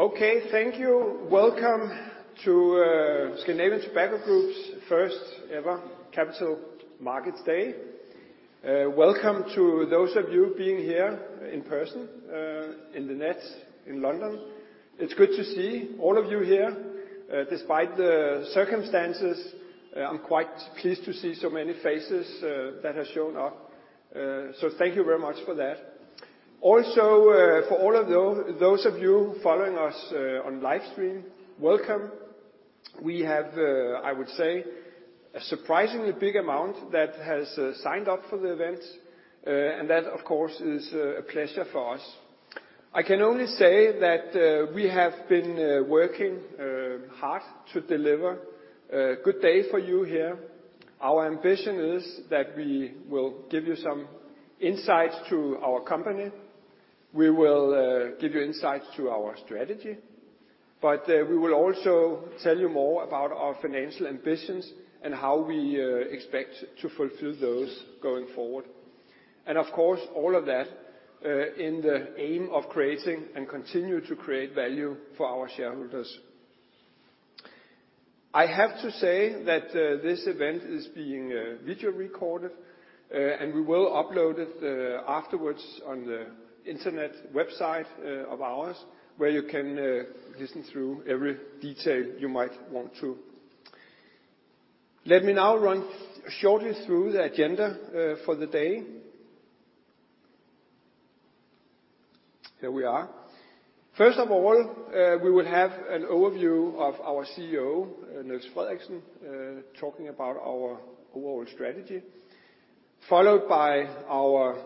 Okay, thank you. Welcome to Scandinavian Tobacco Group's first ever Capital Markets Day. Welcome to those of you being here in person in The Ned in London. It's good to see all of you here despite the circumstances. I'm quite pleased to see so many faces that have shown up, so thank you very much for that. Also, for all of those of you following us on live stream, welcome. We have, I would say, a surprisingly big amount that has signed up for the event, and that, of course, is a pleasure for us. I can only say that we have been working hard to deliver a good day for you here. Our ambition is that we will give you some insights to our company. We will give you insights to our strategy, but we will also tell you more about our financial ambitions and how we expect to fulfill those going forward. Of course, all of that in the aim of creating and continue to create value for our shareholders. I have to say that this event is being video recorded and we will upload it afterwards on the internet website of ours, where you can listen through every detail you might want to. Let me now run shortly through the agenda for the day. Here we are. First of all, we will have an overview of our CEO, Niels Frederiksen, talking about our overall strategy, followed by our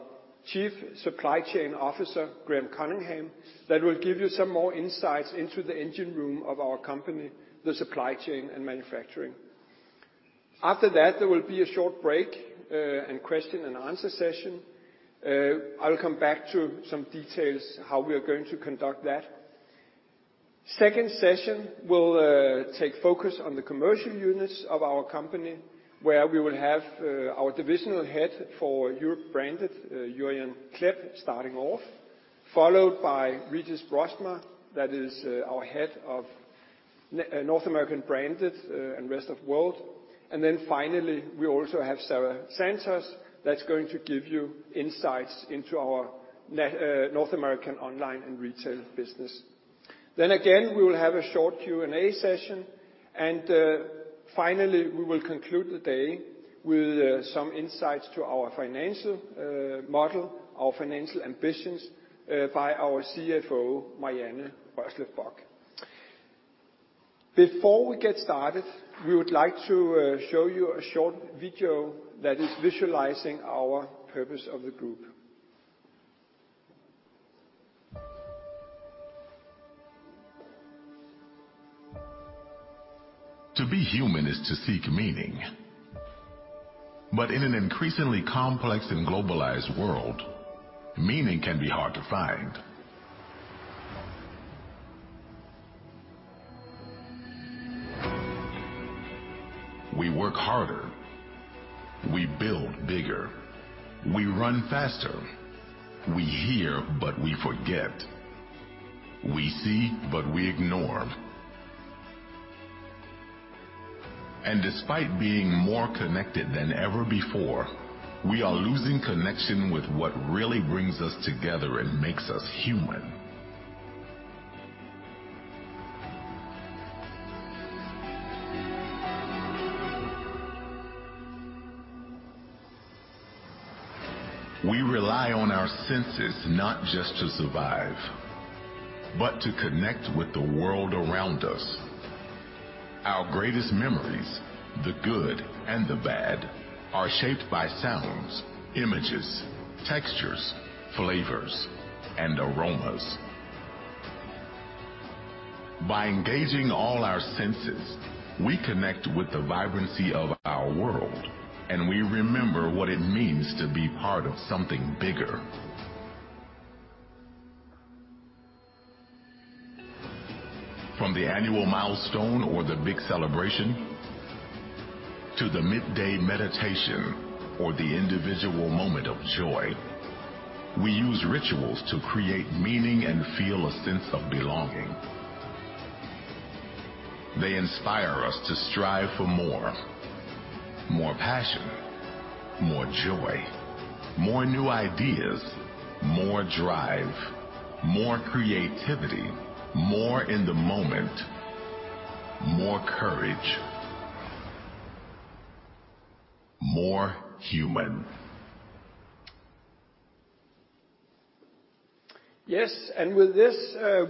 Chief Supply Chain Officer, Graham Cunningham, that will give you some more insights into the engine room of our company, the supply chain and manufacturing. After that, there will be a short break, and question and answer session. I will come back to some details how we are going to conduct that. Second session will take focus on the commercial units of our company, where we will have our Divisional Head for Europe Branded, Jurjan Klep, starting off, followed by Régis Broersma, that is our Head of North American Branded and Rest of World. Finally, we also have Sarah Santos, that's going to give you insights into our North American online and retail business. We will have a short Q&A session, and finally, we will conclude the day with some insights to our financial model, our financial ambitions, by our CFO, Marianne Røslev-Falk. Before we get started, we would like to show you a short video that is visualizing our purpose of the group. To be human is to seek meaning. In an increasingly complex and globalized world, meaning can be hard to find. We work harder. We build bigger. We run faster. We hear, but we forget. We see, but we ignore. Despite being more connected than ever before, we are losing connection with what really brings us together and makes us human. We rely on our senses not just to survive, but to connect with the world around us. Our greatest memories, the good and the bad, are shaped by sounds, images, textures, flavors, and aromas. By engaging all our senses, we connect with the vibrancy of our world, and we remember what it means to be part of something bigger. From the annual milestone or the big celebration, to the midday meditation or the individual moment of joy, we use rituals to create meaning and feel a sense of belonging. They inspire us to strive for more. More passion, more joy, more new ideas, more drive, more creativity, more in the moment, more courage. More human. Yes, with this,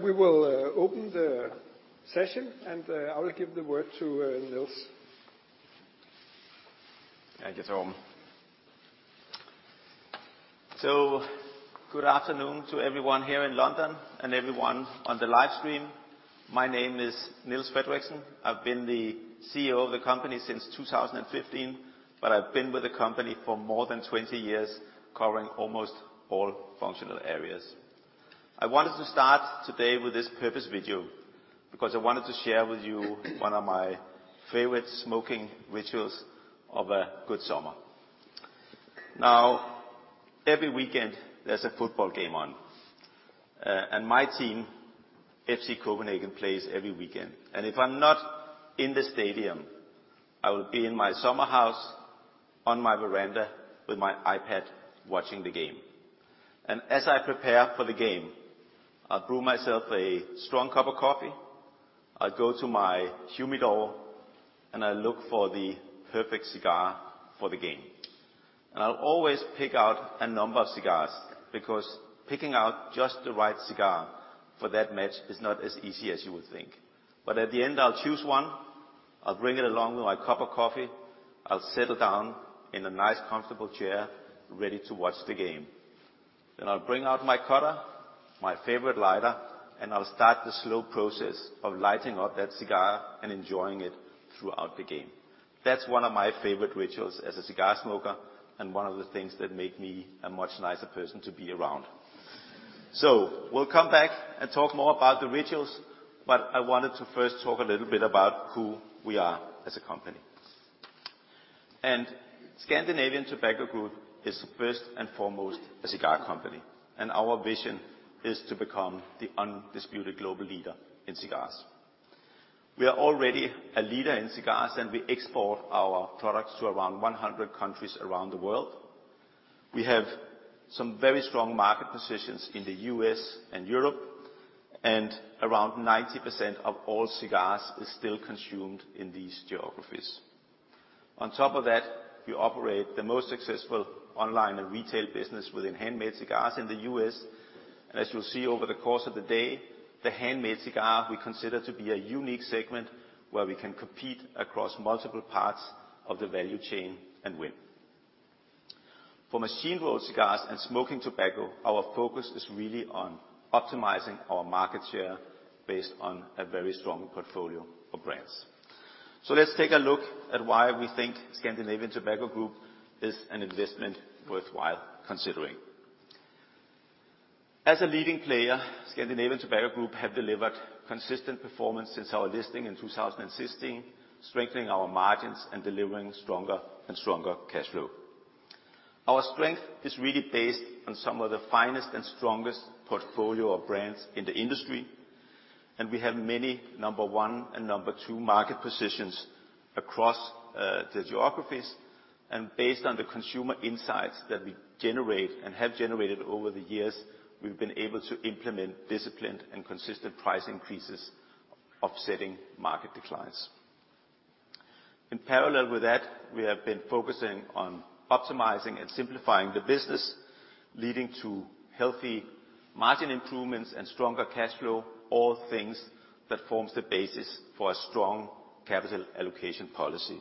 we will open the session, and I will give the word to Niels. Thank you, Torben. Good afternoon to everyone here in London and everyone on the live stream. My name is Niels Frederiksen. I've been the CEO of the company since 2015, but I've been with the company for more than 20 years, covering almost all functional areas. I wanted to start today with this purpose video because I wanted to share with you one of my favorite smoking rituals of a good summer. Now every weekend there's a football game on, and my team, F.C. Copenhagen, plays every weekend. If I'm not in the stadium, I will be in my summer house on my veranda with my iPad watching the game. As I prepare for the game, I brew myself a strong cup of coffee, I go to my humidor, and I look for the perfect cigar for the game. I'll always pick out a number of cigars, because picking out just the right cigar for that match is not as easy as you would think. At the end, I'll choose one, I'll bring it along with my cup of coffee, I'll settle down in a nice comfortable chair ready to watch the game. I'll bring out my cutter, my favorite lighter, and I'll start the slow process of lighting up that cigar and enjoying it throughout the game. That's one of my favorite rituals as a cigar smoker, and one of the things that make me a much nicer person to be around. We'll come back and talk more about the rituals, but I wanted to first talk a little bit about who we are as a company. Scandinavian Tobacco Group is first and foremost a cigar company, and our vision is to become the undisputed global leader in cigars. We are already a leader in cigars, and we export our products to around 100 countries around the world. We have some very strong market positions in the U.S. and Europe, and around 90% of all cigars is still consumed in these geographies. On top of that, we operate the most successful online and retail business within handmade cigars in the U.S. As you'll see over the course of the day, the handmade cigar we consider to be a unique segment where we can compete across multiple parts of the value chain and win. For machine-rolled cigars and smoking tobacco, our focus is really on optimizing our market share based on a very strong portfolio of brands. Let's take a look at why we think Scandinavian Tobacco Group is an investment worthwhile considering. As a leading player, Scandinavian Tobacco Group have delivered consistent performance since our listing in 2016, strengthening our margins and delivering stronger and stronger cash flow. Our strength is really based on some of the finest and strongest portfolio of brands in the industry, and we have many number one and number two market positions across the geographies. Based on the consumer insights that we generate and have generated over the years, we've been able to implement disciplined and consistent price increases offsetting market declines. In parallel with that, we have been focusing on optimizing and simplifying the business, leading to healthy margin improvements and stronger cash flow, all things that forms the basis for a strong capital allocation policy.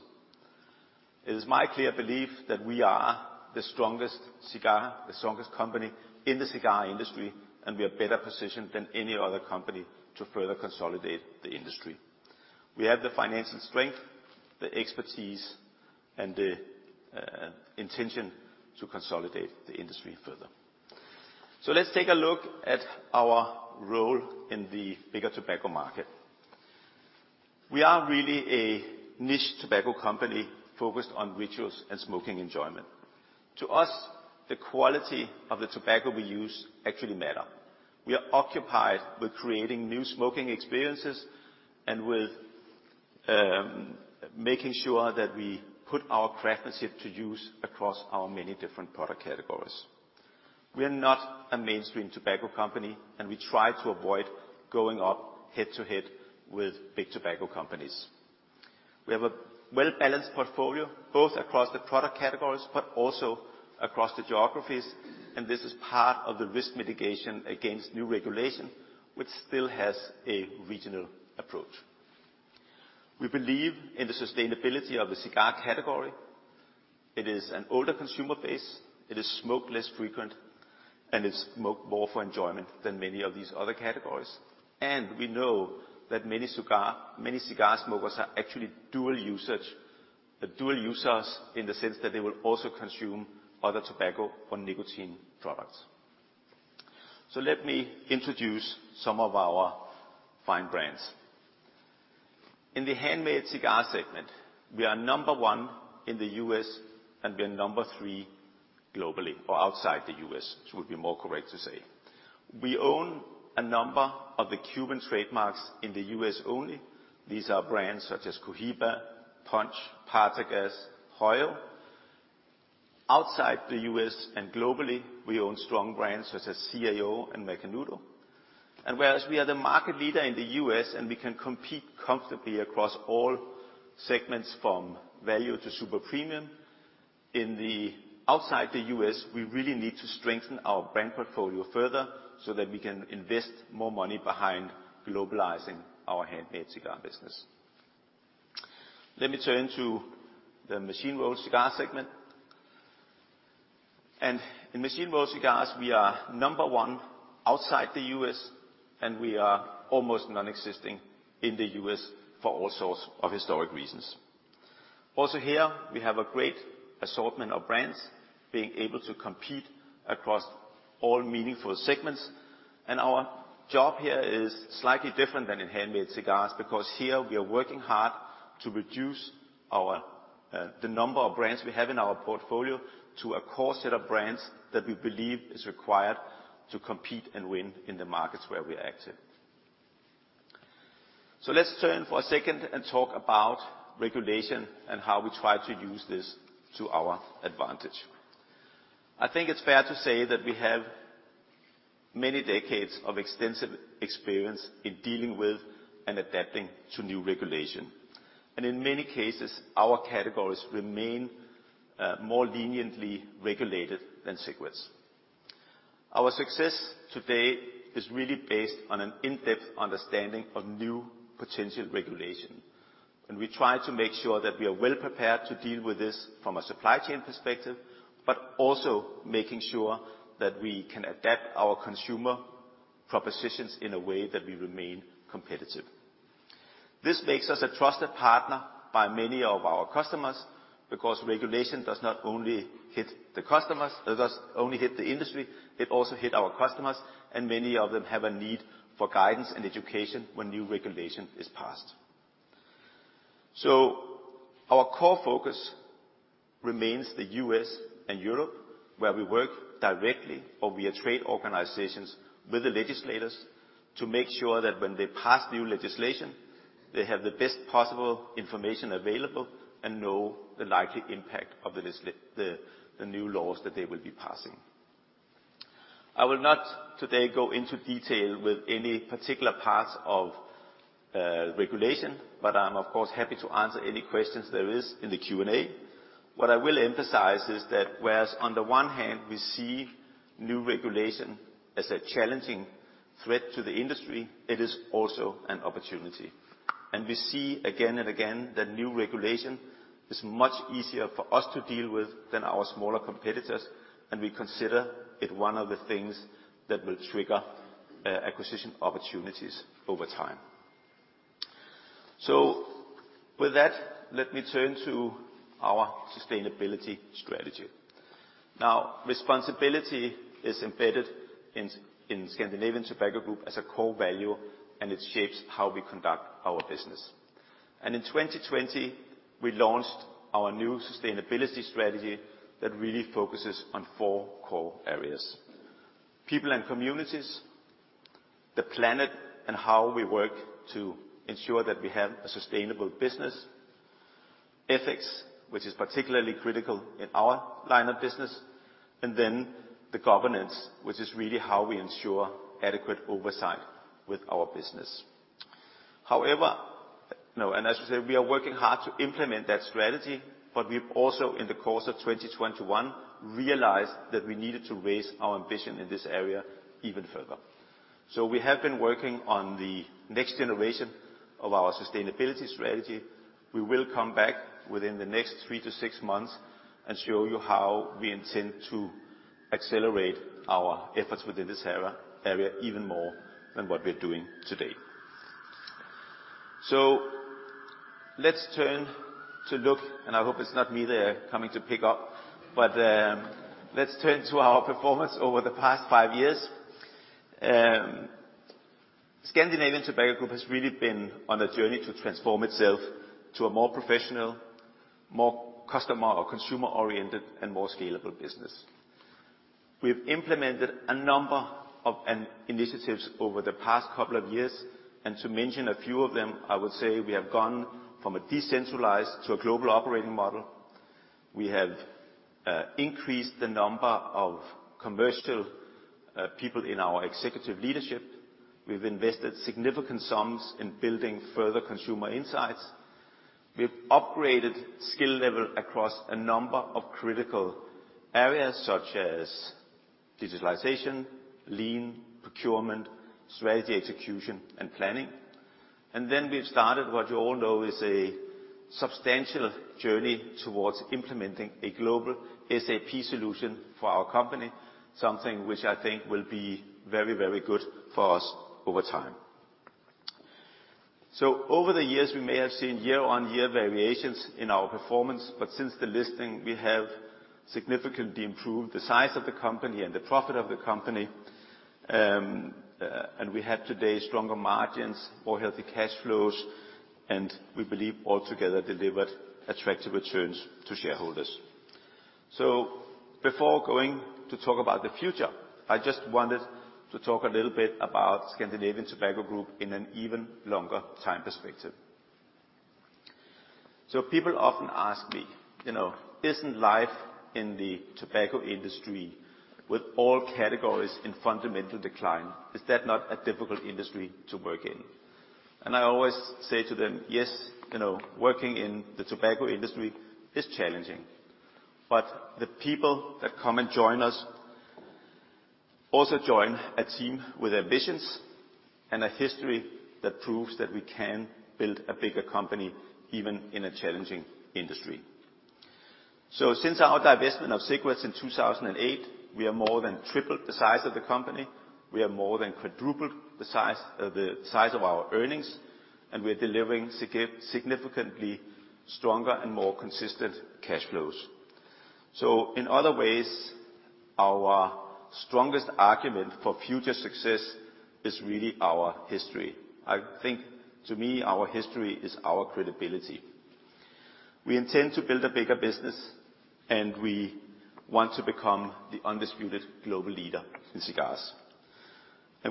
It is my clear belief that we are the strongest cigar, the strongest company in the cigar industry, and we are better positioned than any other company to further consolidate the industry. We have the financial strength, the expertise, and the intention to consolidate the industry further. Let's take a look at our role in the bigger tobacco market. We are really a niche tobacco company focused on rituals and smoking enjoyment. To us, the quality of the tobacco we use actually matter. We are occupied with creating new smoking experiences and with making sure that we put our craftsmanship to use across our many different product categories. We're not a mainstream tobacco company, and we try to avoid going up head-to-head with big tobacco companies. We have a well-balanced portfolio, both across the product categories, but also across the geographies, and this is part of the risk mitigation against new regulation, which still has a regional approach. We believe in the sustainability of the cigar category. It is an older consumer base, it is smoked less frequently, and it's smoked more for enjoyment than many of these other categories. We know that many cigar smokers are actually dual usage, dual users in the sense that they will also consume other tobacco or nicotine products. Let me introduce some of our fine brands. In the handmade cigar segment, we are number 1 in the U.S., and we are number three globally or outside the U.S., it would be more correct to say. We own a number of the Cuban trademarks in the U.S. only. These are brands such as Cohiba, Punch, Partagás, Hoyo. Outside the U.S. and globally, we own strong brands such as CAO and Macanudo. Whereas we are the market leader in the U.S. and we can compete comfortably across all segments from value to super premium, outside the U.S., we really need to strengthen our brand portfolio further so that we can invest more money behind globalizing our handmade cigar business. Let me turn to the machine-rolled cigar segment. In machine-rolled cigars, we are number one outside the U.S., and we are almost nonexistent in the U.S. for all sorts of historical reasons. Also here, we have a great assortment of brands being able to compete across all meaningful segments. Our job here is slightly different than in handmade cigars because here we are working hard to reduce our the number of brands we have in our portfolio to a core set of brands that we believe is required to compete and win in the markets where we are active. Let's turn for a second and talk about regulation and how we try to use this to our advantage. I think it's fair to say that we have many decades of extensive experience in dealing with and adapting to new regulation. In many cases, our categories remain more leniently regulated than cigarettes. Our success today is really based on an in-depth understanding of new potential regulation, and we try to make sure that we are well prepared to deal with this from a supply chain perspective, but also making sure that we can adapt our consumer propositions in a way that we remain competitive. This makes us a trusted partner to many of our customers because it does not only hit the industry, it also hits our customers, and many of them have a need for guidance and education when new regulation is passed. Our core focus remains the U.S. and Europe, where we work directly or via trade organizations with the legislators to make sure that when they pass new legislation, they have the best possible information available and know the likely impact of the new laws that they will be passing. I will not today go into detail with any particular parts of regulation, but I'm of course happy to answer any questions there is in the Q&A. What I will emphasize is that whereas on the one hand, we see new regulation as a challenging threat to the industry, it is also an opportunity. We see again and again that new regulation is much easier for us to deal with than our smaller competitors, and we consider it one of the things that will trigger acquisition opportunities over time. With that, let me turn to our sustainability strategy. Now, responsibility is embedded in Scandinavian Tobacco Group as a core value, and it shapes how we conduct our business. In 2020, we launched our new sustainability strategy that really focuses on four core areas, people and communities, the planet and how we work to ensure that we have a sustainable business, ethics, which is particularly critical in our line of business, and then the governance, which is really how we ensure adequate oversight with our business. However, as we said, we are working hard to implement that strategy, but we've also, in the course of 2021, realized that we needed to raise our ambition in this area even further. We have been working on the next generation of our sustainability strategy. We will come back within the next 3-6 months and show you how we intend to accelerate our efforts within this area even more than what we're doing today. Let's turn to look, and I hope it's not me they're coming to pick up, but, let's turn to our performance over the past five years. Scandinavian Tobacco Group has really been on a journey to transform itself to a more professional, more customer- or consumer-oriented, and more scalable business. We've implemented a number of initiatives over the past couple of years, and to mention a few of them, I would say we have gone from a decentralized to a global operating model. We have increased the number of commercial people in our executive leadership. We've invested significant sums in building further consumer insights. We've upgraded skill level across a number of critical areas such as digitalization, Lean procurement, strategy execution, and planning. We've started what you all know is a substantial journey towards implementing a global SAP solution for our company, something which I think will be very, very good for us over time. Over the years, we may have seen year-on-year variations in our performance, but since the listing, we have significantly improved the size of the company and the profit of the company. We have today stronger margins, more healthy cash flows, and we believe altogether delivered attractive returns to shareholders. Before going to talk about the future, I just wanted to talk a little bit about Scandinavian Tobacco Group in an even longer time perspective. People often ask me, "You know, isn't life in the tobacco industry with all categories in fundamental decline? Is that not a difficult industry to work in?" I always say to them, "Yes, you know, working in the tobacco industry is challenging, but the people that come and join us also join a team with ambitions and a history that proves that we can build a bigger company, even in a challenging industry." Since our divestment of cigarettes in 2008, we have more than tripled the size of the company. We have more than quadrupled the size of our earnings, and we're delivering significantly stronger and more consistent cash flows. In other ways, our strongest argument for future success is really our history. I think to me, our history is our credibility. We intend to build a bigger business, and we want to become the undisputed global leader in cigars.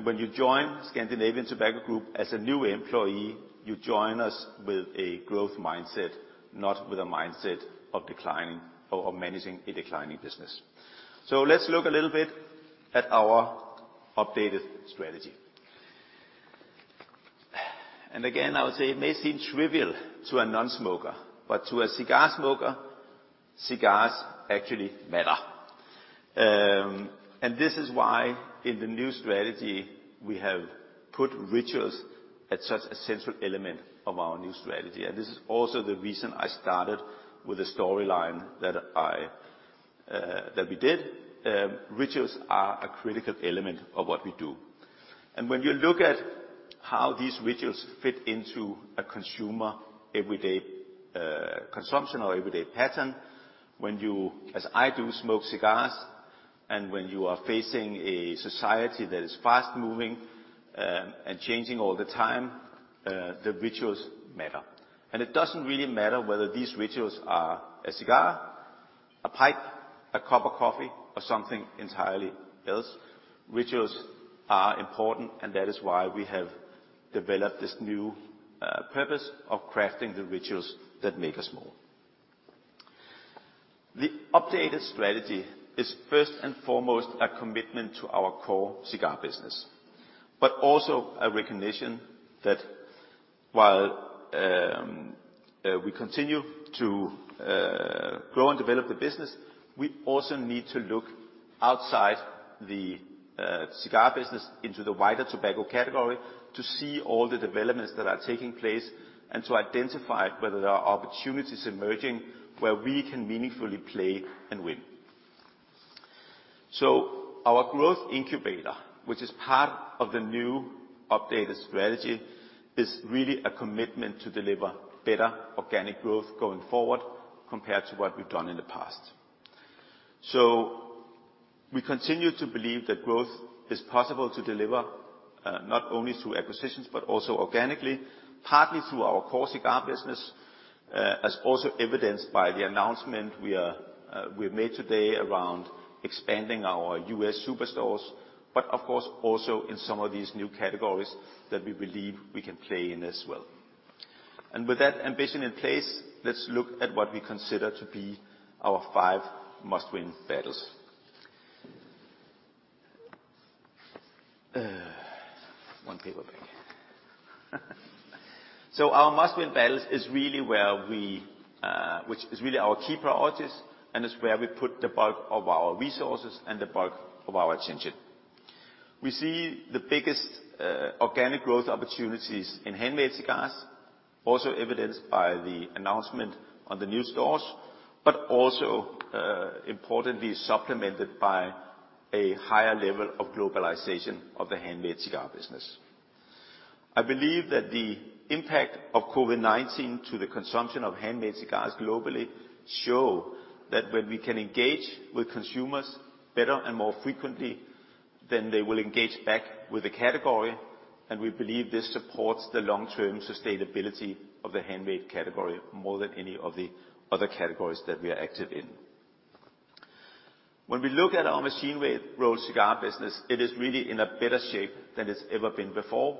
When you join Scandinavian Tobacco Group as a new employee, you join us with a growth mindset, not with a mindset of declining or managing a declining business. Let's look a little bit at our updated strategy. Again, I would say it may seem trivial to a non-smoker, but to a cigar smoker, cigars actually matter. This is why, in the new strategy, we have put rituals at such a central element of our new strategy, and this is also the reason I started with the storyline that we did. Rituals are a critical element of what we do. When you look at how these rituals fit into a consumer's everyday consumption or everyday pattern, when you, as I do, smoke cigars, and when you are facing a society that is fast-moving and changing all the time, the rituals matter. It doesn't really matter whether these rituals are a cigar, a pipe, a cup of coffee, or something entirely else. Rituals are important, and that is why we have developed this new purpose of crafting the rituals that make us more. The updated strategy is first and foremost a commitment to our core cigar business, but also a recognition that while we continue to grow and develop the business, we also need to look outside the cigar business into the wider tobacco category to see all the developments that are taking place and to identify whether there are opportunities emerging where we can meaningfully play and win. Our growth incubator, which is part of the new updated strategy, is really a commitment to deliver better organic growth going forward compared to what we've done in the past. We continue to believe that growth is possible to deliver not only through acquisitions, but also organically, partly through our core cigar business, as also evidenced by the announcement we made today around expanding our U.S. superstores, but of course also in some of these new categories that we believe we can play in as well. With that ambition in place, let's look at what we consider to be our five must-win battles. One paper back. Our must-win battles is really where we, which is really our key priorities and is where we put the bulk of our resources and the bulk of our attention. We see the biggest, organic growth opportunities in handmade cigars, also evidenced by the announcement on the new stores, but also, importantly supplemented by a higher level of globalization of the handmade cigar business. I believe that the impact of COVID-19 to the consumption of handmade cigars globally show that when we can engage with consumers better and more frequently, then they will engage back with the category, and we believe this supports the long-term sustainability of the handmade category more than any of the other categories that we are active in. When we look at our machine-made rolled cigar business, it is really in a better shape than it's ever been before.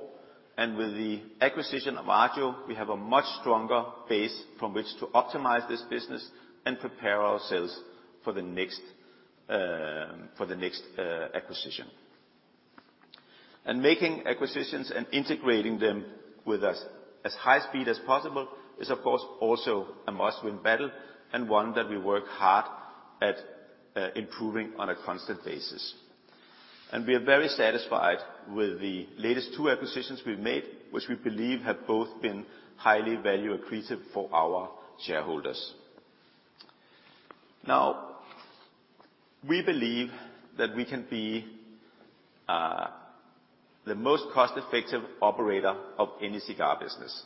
With the acquisition of Agio, we have a much stronger base from which to optimize this business and prepare ourselves for the next acquisition. Making acquisitions and integrating them with as high speed as possible is, of course, also a must-win battle and one that we work hard at improving on a constant basis. We are very satisfied with the latest two acquisitions we've made, which we believe have both been highly value accretive for our shareholders. Now, we believe that we can be the most cost-effective operator of any cigar business,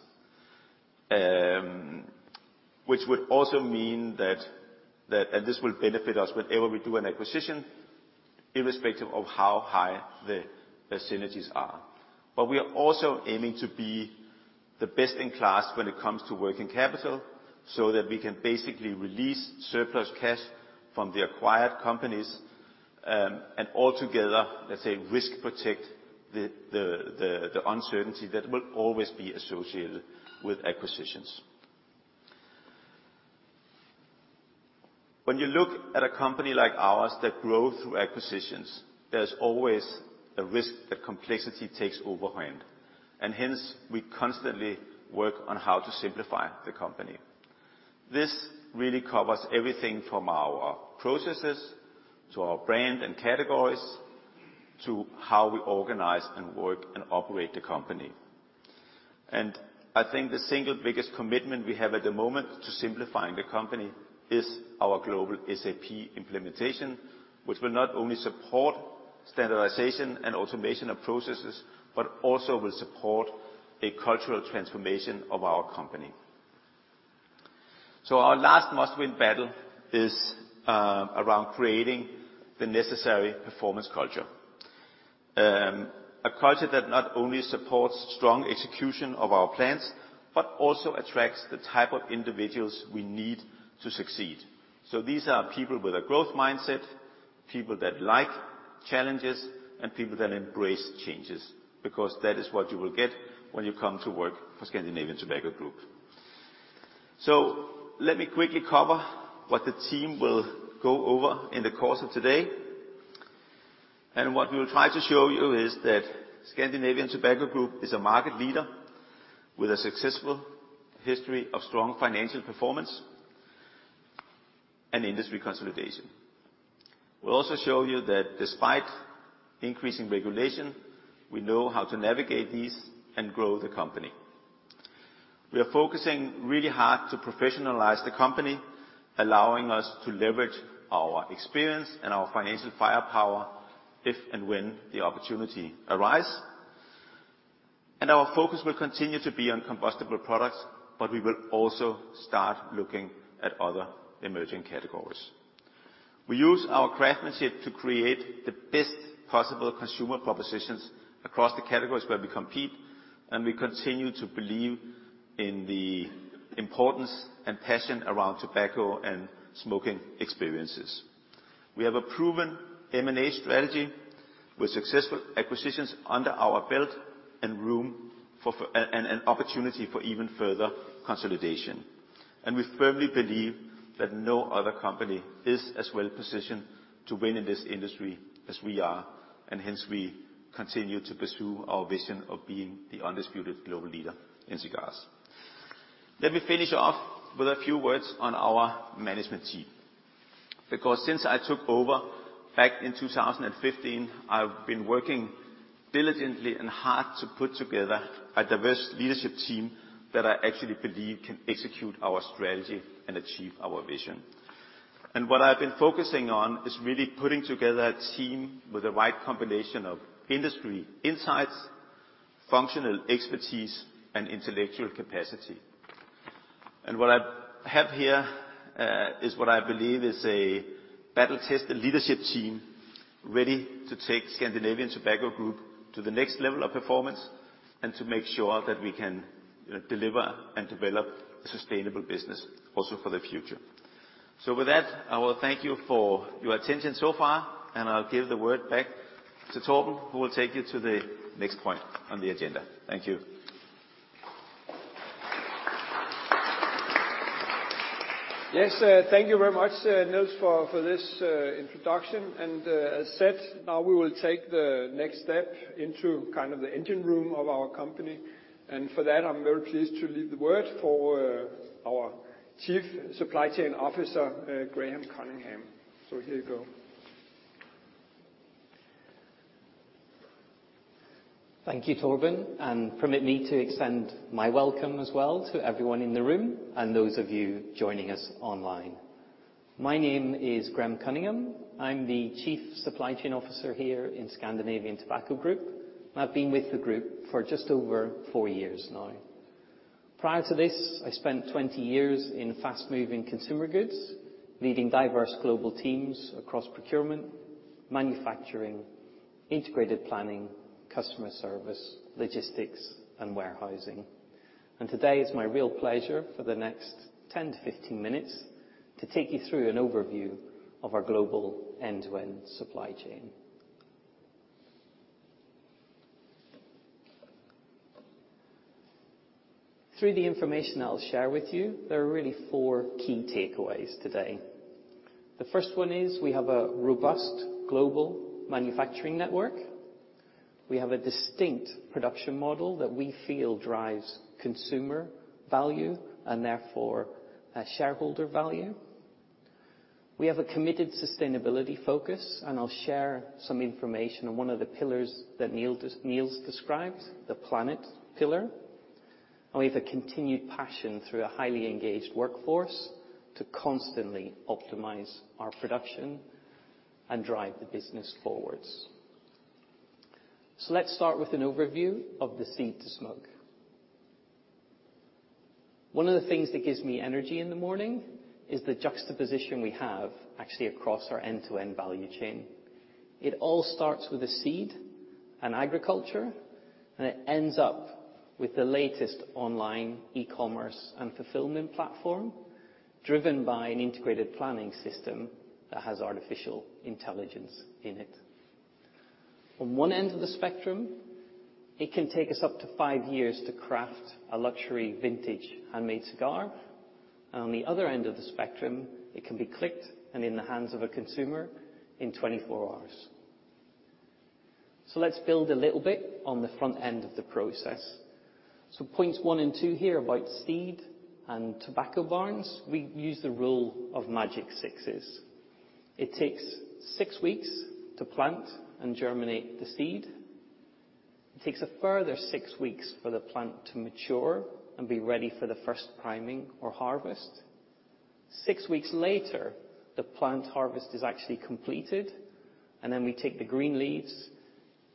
which would also mean that this will benefit us whenever we do an acquisition, irrespective of how high the synergies are. We are also aiming to be the best in class when it comes to working capital, so that we can basically release surplus cash from the acquired companies, and altogether, let's say, risk protect the uncertainty that will always be associated with acquisitions. When you look at a company like ours that grow through acquisitions, there's always a risk that complexity takes the upper hand, and hence we constantly work on how to simplify the company. This really covers everything from our processes to our brand and categories to how we organize and work and operate the company. I think the single biggest commitment we have at the moment to simplifying the company is our global SAP implementation, which will not only support standardization and automation of processes, but also will support a cultural transformation of our company. Our last must-win battle is around creating the necessary performance culture. A culture that not only supports strong execution of our plans, but also attracts the type of individuals we need to succeed. These are people with a growth mindset, people that like challenges, and people that embrace changes, because that is what you will get when you come to work for Scandinavian Tobacco Group. Let me quickly cover what the team will go over in the course of today. What we will try to show you is that Scandinavian Tobacco Group is a market leader with a successful history of strong financial performance and industry consolidation. We'll also show you that despite increasing regulation, we know how to navigate these and grow the company. We are focusing really hard to professionalize the company, allowing us to leverage our experience and our financial firepower if and when the opportunity arise. Our focus will continue to be on combustible products, but we will also start looking at other emerging categories. We use our craftsmanship to create the best possible consumer propositions across the categories where we compete, and we continue to believe in the importance and passion around tobacco and smoking experiences. We have a proven M&A strategy with successful acquisitions under our belt and room for and an opportunity for even further consolidation. We firmly believe that no other company is as well positioned to win in this industry as we are, and hence we continue to pursue our vision of being the undisputed global leader in cigars. Let me finish off with a few words on our management team. Because since I took over back in 2015, I've been working diligently and hard to put together a diverse leadership team that I actually believe can execute our strategy and achieve our vision. What I've been focusing on is really putting together a team with the right combination of industry insights, functional expertise, and intellectual capacity. What I have here is what I believe is a battle-tested leadership team ready to take Scandinavian Tobacco Group to the next level of performance and to make sure that we can deliver and develop a sustainable business also for the future. With that, I will thank you for your attention so far, and I'll give the word back to Torben, who will take you to the next point on the agenda. Thank you. Yes, thank you very much, Niels, for this introduction. As said, now we will take the next step into kind of the engine room of our company. For that, I'm very pleased to leave the word for our Chief Supply Chain Officer, Graham Cunningham. Here you go. Thank you, Torben, and permit me to extend my welcome as well to everyone in the room and those of you joining us online. My name is Graham Cunningham. I'm the Chief Supply Chain Officer here in Scandinavian Tobacco Group. I've been with the group for just over four years now. Prior to this, I spent 20 years in fast-moving consumer goods, leading diverse global teams across procurement, manufacturing, integrated planning, customer service, logistics, and warehousing. Today it's my real pleasure for the next 10 to 15 minutes to take you through an overview of our global end-to-end supply chain. Through the information I'll share with you, there are really four key takeaways today. The first one is we have a robust global manufacturing network. We have a distinct production model that we feel drives consumer value, and therefore, shareholder value. We have a committed sustainability focus, and I'll share some information on one of the pillars that Niels described, the planet pillar. We have a continued passion through a highly engaged workforce to constantly optimize our production and drive the business forwards. Let's start with an overview of the seed to smoke. One of the things that gives me energy in the morning is the juxtaposition we have actually across our end-to-end value chain. It all starts with a seed and agriculture, and it ends up with the latest online e-commerce and fulfillment platform driven by an integrated planning system that has artificial intelligence in it. On one end of the spectrum, it can take us up to five years to craft a luxury vintage handmade cigar. On the other end of the spectrum, it can be clicked and in the hands of a consumer in 24 hours. Let's build a little bit on the front end of the process. Points one and two here about seed and tobacco barns, we use the rule of magic sixes. It takes six weeks to plant and germinate the seed. It takes a further six weeks for the plant to mature and be ready for the first priming or harvest. Six weeks later, the plant harvest is actually completed, and then we take the green leaves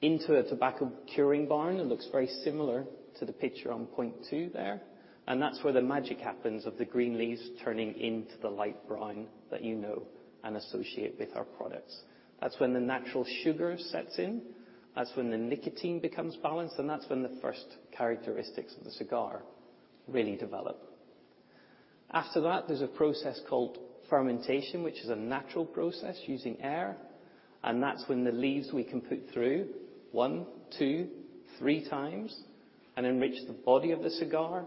into a tobacco curing barn. It looks very similar to the picture on point two there, and that's where the magic happens of the green leaves turning into the light brown that you know and associate with our products. That's when the natural sugar sets in, that's when the nicotine becomes balanced, and that's when the first characteristics of the cigar really develop. After that, there's a process called fermentation, which is a natural process using air, and that's when the leaves we can put through one, two, three times and enrich the body of the cigar.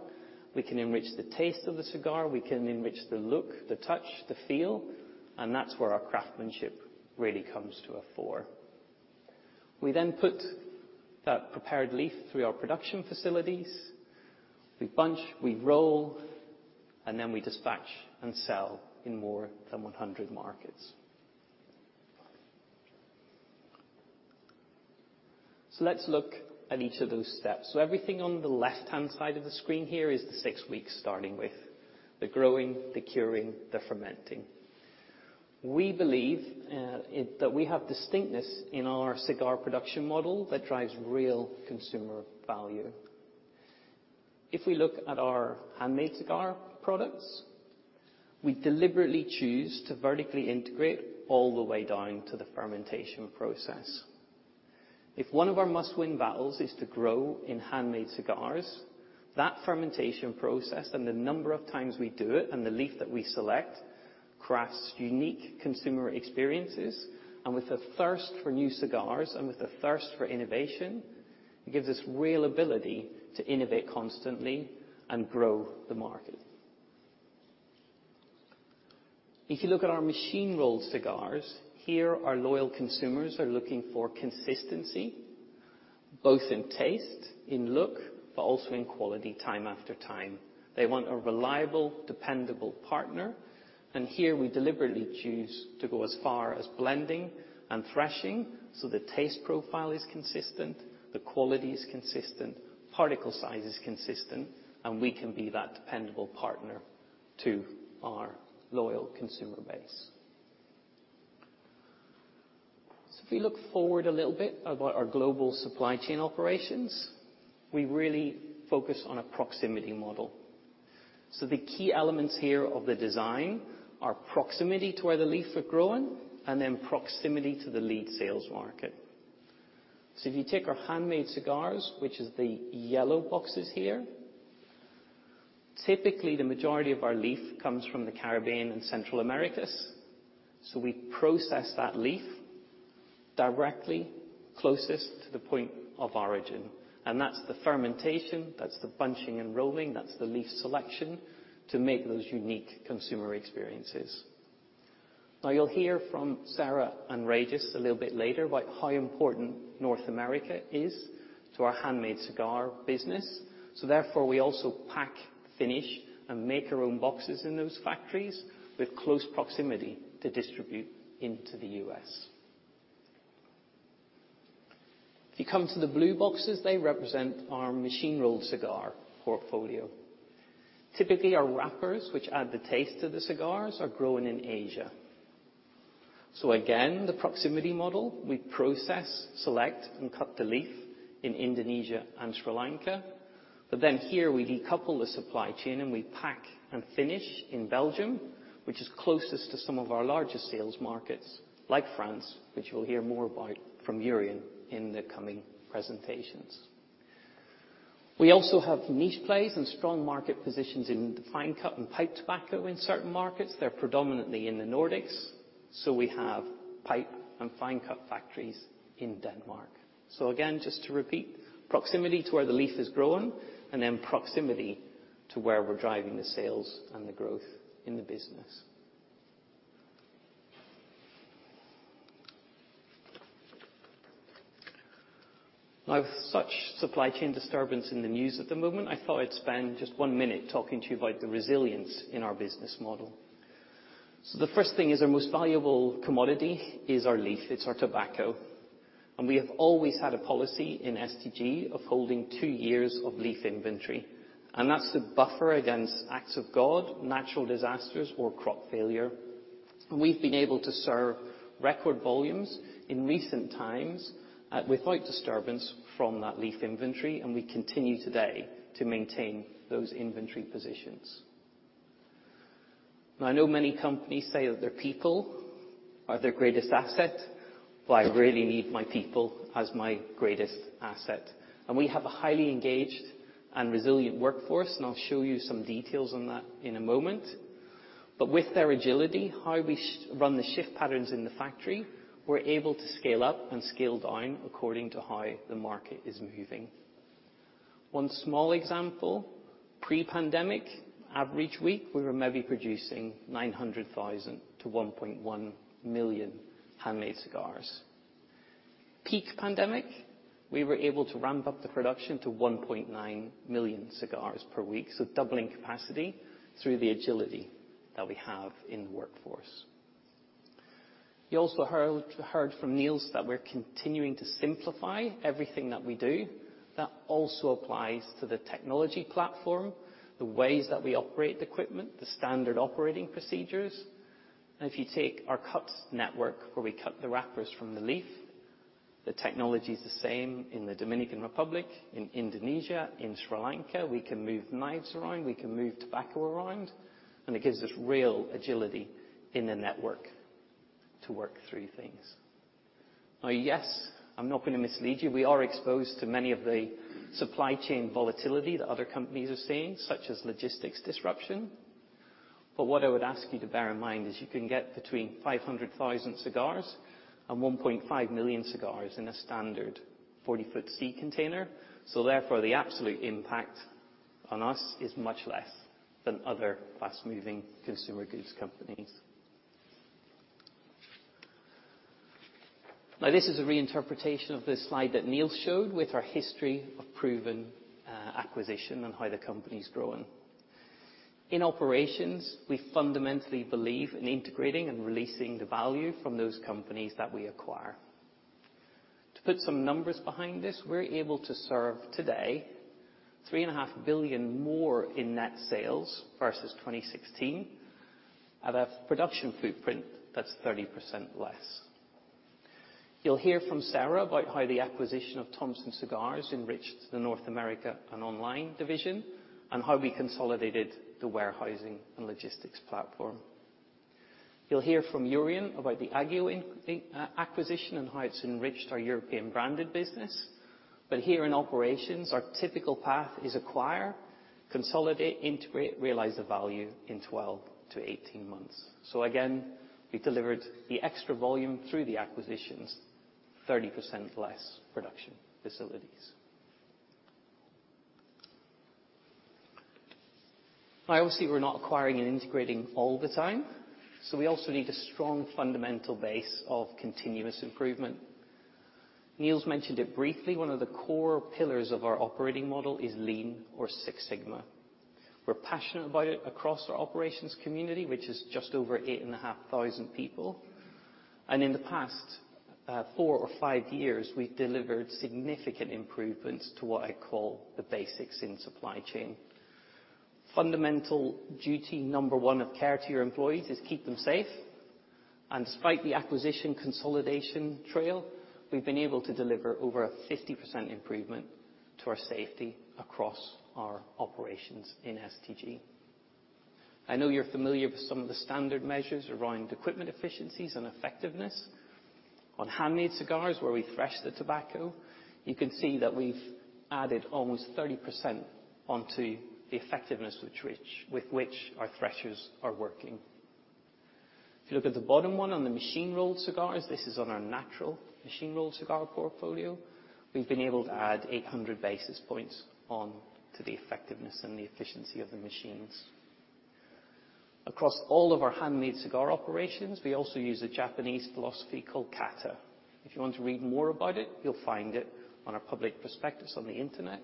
We can enrich the taste of the cigar, we can enrich the look, the touch, the feel, and that's where our craftsmanship really comes to the fore. We then put that prepared leaf through our production facilities. We bunch, we roll, and then we dispatch and sell in more than 100 markets. Let's look at each of those steps. Everything on the left-hand side of the screen here is the six weeks, starting with the growing, the curing, the fermenting. We believe that we have distinctness in our cigar production model that drives real consumer value. If we look at our handmade cigar products, we deliberately choose to vertically integrate all the way down to the fermentation process. If one of our must-win battles is to grow in handmade cigars, that fermentation process and the number of times we do it and the leaf that we select crafts unique consumer experiences. With the thirst for new cigars and with the thirst for innovation, it gives us real ability to innovate constantly and grow the market. If you look at our machine-rolled cigars, here our loyal consumers are looking for consistency, both in taste, in look, but also in quality time after time. They want a reliable, dependable partner, and here we deliberately choose to go as far as blending and threshing so the taste profile is consistent, the quality is consistent, particle size is consistent, and we can be that dependable partner to our loyal consumer base. If we look forward a little bit about our global supply chain operations, we really focus on a proximity model. The key elements here of the design are proximity to where the leaves are growing and then proximity to the lead sales market. If you take our handmade cigars, which is the yellow boxes here, typically the majority of our leaves come from the Caribbean and Central America. We process that leaf directly closest to the point of origin, and that's the fermentation, that's the bunching and rolling, that's the leaf selection to make those unique consumer experiences. Now you'll hear from Sarah and Régis a little bit later about how important North America is to our handmade cigar business. Therefore, we also pack, finish, and make our own boxes in those factories with close proximity to distribute into the U.S. If you come to the blue boxes, they represent our machine-rolled cigar portfolio. Typically, our wrappers, which add the taste to the cigars, are grown in Asia. Again, the proximity model, we process, select, and cut the leaf in Indonesia and Sri Lanka. Then here we decouple the supply chain, and we pack and finish in Belgium, which is closest to some of our largest sales markets, like France, which you'll hear more about from Jurjan in the coming presentations. We also have niche plays and strong market positions in the fine cut and pipe tobacco in certain markets. They're predominantly in the Nordics, so we have pipe and fine cut factories in Denmark. Again, just to repeat, proximity to where the leaf is grown and then proximity to where we're driving the sales and the growth in the business. Now with such supply chain disturbance in the news at the moment, I thought I'd spend just one minute talking to you about the resilience in our business model. The first thing is our most valuable commodity is our leaf. It's our tobacco. We have always had a policy in STG of holding two years of leaf inventory, and that's to buffer against acts of God, natural disasters, or crop failure. We've been able to serve record volumes in recent times without disturbance from that leaf inventory, and we continue today to maintain those inventory positions. Now, I know many companies say that their people are their greatest asset. Well, I really mean my people as my greatest asset. We have a highly engaged and resilient workforce, and I'll show you some details on that in a moment. With their agility, how we run the shift patterns in the factory, we're able to scale up and scale down according to how the market is moving. One small example, pre-pandemic, average week, we were maybe producing 900,000-1.1 million handmade cigars. Peak pandemic, we were able to ramp up the production to 1.9 million cigars per week, so doubling capacity through the agility that we have in the workforce. You also heard from Niels that we're continuing to simplify everything that we do. That also applies to the technology platform, the ways that we operate the equipment, the standard operating procedures. If you take our cuts network, where we cut the wrappers from the leaf, the technology's the same in the Dominican Republic, in Indonesia, in Sri Lanka. We can move knives around, we can move tobacco around, and it gives us real agility in the network to work through things. Now, yes, I'm not gonna mislead you. We are exposed to many of the supply chain volatility that other companies are seeing, such as logistics disruption. What I would ask you to bear in mind is you can get between 500,000 cigars and 1.5 million cigars in a standard 40-foot sea container. The absolute impact on us is much less than other fast-moving consumer goods companies. This is a reinterpretation of the slide that Niels showed with our history of proven acquisition and how the company's grown. In operations, we fundamentally believe in integrating and releasing the value from those companies that we acquire. To put some numbers behind this, we're able to serve today 3.5 billion more in net sales versus 2016, at a production footprint that's 30% less. You'll hear from Sarah about how the acquisition of Thompson Cigar enriched the North America and online division, and how we consolidated the warehousing and logistics platform. You'll hear from Jurjan about the Agio acquisition and how it's enriched our European branded business. Here in operations, our typical path is acquire, consolidate, integrate, realize the value in 12-18 months. We delivered the extra volume through the acquisitions, 30% less production facilities. Now, obviously, we're not acquiring and integrating all the time, so we also need a strong fundamental base of continuous improvement. Niels mentioned it briefly, one of the core pillars of our operating model is Lean or Six Sigma. We're passionate about it across our operations community, which is just over 8,500 people. In the past 4 or 5 years, we've delivered significant improvements to what I call the basics in supply chain. Fundamental duty number one of care to your employees is to keep them safe. Despite the acquisition consolidation trail, we've been able to deliver over a 50% improvement to our safety across our operations in STG. I know you're familiar with some of the standard measures around equipment efficiencies and effectiveness. On handmade cigars, where we thresh the tobacco, you can see that we've added almost 30% onto the effectiveness with which our threshers are working. If you look at the bottom one on the machine-rolled cigars, this is on our natural machine-rolled cigar portfolio, we've been able to add 800 basis points onto the effectiveness and the efficiency of the machines. Across all of our handmade cigar operations, we also use a Japanese philosophy called Kata. If you want to read more about it, you'll find it on our public perspectives on the internet.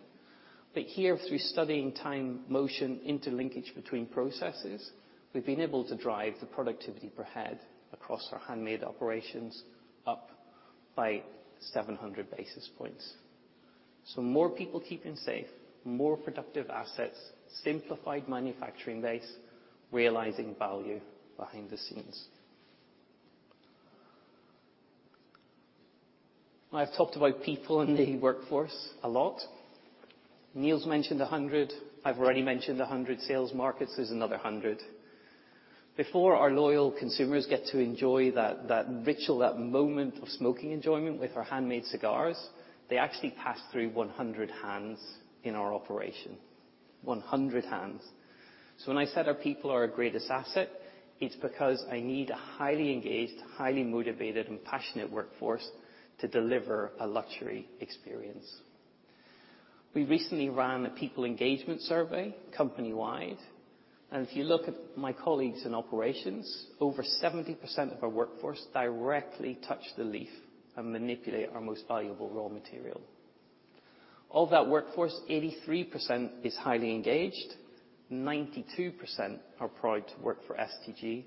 Here, through studying time, motion, interlinkage between processes, we've been able to drive the productivity per head across our handmade operations up by 700 basis points. More people keeping safe, more productive assets, simplified manufacturing base, realizing value behind the scenes. Now, I've talked about people in the workforce a lot. Niels mentioned 100. I've already mentioned 100 sales markets. There's another 100. Before our loyal consumers get to enjoy that ritual, that moment of smoking enjoyment with our handmade cigars, they actually pass through 100 hands in our operation. 100 hands. So when I said our people are our greatest asset, it's because I need a highly engaged, highly motivated, and passionate workforce to deliver a luxury experience. We recently ran a people engagement survey company-wide, and if you look at my colleagues in operations, over 70% of our workforce directly touch the leaf and manipulate our most valuable raw material. Of that workforce, 83% is highly engaged, 92% are proud to work for STG,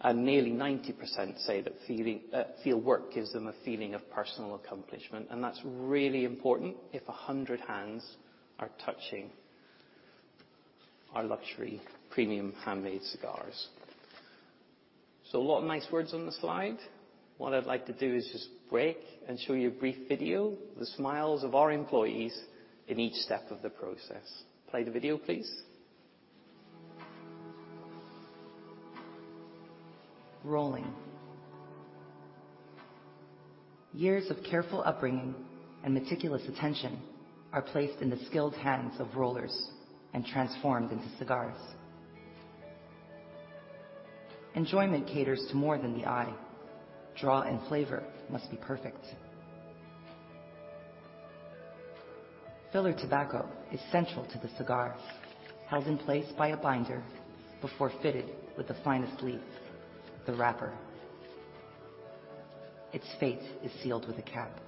and nearly 90% say that work gives them a feeling of personal accomplishment, and that's really important if 100 hands are touching our luxury premium handmade cigars. A lot of nice words on the slide. What I'd like to do is just break and show you a brief video, the smiles of our employees in each step of the process. Play the video, please. Rolling. Years of careful upbringing and meticulous attention are placed in the skilled hands of rollers and transformed into cigars. Enjoyment caters to more than the eye. Draw and flavor must be perfect. Filler tobacco is central to the cigar, held in place by a binder before fitted with the finest leaves, the wrapper. Its fate is sealed with a cap.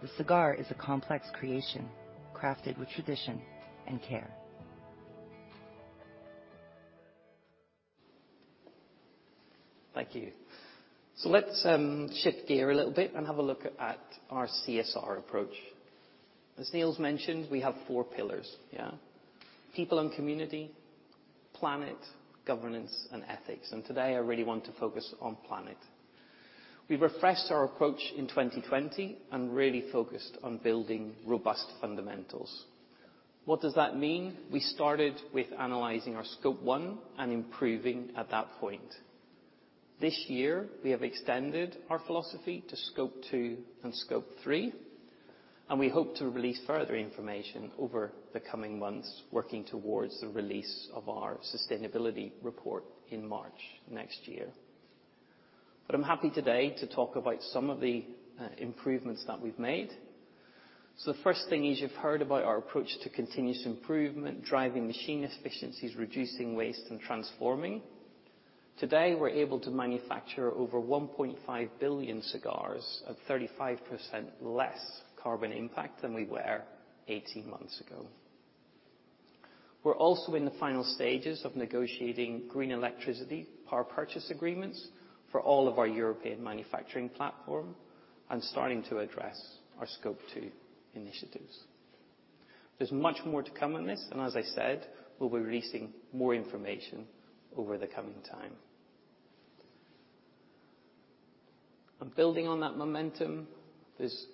The cigar is a complex creation crafted with tradition and care. Thank you. Let's shift gear a little bit and have a look at our CSR approach. As Niels mentioned, we have four pillars, yeah? People and community, planet, governance, and ethics, and today I really want to focus on planet. We refreshed our approach in 2020, and really focused on building robust fundamentals. What does that mean? We started with analyzing our Scope 1 and improving at that point. This year, we have extended our philosophy to Scope 2 and Scope 3, and we hope to release further information over the coming months working towards the release of our sustainability report in March next year. I'm happy today to talk about some of the improvements that we've made. The first thing is you've heard about our approach to continuous improvement, driving machine efficiencies, reducing waste, and transforming. Today, we're able to manufacture over 1.5 billion cigars at 35% less carbon impact than we were 18 months ago. We're also in the final stages of negotiating green electricity power purchase agreements for all of our European manufacturing platform and starting to address our scope 2 initiatives. There's much more to come on this and as I said, we'll be releasing more information over the coming time. Building on that momentum, there's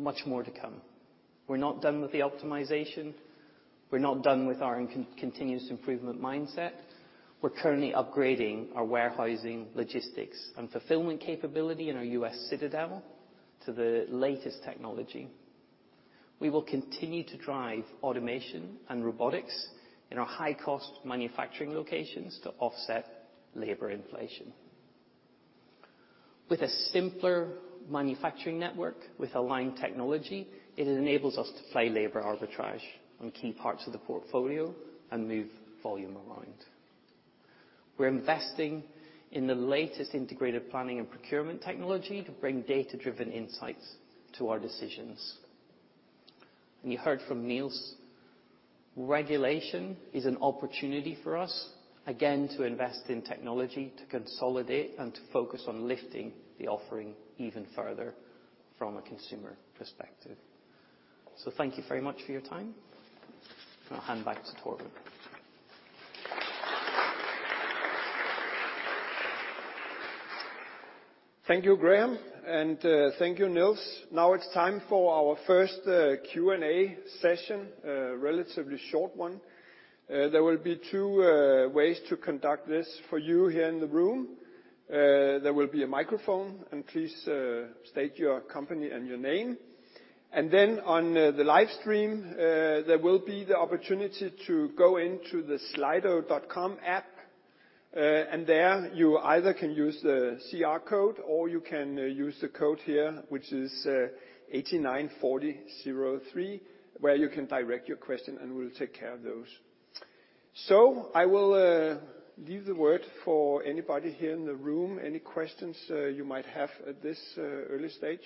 much more to come. We're not done with the optimization. We're not done with our continuous improvement mindset. We're currently upgrading our warehousing, logistics, and fulfillment capability in our U.S. citadel to the latest technology. We will continue to drive automation and robotics in our high-cost manufacturing locations to offset labor inflation. With a simpler manufacturing network with aligned technology, it enables us to play labor arbitrage on key parts of the portfolio and move volume around. We're investing in the latest integrated planning and procurement technology to bring data-driven insights to our decisions. You heard from Niels, regulation is an opportunity for us, again, to invest in technology, to consolidate, and to focus on lifting the offering even further from a consumer perspective. Thank you very much for your time, and I'll hand back to Torben. Thank you, Graham, and thank you, Niels. Now it's time for our first Q&A session, relatively short one. There will be two ways to conduct this for you here in the room. There will be a microphone, and please state your company and your name. Then on the live stream, there will be the opportunity to go into the Slido app, and there you either can use the QR code or you can use the code here which is 89403 where you can direct your question and we'll take care of those. I will leave the floor for anybody here in the room. Any questions you might have at this early stage?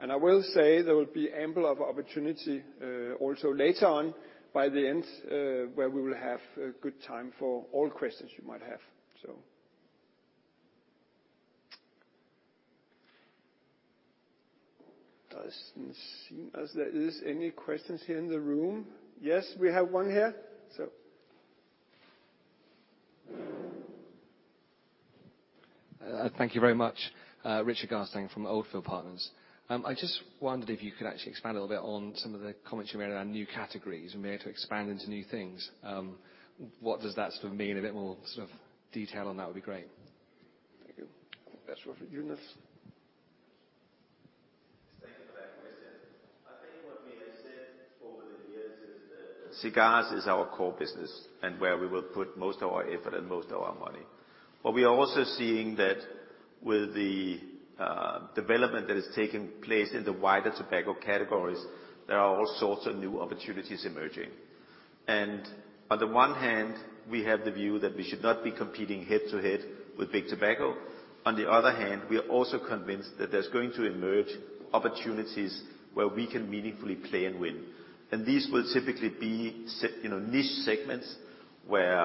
I will say there will be ample of opportunity, also later on by the end, where we will have a good time for all questions you might have. Doesn't seem as there is any questions here in the room. Yes, we have one here. Thank you very much. Richard Garstang from Oldfield Partners. I just wondered if you could actually expand a little bit on some of the comments you made around new categories and be able to expand into new things. What does that sort of mean? A bit more sort of detail on that would be great. Thank you. That's for you, Niels. Thank you for that question. I think what we have said over the years is that cigars is our core business and where we will put most of our effort and most of our money. We are also seeing that with the development that is taking place in the wider tobacco categories, there are all sorts of new opportunities emerging. On the one hand, we have the view that we should not be competing head-to-head with big tobacco. On the other hand, we are also convinced that there's going to emerge opportunities where we can meaningfully play and win. These will typically be you know, niche segments where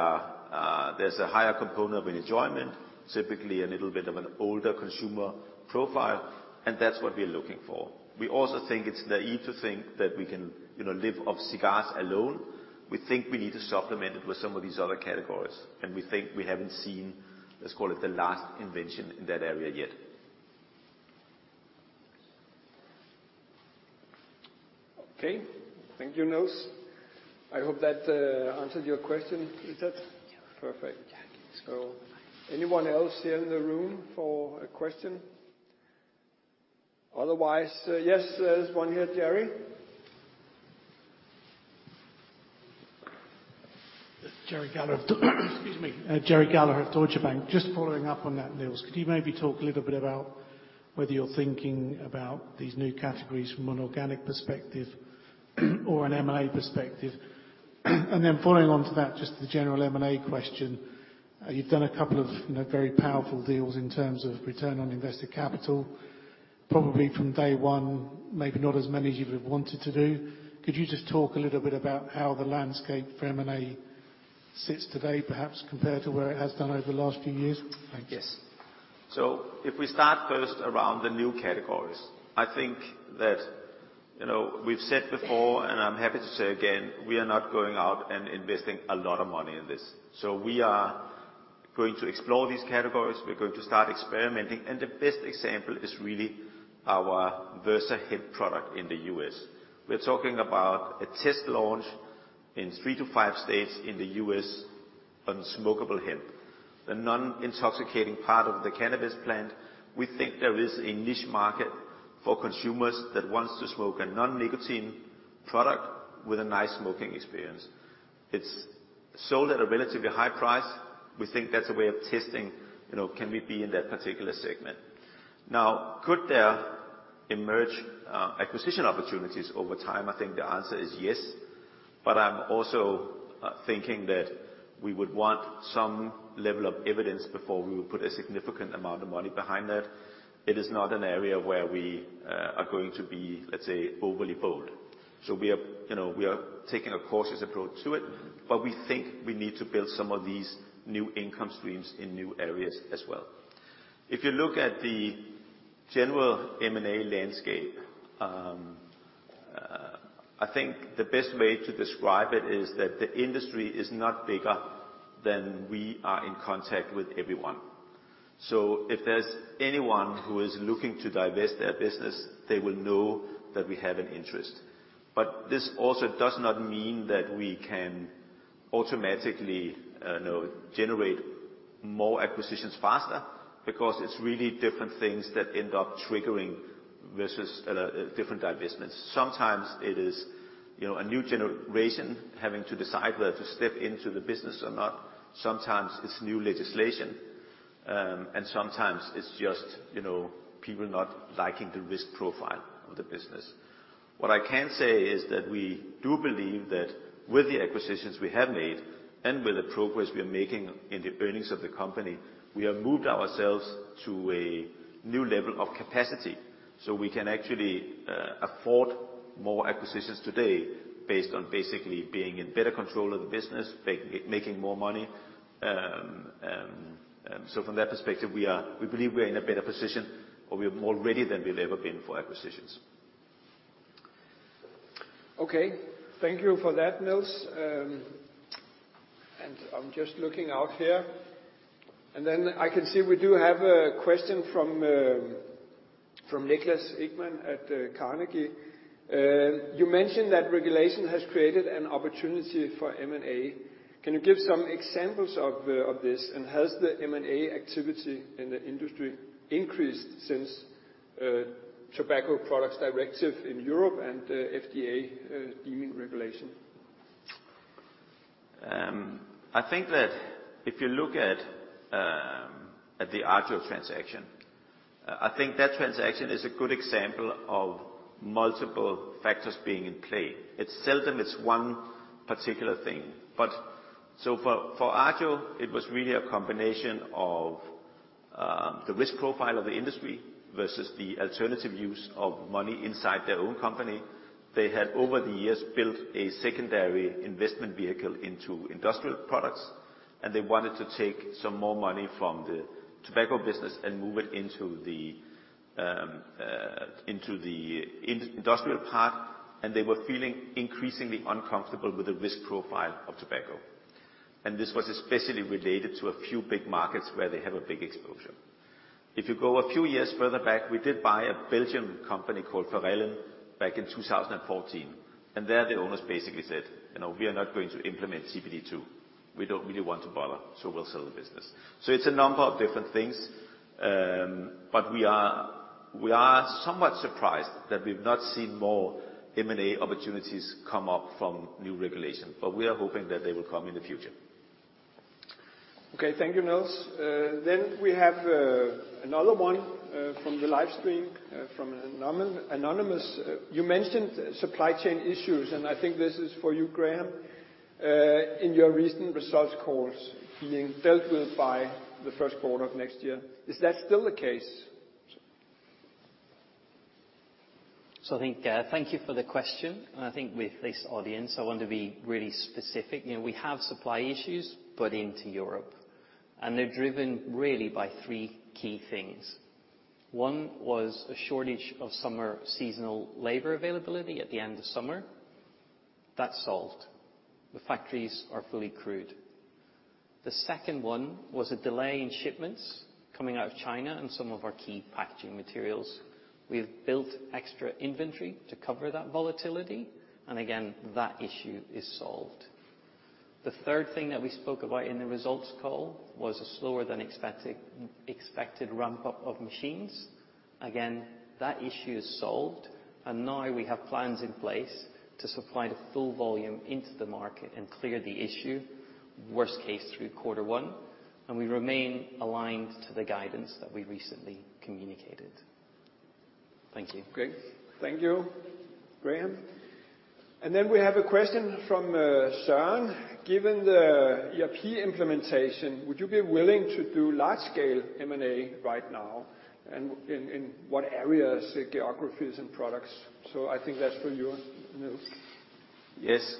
there's a higher component of enjoyment, typically a little bit of an older consumer profile, and that's what we're looking for. We also think it's naive to think that we can, you know, live off cigars alone. We think we need to supplement it with some of these other categories, and we think we haven't seen, let's call it the last invention in that area yet. Okay. Thank you, Niels. I hope that answered your question, Richard. Yeah. Perfect. Anyone else here in the room for a question? Otherwise, yes, there's one here. Gerry? Gerry Gallagher of Deutsche Bank. Just following up on that, Nils, could you maybe talk a little bit about whether you're thinking about these new categories from an organic perspective or an M&A perspective? Following on to that, just the general M&A question. You've done a couple of, you know, very powerful deals in terms of return on invested capital, probably from day one, maybe not as many as you would have wanted to do. Could you just talk a little bit about how the landscape for M&A sits today, perhaps compared to where it has done over the last few years? Thanks. Yes. If we start first around the new categories, I think that, you know, we've said before, and I'm happy to say again, we are not going out and investing a lot of money in this. We are going to explore these categories. We're going to start experimenting, and the best example is really our Versa Hemp product in the U.S. We're talking about a test launch in three to five states in the U.S. on smokable hemp, the non-intoxicating part of the cannabis plant. We think there is a niche market for consumers that wants to smoke a non-nicotine product with a nice smoking experience. It's sold at a relatively high price. We think that's a way of testing, you know, can we be in that particular segment. Now, could there emerge acquisition opportunities over time? I think the answer is yes. I'm also thinking that we would want some level of evidence before we would put a significant amount of money behind that. It is not an area where we are going to be, let's say, overly bold. We are, you know, taking a cautious approach to it, but we think we need to build some of these new income streams in new areas as well. If you look at the general M&A landscape, I think the best way to describe it is that the industry is not bigger than we are. We are in contact with everyone. If there's anyone who is looking to divest their business, they will know that we have an interest. This also does not mean that we can automatically, you know, generate more acquisitions faster because it's really different things that end up triggering versus different divestments. Sometimes it is, you know, a new generation having to decide whether to step into the business or not. Sometimes it's new legislation, and sometimes it's just, you know, people not liking the risk profile of the business. What I can say is that we do believe that with the acquisitions we have made, and with the progress we are making in the earnings of the company, we have moved ourselves to a new level of capacity, so we can actually afford more acquisitions today based on basically being in better control of the business, making more money. From that perspective, we believe we are in a better position, or we are more ready than we've ever been for acquisitions. Okay. Thank you for that, Nils. I'm just looking out here. Then I can see we do have a question from Niklas Ekman at Carnegie. You mentioned that regulation has created an opportunity for M&A. Can you give some examples of this? Has the M&A activity in the industry increased since Tobacco Products Directive in Europe and the FDA deeming regulation? I think that if you look at the Arjo transaction, I think that transaction is a good example of multiple factors being in play. It's seldom one particular thing. For Arjo, it was really a combination of the risk profile of the industry versus the alternative use of money inside their own company. They had, over the years, built a secondary investment vehicle into industrial products, and they wanted to take some more money from the tobacco business and move it into the industrial part, and they were feeling increasingly uncomfortable with the risk profile of tobacco. This was especially related to a few big markets where they have a big exposure. If you go a few years further back, we did buy a Belgian company called Verellen back in 2014, and there the owners basically said, "You know, we are not going to implement TPD2. We don't really want to bother, so we'll sell the business." It's a number of different things. We are somewhat surprised that we've not seen more M&A opportunities come up from new regulation, but we are hoping that they will come in the future. Okay. Thank you, Niels. We have another one from the live stream from anonymous. You mentioned supply chain issues, and I think this is for you, Graham. In your recent results calls being dealt with by the first quarter of next year, is that still the case? I think, thank you for the question. I think with this audience, I want to be really specific. You know, we have supply issues, but into Europe, and they're driven really by three key things. One was a shortage of summer seasonal labor availability at the end of summer. That's solved. The factories are fully crewed. The second one was a delay in shipments coming out of China and some of our key packaging materials. We've built extra inventory to cover that volatility, and again, that issue is solved. The third thing that we spoke about in the results call was a slower than expected ramp-up of machines. Again, that issue is solved, and now we have plans in place to supply the full volume into the market and clear the issue, worst case, through quarter one, and we remain aligned to the guidance that we recently communicated. Thank you. Okay. Thank you, Graham. We have a question from Sean: Given the ERP implementation, would you be willing to do large scale M&A right now? In what areas, geographies, and products? I think that's for you, Niels. Yes.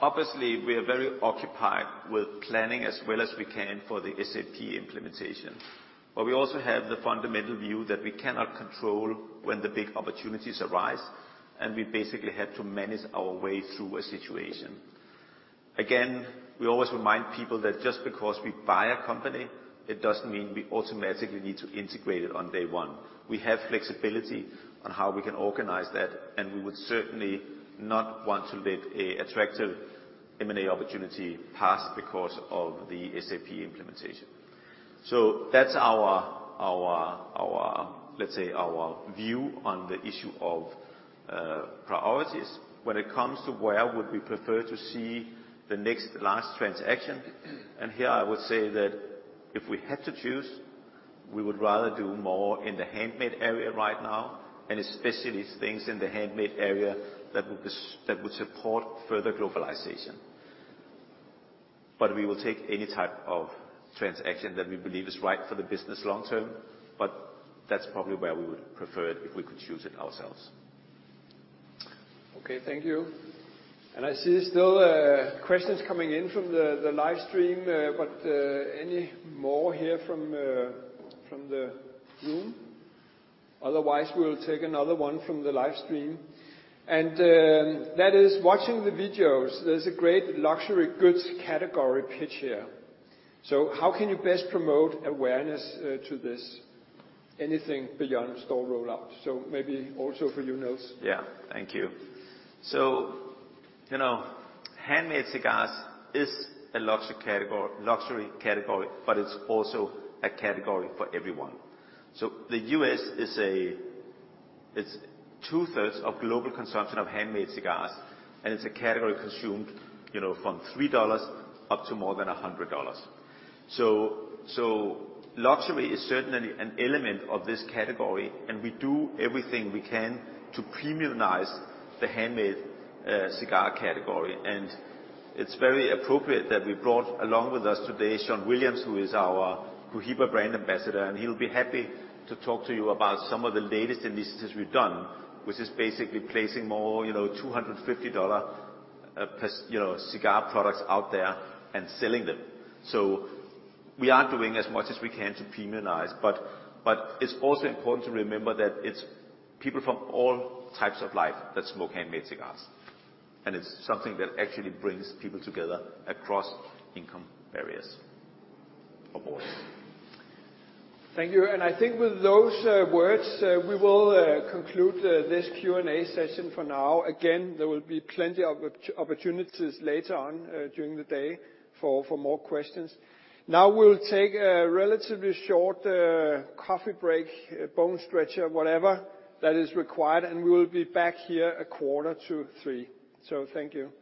Obviously we are very occupied with planning as well as we can for the SAP implementation, but we also have the fundamental view that we cannot control when the big opportunities arise, and we basically have to manage our way through a situation. Again, we always remind people that just because we buy a company, it doesn't mean we automatically need to integrate it on day one. We have flexibility on how we can organize that, and we would certainly not want to let an attractive M&A opportunity pass because of the SAP implementation. That's our, let's say, our view on the issue of priorities. When it comes to where would we prefer to see the next large transaction, and here I would say that if we had to choose, we would rather do more in the handmade area right now, and especially things in the handmade area that would support further globalization. We will take any type of transaction that we believe is right for the business long term, but that's probably where we would prefer it if we could choose it ourselves. Okay. Thank you. I see still, questions coming in from the live stream. But, any more here from the room? Otherwise, we'll take another one from the live stream. That is: Watching the videos, there's a great luxury goods category pitch here. So how can you best promote awareness, to this? Anything beyond store rollout? So maybe also for you, Nils. Yeah. Thank you. You know, handmade cigars is a luxury category, but it's also a category for everyone. The U.S. is two-thirds of global consumption of handmade cigars, and it's a category consumed, you know, from $3 up to more than $100. Luxury is certainly an element of this category, and we do everything we can to premiumize the handmade cigar category. It's very appropriate that we brought along with us today Sean Williams, who is our Cohiba brand ambassador, and he'll be happy to talk to you about some of the latest initiatives we've done, which is basically placing more, you know, $250 cigar products out there and selling them. We are doing as much as we can to premiumize, but it's also important to remember that it's people from all types of life that smoke handmade cigars, and it's something that actually brings people together across income barriers of all. Thank you. I think with those words we will conclude this Q&A session for now. Again, there will be plenty opportunities later on during the day for more questions. Now we'll take a relatively short coffee break, bone stretcher, whatever that is required, and we will be back here a quarter to three. So thank you.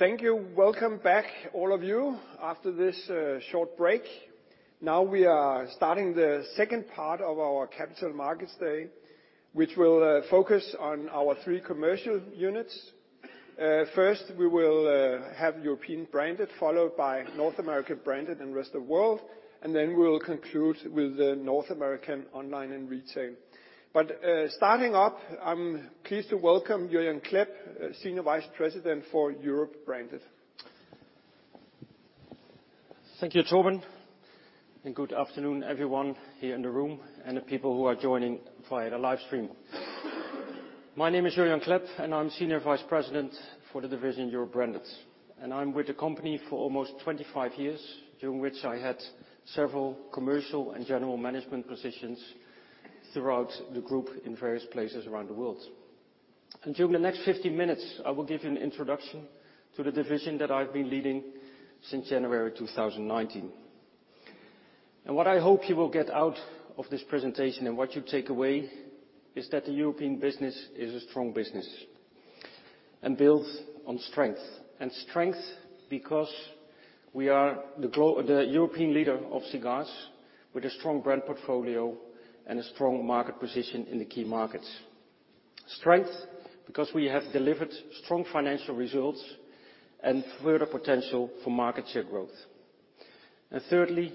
Thank you. Welcome back, all of you, after this short break. Now we are starting the second part of our capital markets day, which will focus on our three commercial units. First, we will have European Branded, followed by North American Branded and Rest of World, and then we'll conclude with the North American Online and Retail. Starting up, I'm pleased to welcome Jurjan Klep, Senior Vice President for Europe Branded. Thank you, Torben. Good afternoon everyone here in the room and the people who are joining via the live stream. My name is Jurjan Klep, and I'm Senior Vice President for the division Europe Branded. I'm with the company for almost 25 years, during which I had several commercial and general management positions throughout the group in various places around the world. During the next 50 minutes, I will give you an introduction to the division that I've been leading since January 2019. What I hope you will get out of this presentation, and what you take away, is that the European business is a strong business and builds on strength. Strength because we are the European leader of cigars with a strong brand portfolio and a strong market position in the key markets. Strength because we have delivered strong financial results and further potential for market share growth. Thirdly,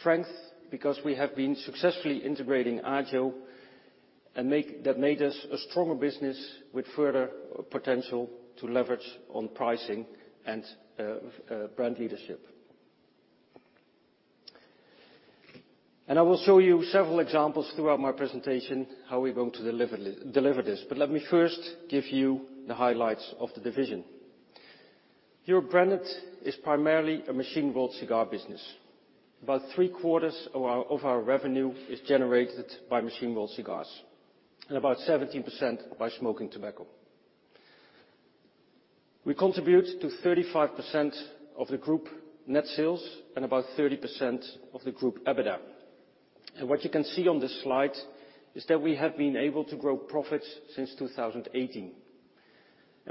strength because we have been successfully integrating Agio, that made us a stronger business with further potential to leverage on pricing and brand leadership. I will show you several examples throughout my presentation how we're going to deliver this, but let me first give you the highlights of the division. Europe Branded is primarily a machine-rolled cigar business. About three-quarters of our revenue is generated by machine-rolled cigars, and about 17% by smoking tobacco. We contribute to 35% of the group net sales and about 30% of the group EBITDA. What you can see on this slide is that we have been able to grow profits since 2018.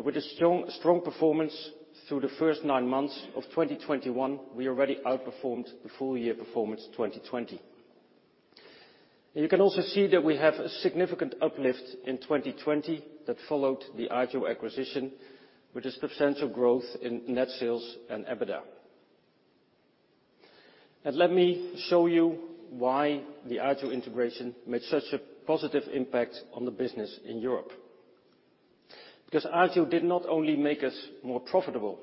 With a strong performance through the first nine months of 2021, we already outperformed the full year performance 2020. You can also see that we have a significant uplift in 2020 that followed the Agio acquisition, with a substantial growth in net sales and EBITDA. Let me show you why the Agio integration made such a positive impact on the business in Europe. Because Agio did not only make us more profitable,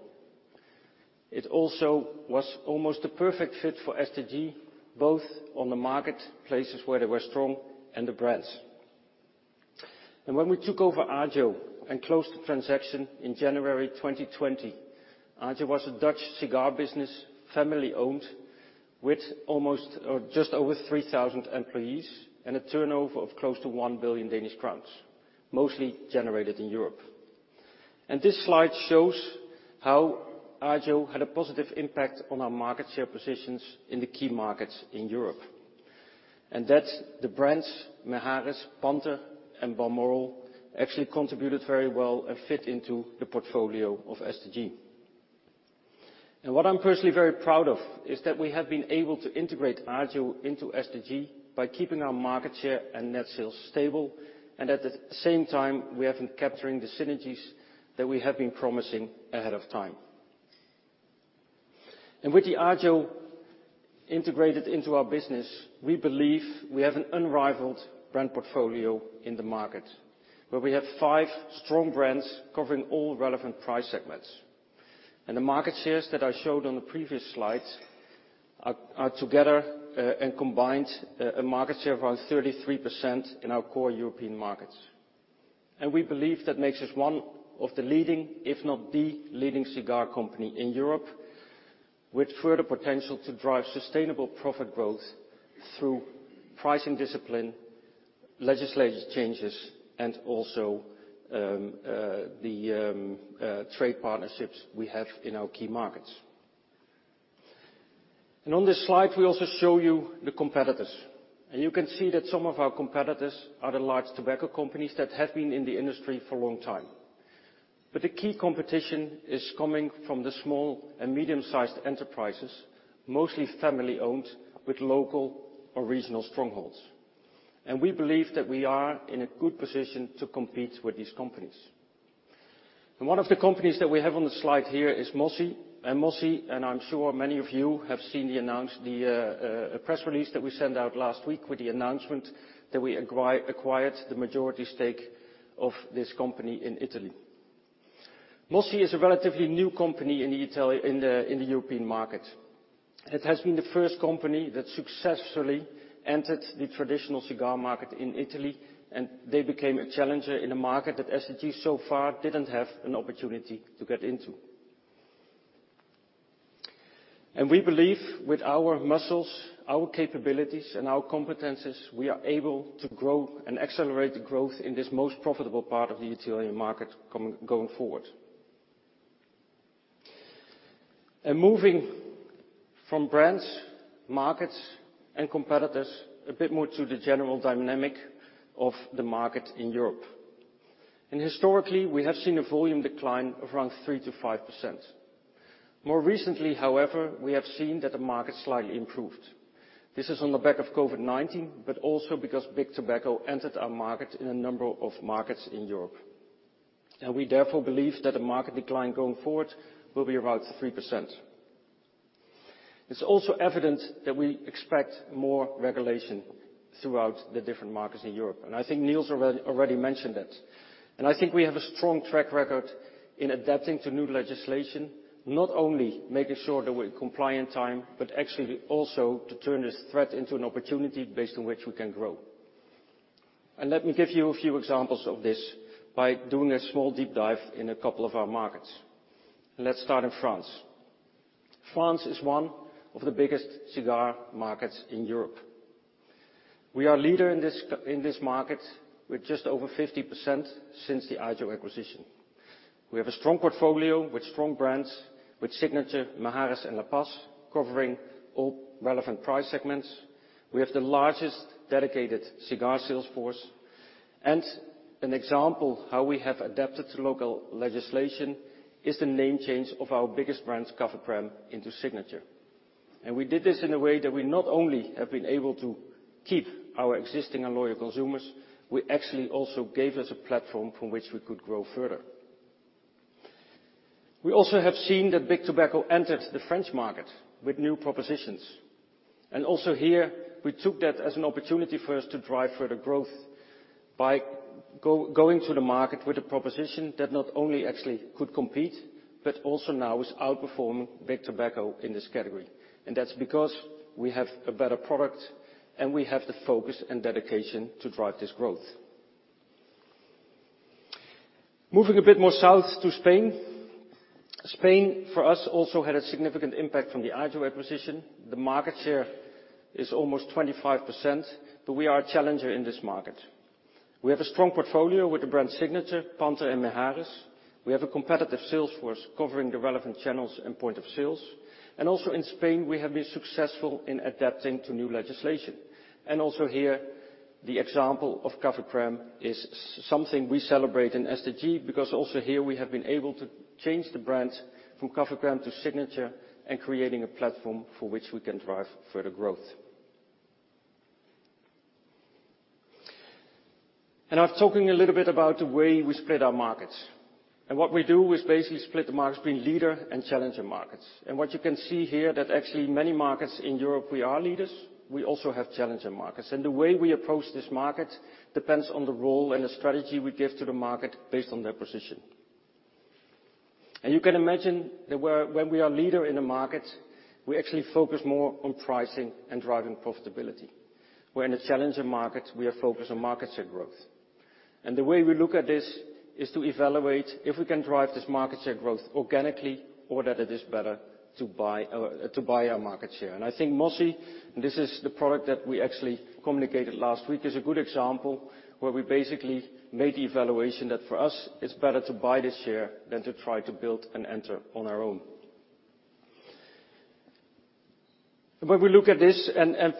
it also was almost a perfect fit for STG, both on the market, places where they were strong, and the brands. When we took over Agio and closed the transaction in January 2020, Agio was a Dutch cigar business, family-owned, with almost, or just over 3,000 employees and a turnover of close to 1 billion Danish crowns, mostly generated in Europe. This slide shows how Agio had a positive impact on our market share positions in the key markets in Europe. That's the brands Mehari's, Panter, and Balmoral actually contributed very well and fit into the portfolio of STG. What I'm personally very proud of is that we have been able to integrate Agio into STG by keeping our market share and net sales stable, and at the same time, we have been capturing the synergies that we have been promising ahead of time. With the Agio integrated into our business, we believe we have an unrivaled brand portfolio in the market, where we have five strong brands covering all relevant price segments. The market shares that I showed on the previous slides are together and combined a market share of around 33% in our core European markets. We believe that makes us one of the leading, if not the leading, cigar company in Europe. With further potential to drive sustainable profit growth through pricing discipline, legislative changes, and trade partnerships we have in our key markets. On this slide, we also show you the competitors. You can see that some of our competitors are the large tobacco companies that have been in the industry for a long time. The key competition is coming from the small and medium-sized enterprises, mostly family-owned, with local or regional strongholds. We believe that we are in a good position to compete with these companies. One of the companies that we have on the slide here is Mossi. Mossi, and I'm sure many of you have seen the press release that we sent out last week with the announcement that we acquired the majority stake of this company in Italy. Mossi is a relatively new company in Italy in the European market. It has been the first company that successfully entered the traditional cigar market in Italy, and they became a challenger in a market that STG so far didn't have an opportunity to get into. We believe with our muscles, our capabilities, and our competencies, we are able to grow and accelerate the growth in this most profitable part of the Italian market going forward. Moving from brands, markets, and competitors a bit more to the general dynamic of the market in Europe. Historically, we have seen a volume decline of around 3%-5%. More recently, however, we have seen that the market slightly improved. This is on the back of COVID-19, but also because big tobacco entered our market in a number of markets in Europe. We therefore believe that the market decline going forward will be around 3%. It's also evident that we expect more regulation throughout the different markets in Europe, and I think Niels already mentioned it. I think we have a strong track record in adapting to new legislation, not only making sure that we're compliant on time, but actually also to turn this threat into an opportunity based on which we can grow. Let me give you a few examples of this by doing a small deep dive in a couple of our markets. Let's start in France. France is one of the biggest cigar markets in Europe. We are the leader in this market with just over 50% since the Agio acquisition. We have a strong portfolio with strong brands, with Signature, Mehari's and La Paz, covering all relevant price segments. We have the largest dedicated cigar sales force. An example how we have adapted to local legislation is the name change of our biggest brand, Café Crème, into Signature. We did this in a way that we not only have been able to keep our existing and loyal consumers, we actually also gave us a platform from which we could grow further. We also have seen that Big Tobacco entered the French market with new propositions. Also here, we took that as an opportunity for us to drive further growth by going to the market with a proposition that not only actually could compete, but also now is outperforming big tobacco in this category. That's because we have a better product, and we have the focus and dedication to drive this growth. Moving a bit more south to Spain. Spain, for us, also had a significant impact from the Agio acquisition. The market share is almost 25%, but we are a challenger in this market. We have a strong portfolio with the brand Signature, Panter and Mehari's. We have a competitive sales force covering the relevant channels and points of sale. Also in Spain, we have been successful in adapting to new legislation. Also here, the example of Café Crème is something we celebrate in STG, because also here we have been able to change the brand from Café Crème to Signature and creating a platform for which we can drive further growth. I'm talking a little bit about the way we split our markets. What we do is basically split the markets between leader and challenger markets. What you can see here that actually many markets in Europe, we are leaders, we also have challenger markets. The way we approach this market depends on the role and the strategy we give to the market based on their position. You can imagine that where, when we are leader in a market, we actually focus more on pricing and driving profitability. Where in the challenger markets, we are focused on market share growth. The way we look at this is to evaluate if we can drive this market share growth organically or that it is better to buy to buy our market share. I think Mosi, and this is the product that we actually communicated last week, is a good example where we basically made the evaluation that for us, it's better to buy this share than to try to build and enter on our own. When we look at this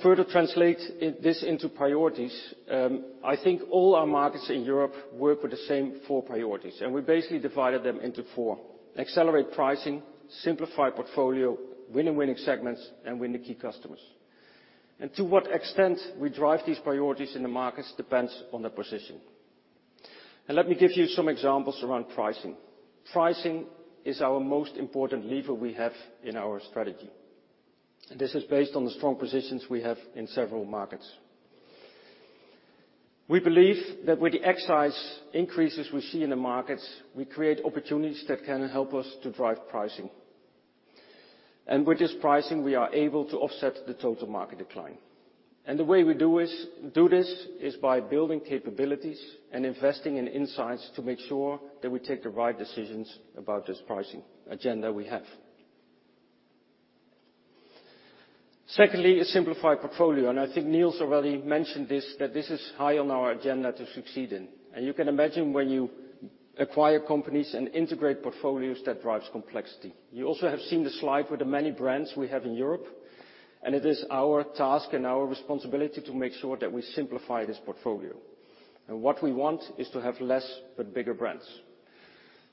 further translate it this into priorities, I think all our markets in Europe work with the same four priorities, and we basically divided them into four, accelerate pricing, simplify portfolio, win and winning segments, and win the key customers. To what extent we drive these priorities in the markets depends on the position. Let me give you some examples around pricing. Pricing is our most important lever we have in our strategy. This is based on the strong positions we have in several markets. We believe that with the excise increases we see in the markets, we create opportunities that can help us to drive pricing. With this pricing, we are able to offset the total market decline. The way we do this is by building capabilities and investing in insights to make sure that we take the right decisions about this pricing agenda we have. Secondly, a simplified portfolio, and I think Niels already mentioned this, that this is high on our agenda to succeed in. You can imagine when you acquire companies and integrate portfolios, that drives complexity. You also have seen the slide with the many brands we have in Europe, and it is our task and our responsibility to make sure that we simplify this portfolio. What we want is to have less but bigger brands.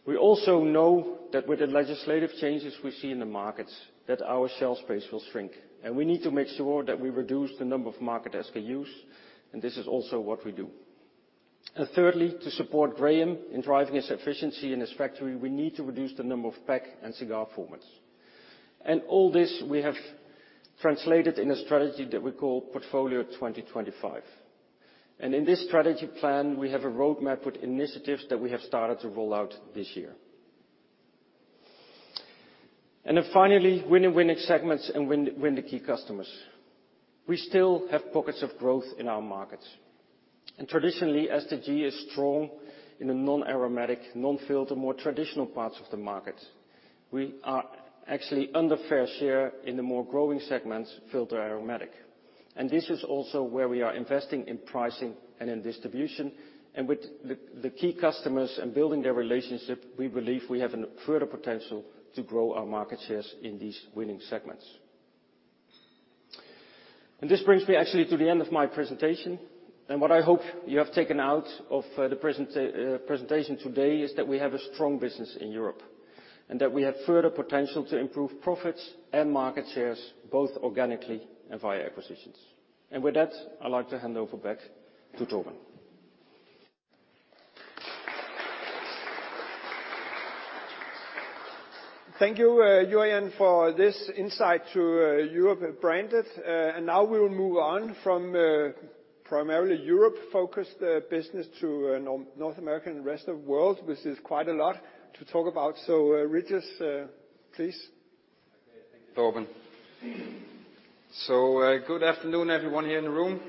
We also know that with the legislative changes we see in the markets, that our shelf space will shrink, and we need to make sure that we reduce the number of market SKUs, and this is also what we do. Thirdly, to support Graham in driving his efficiency in his factory, we need to reduce the number of pack and cigar formats. All this we have translated in a strategy that we call Portfolio 2025. In this strategy plan, we have a roadmap with initiatives that we have started to roll out this year. Then finally, win in winning segments and win the key customers. We still have pockets of growth in our markets. Traditionally, STG is strong in the non-aromatic, non-filter, more traditional parts of the market. We are actually under fair share in the more growing segments, filter aromatic. This is also where we are investing in pricing and in distribution. With the key customers and building their relationship, we believe we have a further potential to grow our market shares in these winning segments. This brings me actually to the end of my presentation. What I hope you have taken out of the presentation today is that we have a strong business in Europe, and that we have further potential to improve profits and market shares, both organically and via acquisitions. With that, I'd like to hand over back to Torben. Thank you, Jurjan, for this insight to Europe and Branded. Now we will move on from primarily Europe-focused business to North America and Rest of World, which is quite a lot to talk about. Régis, please. Okay. Thank you, Torben. Good afternoon, everyone here in the room.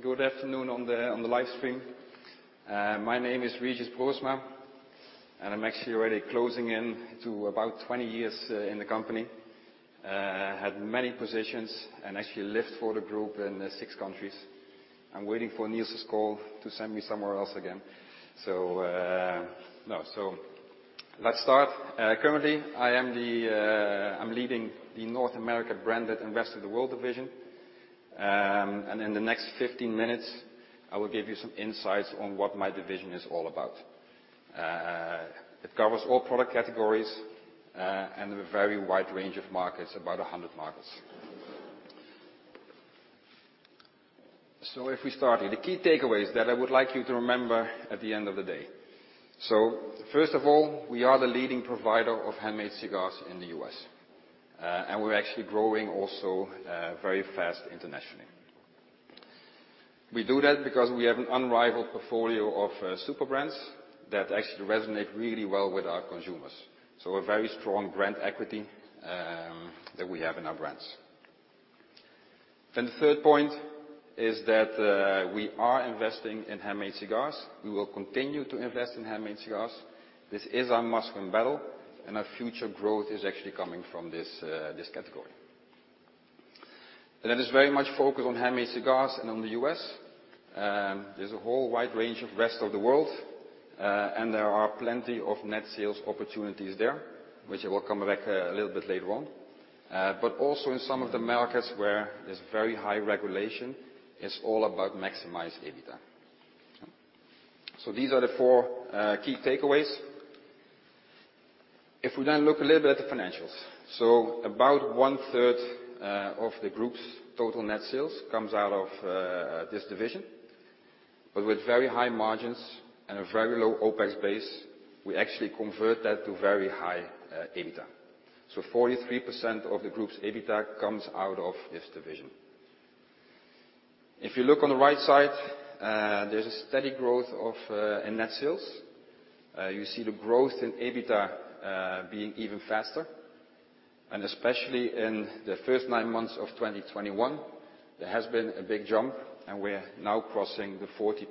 Good afternoon on the live stream. My name is Régis Broersma, and I'm actually already closing in to about 20 years in the company. Had many positions and actually lived for the group in 6 countries. I'm waiting for Niels's call to send me somewhere else again. Let's start. Currently, I'm leading the North America branded and Rest of the World division. In the next 15 minutes, I will give you some insights on what my division is all about. It covers all product categories and a very wide range of markets, about 100 markets. If we start here, the key takeaways that I would like you to remember at the end of the day. First of all, we are the leading provider of handmade cigars in the U.S. We're actually growing also very fast internationally. We do that because we have an unrivaled portfolio of super brands that actually resonate really well with our consumers. A very strong brand equity that we have in our brands. The third point is that we are investing in handmade cigars. We will continue to invest in handmade cigars. This is our must-win battle, and our future growth is actually coming from this category. That is very much focused on handmade cigars and on the U.S. There's a whole wide range of rest of the world, and there are plenty of net sales opportunities there, which I will come back a little bit later on. Also in some of the markets where there's very high regulation, it's all about maximizing EBITDA. These are the four key takeaways. If we then look a little bit at the financials. About one-third of the group's total net sales comes out of this division, but with very high margins and a very low OpEx base, we actually convert that to very high EBITDA. So 43% of the group's EBITDA comes out of this division. If you look on the right side, there's a steady growth in net sales. You see the growth in EBITDA being even faster. Especially in the first nine months of 2021, there has been a big jump, and we're now crossing the 40%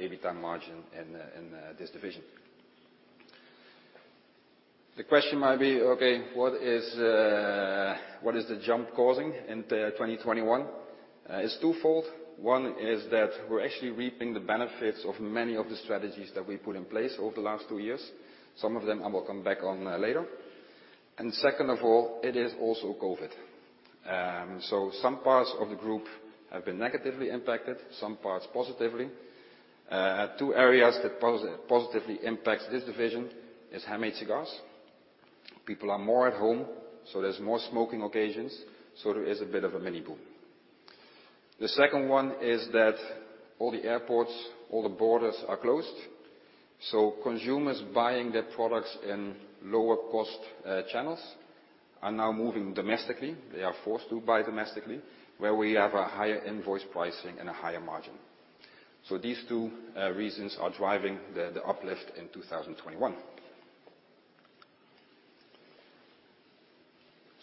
EBITDA margin in this division. The question might be, okay, what is causing the jump in 2021? It's twofold. One is that we're actually reaping the benefits of many of the strategies that we put in place over the last two years. Some of them I will come back on later. Second of all, it is also COVID. Some parts of the group have been negatively impacted, some parts positively. Two areas that positively impact this division are handmade cigars. People are more at home, so there's more smoking occasions, so there is a bit of a mini boom. The second one is that all the airports, all the borders are closed, so consumers buying their products in lower-cost channels are now moving domestically. They are forced to buy domestically, where we have a higher invoice pricing and a higher margin. These two reasons are driving the uplift in 2021.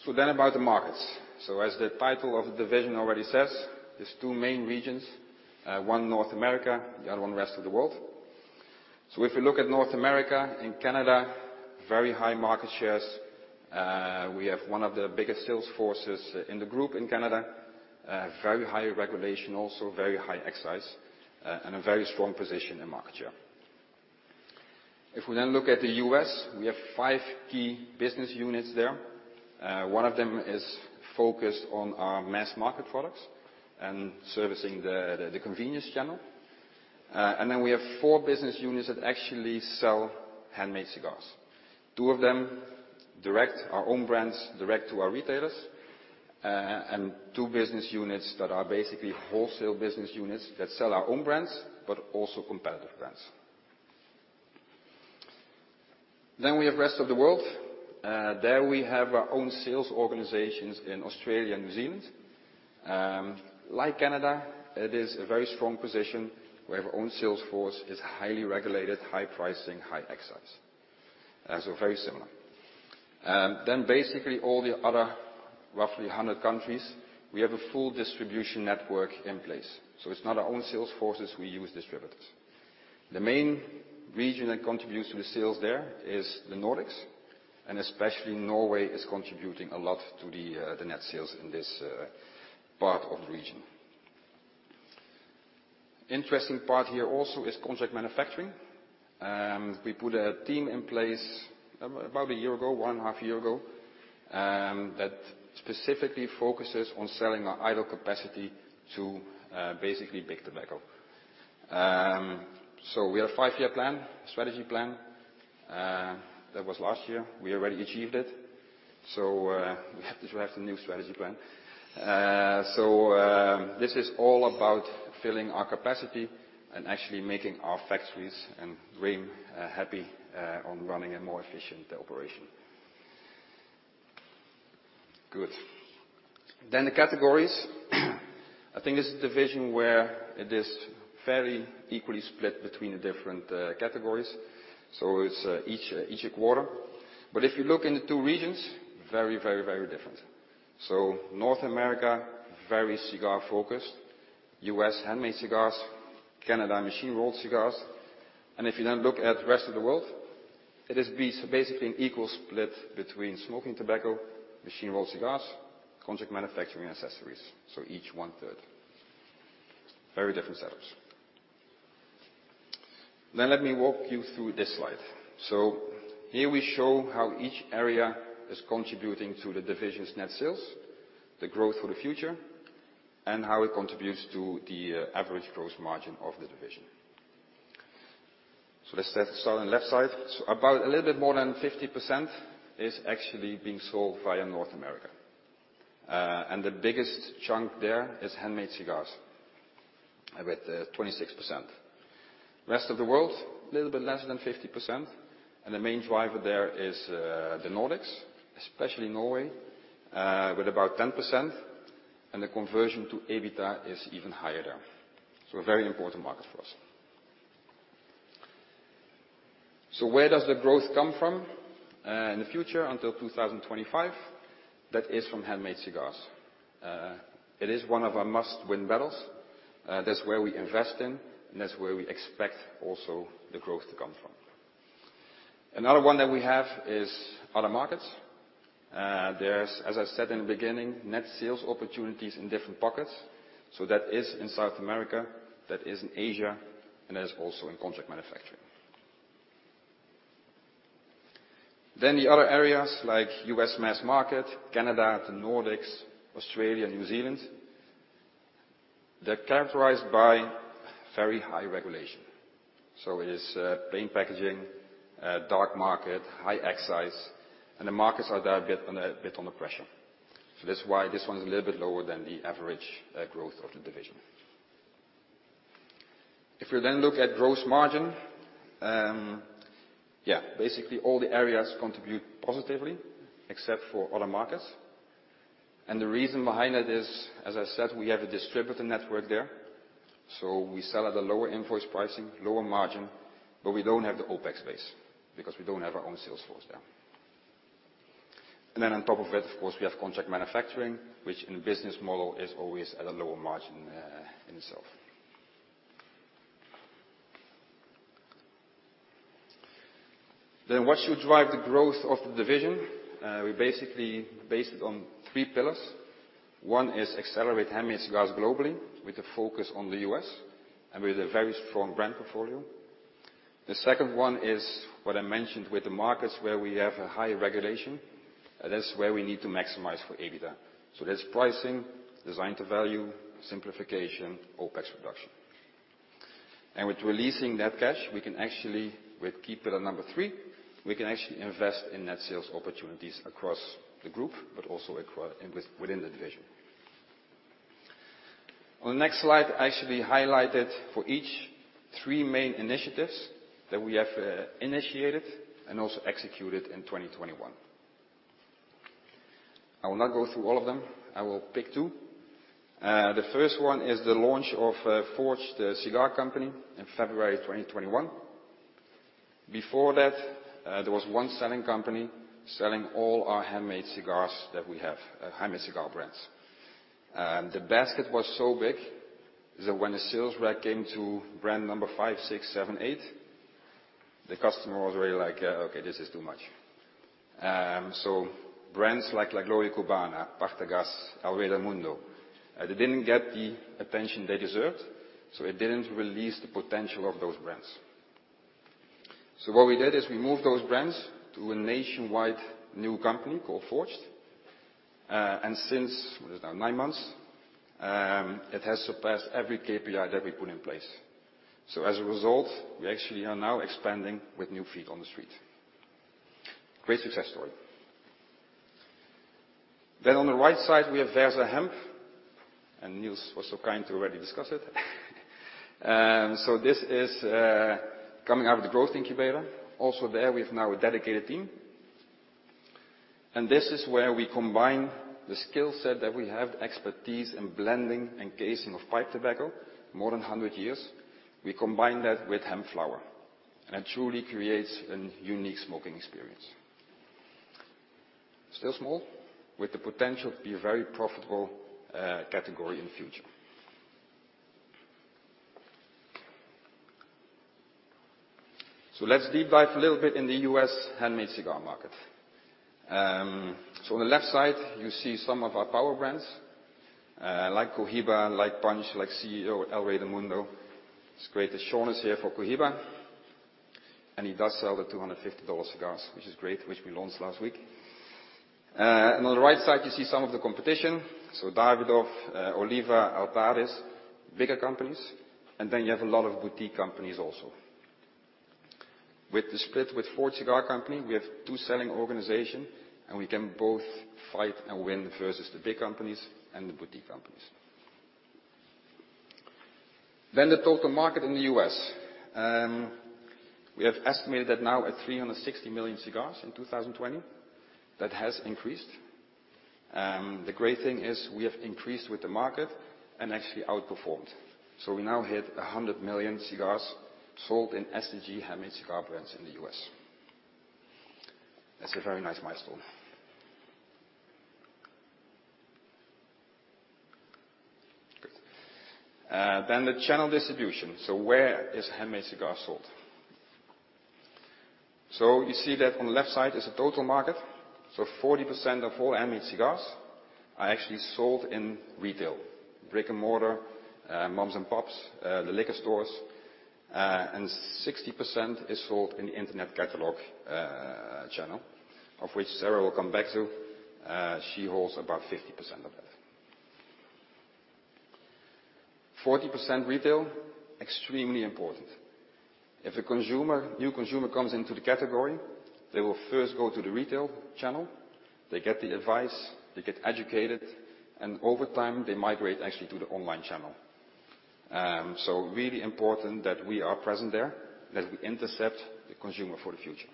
About the markets. As the title of the division already says, there are two main regions, one North America, the other one rest of the world. If you look at North America, in Canada, very high market shares. We have one of the biggest sales forces in the group in Canada. Very high regulation, also very high excise, and a very strong position in market share. If we then look at the U.S., we have 5 key business units there. One of them is focused on our mass market products and servicing the convenience channel. And then we have 4 business units that actually sell handmade cigars. Two of them direct our own brands direct to our retailers, and two business units that are basically wholesale business units that sell our own brands, but also competitive brands. We have rest of the world. There we have our own sales organizations in Australia and New Zealand. Like Canada, it is a very strong position. We have our own sales force. It's highly regulated, high pricing, high excise. Very similar. Then basically all the other roughly 100 countries, we have a full distribution network in place. It's not our own sales forces, we use distributors. The main region that contributes to the sales there is the Nordics, and especially Norway is contributing a lot to the net sales in this part of the region. Interesting part here also is contract manufacturing. We put a team in place about a year ago, one and a half year ago, that specifically focuses on selling our idle capacity to basically big tobacco. We had a five-year plan, strategy plan, that was last year. We already achieved it. We have to draft a new strategy plan. This is all about filling our capacity and actually making our factories and team happy on running a more efficient operation. Good. The categories. I think this is the division where it is very equally split between the different categories, so it's each a quarter. But if you look in the two regions, very, very, very different. North America, very cigar focused. U.S., handmade cigars. Canada, machine-rolled cigars. If you then look at the rest of the world, it is basically an equal split between smoking tobacco, machine-rolled cigars, contract manufacturing, and accessories. Each one third. Very different setups. Let me walk you through this slide. Here we show how each area is contributing to the division's net sales, the growth for the future, and how it contributes to the average gross margin of the division. Let's start on the left side. About a little bit more than 50% is actually being sold via North America. And the biggest chunk there is handmade cigars with 26%. Rest of the world, a little bit less than 50%, and the main driver there is the Nordics, especially Norway, with about 10%, and the conversion to EBITDA is even higher there. A very important market for us. Where does the growth come from in the future until 2025? That is from handmade cigars. It is one of our must-win battles. That's where we invest in, and that's where we expect also the growth to come from. Another one that we have is other markets. There's, as I said in the beginning, net sales opportunities in different pockets. That is in South America, that is in Asia, and that is also in contract manufacturing. Then the other areas, like U.S. mass market, Canada to Nordics, Australia, and New Zealand, they're characterized by very high regulation. It is plain packaging, dark market, high excise, and the markets are there a bit under pressure. That's why this one's a little bit lower than the average growth of the division. If we then look at gross margin, basically all the areas contribute positively except for other markets. The reason behind that is, as I said, we have a distributor network there. We sell at a lower invoice pricing, lower margin, but we don't have the OpEx base because we don't have our own sales force there. On top of it, of course, we have contract manufacturing, which in business model is always at a lower margin in itself. What should drive the growth of the division? We basically based it on three pillars. One is accelerate handmade cigars globally with a focus on the U.S. and with a very strong brand portfolio. The second one is what I mentioned with the markets where we have a high regulation. That's where we need to maximize for EBITDA. That's pricing, design to value, simplification, OpEx reduction. With releasing that cash, we can actually, with key pillar number 3, we can actually invest in net sales opportunities across the group, but also within the division. On the next slide, I actually highlighted for each three main initiatives that we have initiated and also executed in 2021. I will not go through all of them. I will pick two. The first one is the launch of Forged Cigar Company in February 2021. Before that, there was one selling company selling all our handmade cigars that we have, handmade cigar brands. The basket was so big that when the sales rep came to brand number 5, 6, 7, 8, the customer was really like, "Okay, this is too much." Brands like La Gloria Cubana, Partagás, El Rey del Mundo, they didn't get the attention they deserved, so it didn't release the potential of those brands. What we did is we moved those brands to a nationwide new company called Forged. Since, what is it now? 9 months, it has surpassed every KPI that we put in place. As a result, we actually are now expanding with new feet on the street. Great success story. Then on the right side, we have Versa Hemp, and Niels was so kind to already discuss it. This is coming out of the growth incubator. Also there we have now a dedicated team. This is where we combine the skill set that we have, the expertise in blending and casing of pipe tobacco, more than a hundred years. We combine that with hemp flower, and it truly creates a unique smoking experience. Still small, with the potential to be a very profitable category in the future. Let's deep dive a little bit in the U.S. handmade cigar market. On the left side, you see some of our power brands, like Cohiba, like Punch, like CAO, El Rey del Mundo. It's great that Sean is here for Cohiba, and he does sell the $250 cigars, which is great, which we launched last week. On the right side, you see some of the competition. Davidoff, Oliva, Altadis, bigger companies, and then you have a lot of boutique companies also. With the split with Forged Cigar Company, we have two selling organizations, and we can both fight and win versus the big companies and the boutique companies. The total market in the U.S., we have estimated that now at 360 million cigars in 2020. That has increased. The great thing is we have increased with the market and actually outperformed. We now hit 100 million cigars sold in STG handmade cigar brands in the U.S. That's a very nice milestone. Good. The channel distribution. Where is handmade cigars sold? You see that on the left side is the total market. 40% of all handmade cigars are actually sold in retail. Brick-and-mortar, moms and pops, the liquor stores, and 60% is sold in the internet catalog channel, of which Sarah will come back to. She holds about 50% of that. 40% retail, extremely important. If a consumer, new consumer comes into the category, they will first go to the retail channel. They get the advice. They get educated, and over time, they migrate actually to the online channel. Really important that we are present there, that we intercept the consumer for the future.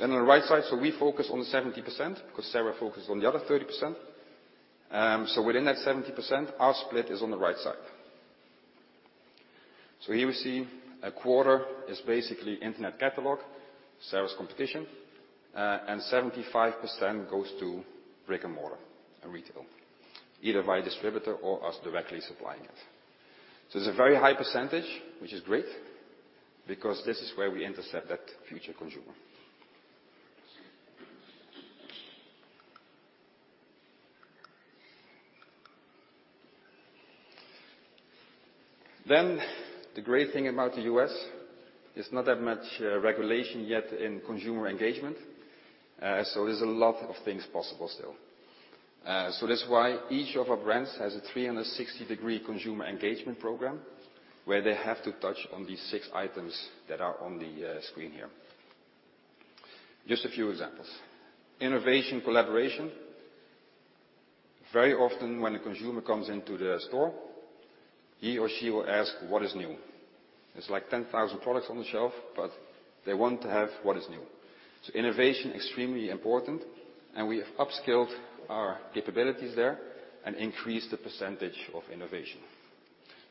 On the right side, we focus on the 70% 'cause Sarah focuses on the other 30%. Within that 70%, our split is on the right side. Here we see a quarter is basically internet catalog, Sarah's competition, and 75% goes to brick-and-mortar and retail, either by distributor or us directly supplying it. It's a very high percentage, which is great because this is where we intercept that future consumer. The great thing about the U.S., there's not that much regulation yet in consumer engagement, so there's a lot of things possible still. That's why each of our brands has a 360-degree consumer engagement program where they have to touch on these six items that are on the screen here. Just a few examples. Innovation collaboration. Very often when a consumer comes into the store, he or she will ask, "What is new?" There's like 10,000 products on the shelf, but they want to have what is new. Innovation, extremely important, and we have upskilled our capabilities there and increased the percentage of innovation.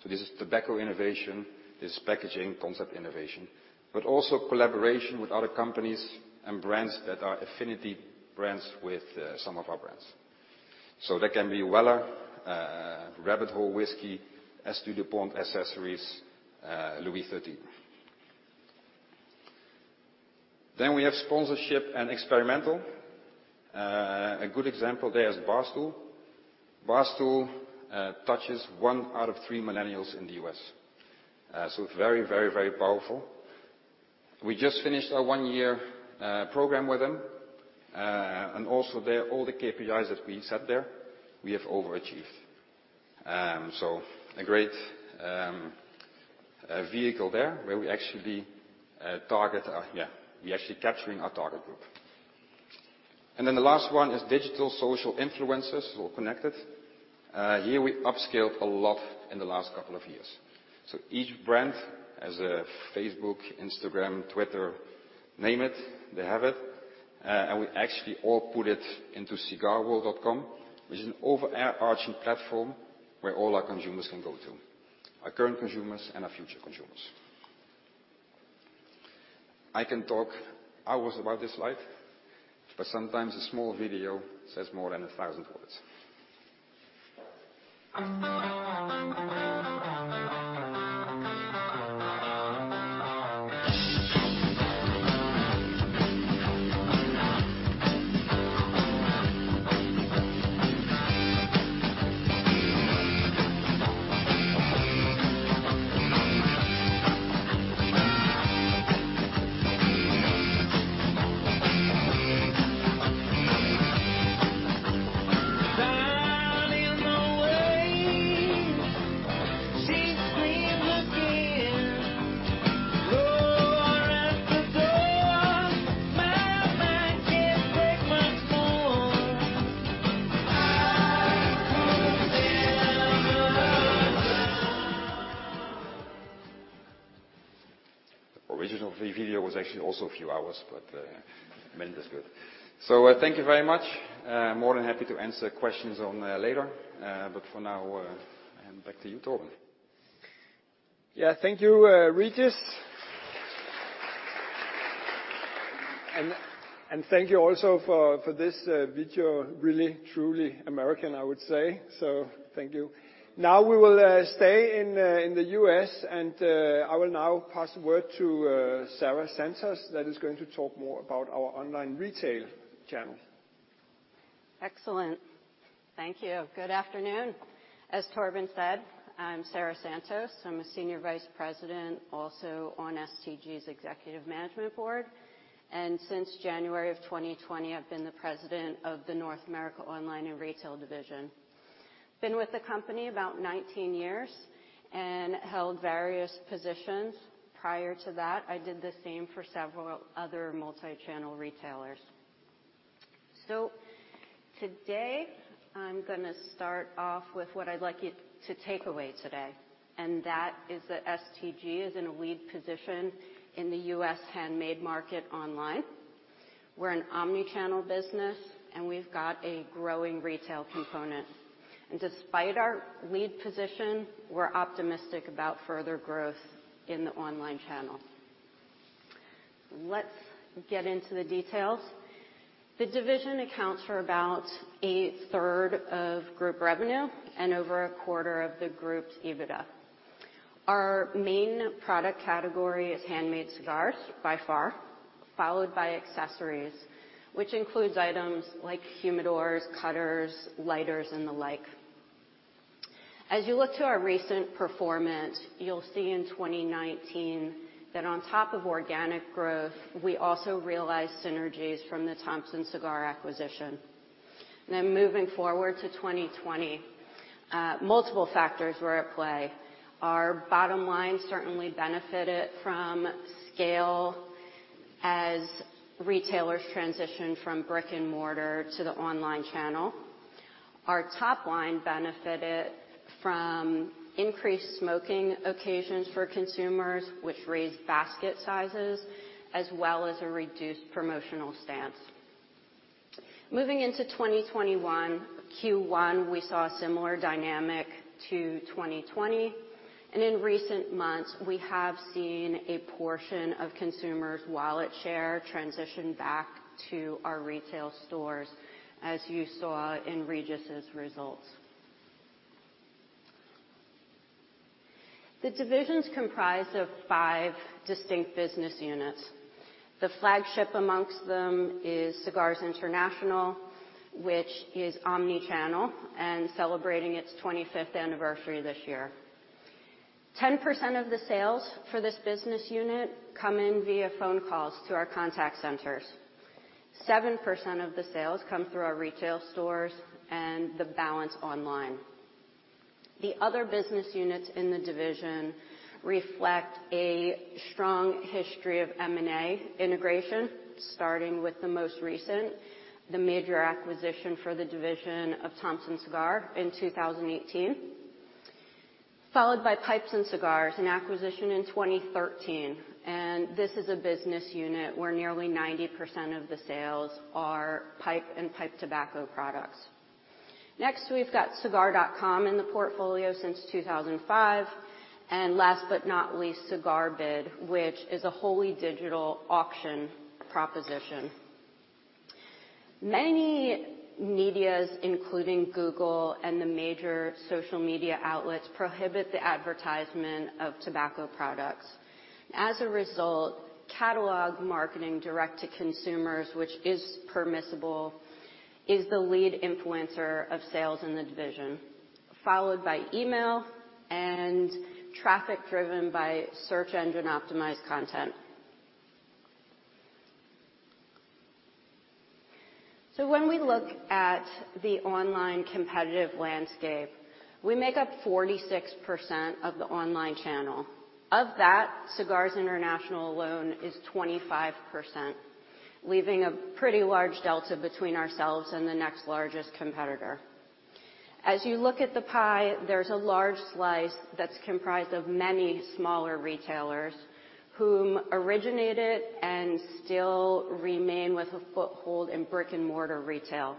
This is tobacco innovation. This is packaging concept innovation, but also collaboration with other companies and brands that are affinity brands with some of our brands. That can be Weller, Rabbit Hole Whiskey, S.T. Dupont Accessories, Louis XIII. We have sponsorship and experimental. A good example there is Barstool. Barstool touches 1/3 of millennials in the U.S. It is very powerful. We just finished our 1-year program with them, and also there, all the KPIs that we set there, we have overachieved. A great vehicle there where we actually target our target group. We are actually capturing our target group. The last one is digital social influencers, so connected. Here we upskilled a lot in the last couple of years. Each brand has a Facebook, Instagram, Twitter. Name it, they have it. We actually all put it into cigarworld.com, which is an overarching platform where all our consumers can go to, our current consumers and our future consumers. I can talk hours about this slide, but sometimes a small video says more than a thousand words. Original video was actually also a few hours, but a minute is good. Thank you very much. More than happy to answer questions on there later. For now, back to you, Torben. Yeah. Thank you, Régis. Thank you also for this video. Really and truly American, I would say, so thank you. Now we will stay in the U.S. and I will now pass the word to Sarah Santos, that is going to talk more about our online retail channels. Excellent. Thank you. Good afternoon. As Torben said, I'm Sarah Santos. I'm a Senior Vice President also on STG's Executive Management Board. Since January of 2020, I've been the President of the North America Online and Retail Division. Been with the company about 19 years and held various positions. Prior to that, I did the same for several other multi-channel retailers. Today, I'm gonna start off with what I'd like you to take away today. That is that STG is in a lead position in the U.S. handmade market online. We're an omni-channel business and we've got a growing retail component. Despite our lead position, we're optimistic about further growth in the online channel. Let's get into the details. The division accounts for about 1/3 of group revenue and over 1/4 of the group's EBITDA. Our main product category is handmade cigars, by far, followed by accessories, which includes items like humidors, cutters, lighters and the like. As you look to our recent performance, you'll see in 2019 that on top of organic growth, we also realized synergies from the Thompson Cigar acquisition. Moving forward to 2020, multiple factors were at play. Our bottom line certainly benefited from scale as retailers transitioned from brick and mortar to the online channel. Our top line benefited from increased smoking occasions for consumers, which raised basket sizes, as well as a reduced promotional stance. Moving into 2021, Q1, we saw a similar dynamic to 2020, and in recent months we have seen a portion of consumers' wallet share transition back to our retail stores, as you saw in Régis' results. The division's comprised of five distinct business units. The flagship amongst them is Cigars International, which is omni-channel and celebrating its 25th anniversary this year. 10% of the sales for this business unit come in via phone calls to our contact centers. 7% of the sales come through our retail stores and the balance online. The other business units in the division reflect a strong history of M&A integration, starting with the most recent, the major acquisition for the division of Thompson Cigar in 2018, followed by Pipes and Cigars, an acquisition in 2013. This is a business unit where nearly 90% of the sales are pipe and pipe tobacco products. Next, we've got cigar.com in the portfolio since 2005. Last but not least, CigarBid, which is a wholly digital auction proposition. Many media, including Google and the major social media outlets, prohibit the advertisement of tobacco products. As a result, catalog marketing direct to consumers, which is permissible, is the lead influencer of sales in the division, followed by email and traffic driven by search engine optimized content. When we look at the online competitive landscape, we make up 46% of the online channel. Of that, Cigars International alone is 25%, leaving a pretty large delta between ourselves and the next largest competitor. As you look at the pie, there's a large slice that's comprised of many smaller retailers who originated and still remain with a foothold in brick-and-mortar retail.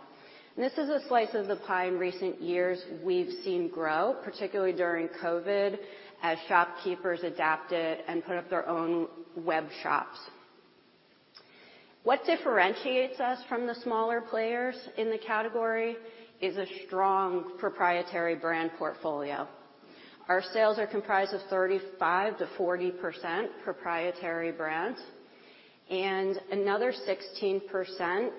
This is a slice of the pie in recent years we've seen grow, particularly during COVID, as shopkeepers adapted and put up their own web shops. What differentiates us from the smaller players in the category is a strong proprietary brand portfolio. Our sales are comprised of 35%-40% proprietary brands, and another 16%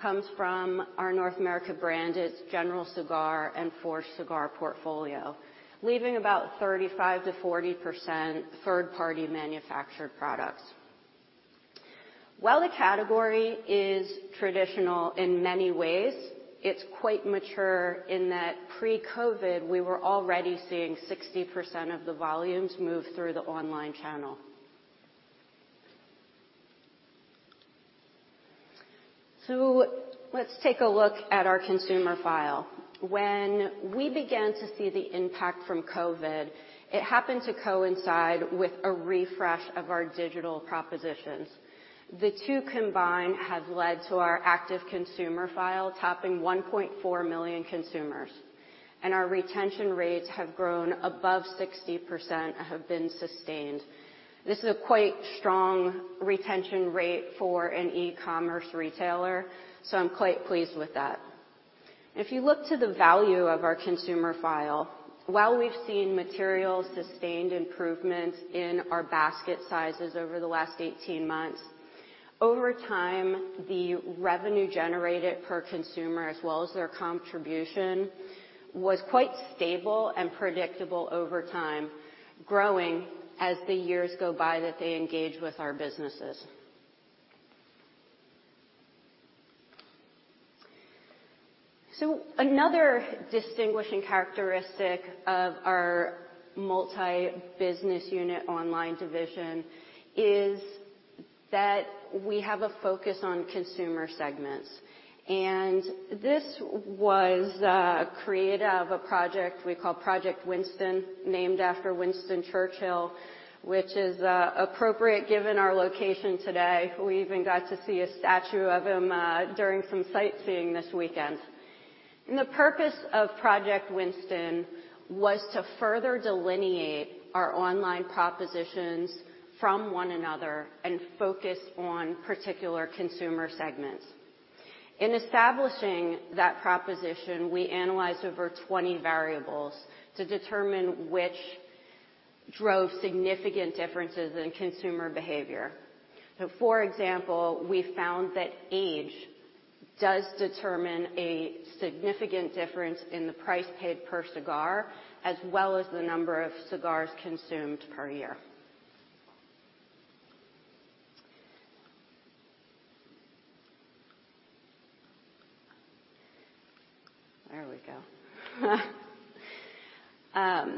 comes from our North America branded General Cigar and Forged Cigar portfolio, leaving about 35%-40% third-party manufactured products. While the category is traditional in many ways, it's quite mature in that pre-COVID, we were already seeing 60% of the volumes move through the online channel. Let's take a look at our consumer file. When we began to see the impact from COVID, it happened to coincide with a refresh of our digital propositions. The two combined have led to our active consumer file, topping 1.4 million consumers, and our retention rates have grown above 60% and have been sustained. This is a quite strong retention rate for an e-commerce retailer, so I'm quite pleased with that. If you look to the value of our consumer file, while we've seen material sustained improvements in our basket sizes over the last 18 months, over time, the revenue generated per consumer, as well as their contribution, was quite stable and predictable over time, growing as the years go by that they engage with our businesses. Another distinguishing characteristic of our multi-business unit online division is that we have a focus on consumer segments. This was the creation of a project we call Project Winston, named after Winston Churchill, which is appropriate given our location today. We even got to see a statue of him during some sightseeing this weekend. The purpose of Project Winston was to further delineate our online propositions from one another and focus on particular consumer segments. In establishing that proposition, we analyzed over 20 variables to determine which drove significant differences in consumer behavior. For example, we found that age does determine a significant difference in the price paid per cigar, as well as the number of cigars consumed per year. There we go.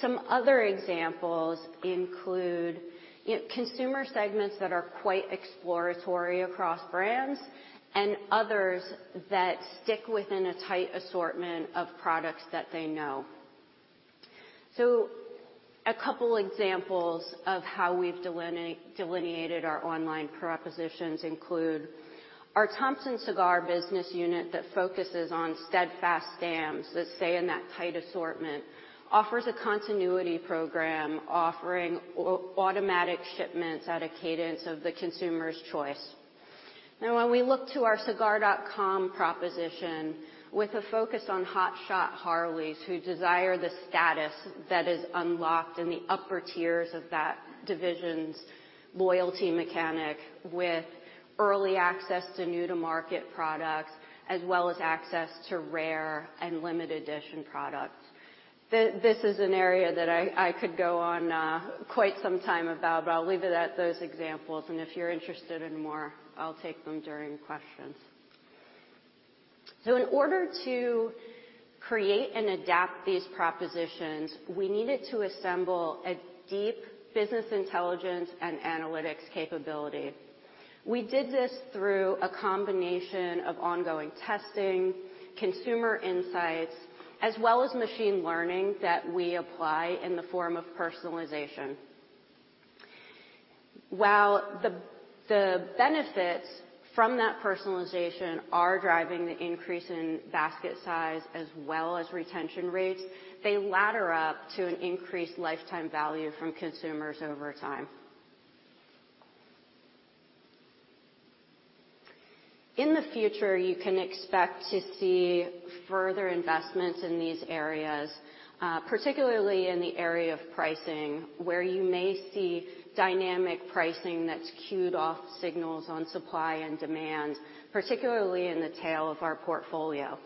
Some other examples include consumer segments that are quite exploratory across brands and others that stick within a tight assortment of products that they know. A couple examples of how we've delineated our online propositions include our Thompson Cigar business unit that focuses on Steadfast Dans that stay in that tight assortment, offers a continuity program, offering automatic shipments at a cadence of the consumer's choice. Now when we look to our cigar.com proposition with a focus on Hot-Shot Charlies who desire the status that is unlocked in the upper tiers of that division's loyalty mechanic with early access to new-to-market products, as well as access to rare and limited edition products. This is an area that I could go on quite some time about, but I'll leave it at those examples, and if you're interested in more, I'll take them during questions. In order to create and adapt these propositions, we needed to assemble a deep business intelligence and analytics capability. We did this through a combination of ongoing testing, consumer insights, as well as machine learning that we apply in the form of personalization. While the benefits from that personalization are driving the increase in basket size as well as retention rates, they ladder up to an increased lifetime value from consumers over time. In the future, you can expect to see further investments in these areas, particularly in the area of pricing, where you may see dynamic pricing that's cued off signals on supply and demand, particularly in the tail of our portfolio.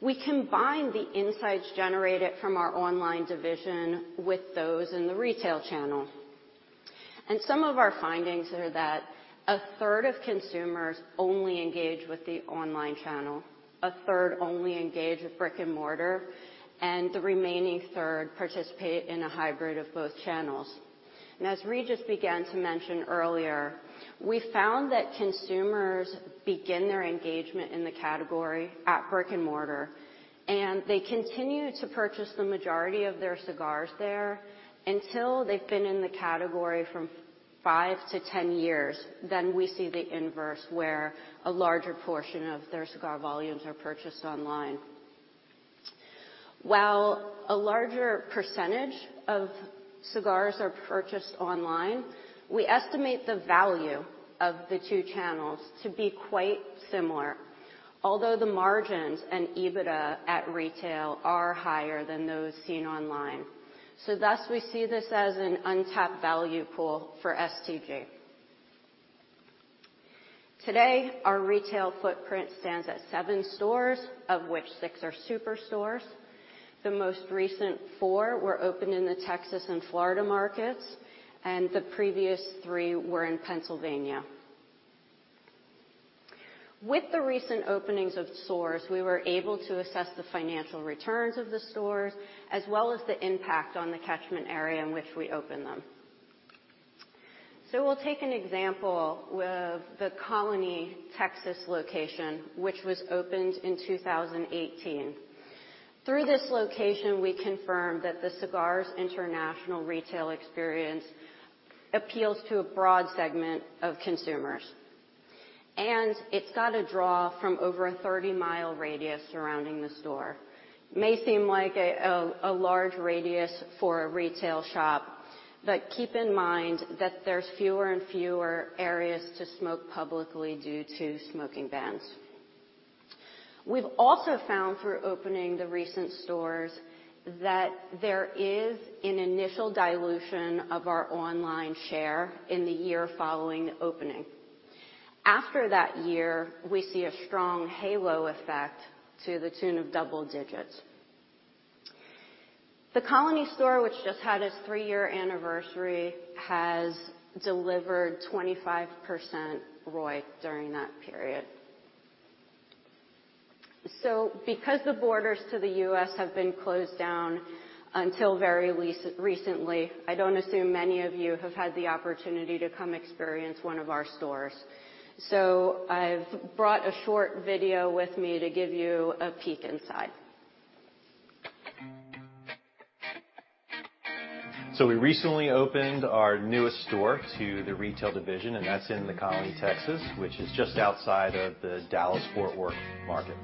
We combine the insights generated from our online division with those in the retail channel. Some of our findings are that a third of consumers only engage with the online channel, a third only engage with brick-and-mortar, and the remaining third participate in a hybrid of both channels. As Régis began to mention earlier, we found that consumers begin their engagement in the category at brick-and-mortar, and they continue to purchase the majority of their cigars there until they've been in the category from 5-10 years. We see the inverse, where a larger portion of their cigar volumes are purchased online. While a larger percentage of cigars are purchased online, we estimate the value of the two channels to be quite similar, although the margins and EBITDA at retail are higher than those seen online. Thus, we see this as an untapped value pool for STG. Today, our retail footprint stands at seven stores, of which six are superstores. The most recent four were opened in the Texas and Florida markets, and the previous three were in Pennsylvania. With the recent openings of stores, we were able to assess the financial returns of the stores as well as the impact on the catchment area in which we open them. We'll take an example with The Colony, Texas location, which was opened in 2018. Through this location, we confirmed that the Cigars International retail experience appeals to a broad segment of consumers, and it's got a draw from over a 30-mile radius surrounding the store. May seem like a large radius for a retail shop, but keep in mind that there's fewer and fewer areas to smoke publicly due to smoking bans. We've also found through opening the recent stores that there is an initial dilution of our online share in the year following opening. After that year, we see a strong halo effect to the tune of double digits. The Colony store, which just had its three-year anniversary, has delivered 25% ROI during that period. Because the borders to the U.S. have been closed down until very recently, I don't assume many of you have had the opportunity to come experience one of our stores. I've brought a short video with me to give you a peek inside. We recently opened our newest store in the retail division, and that's in The Colony, Texas, which is just outside of the Dallas-Fort Worth market.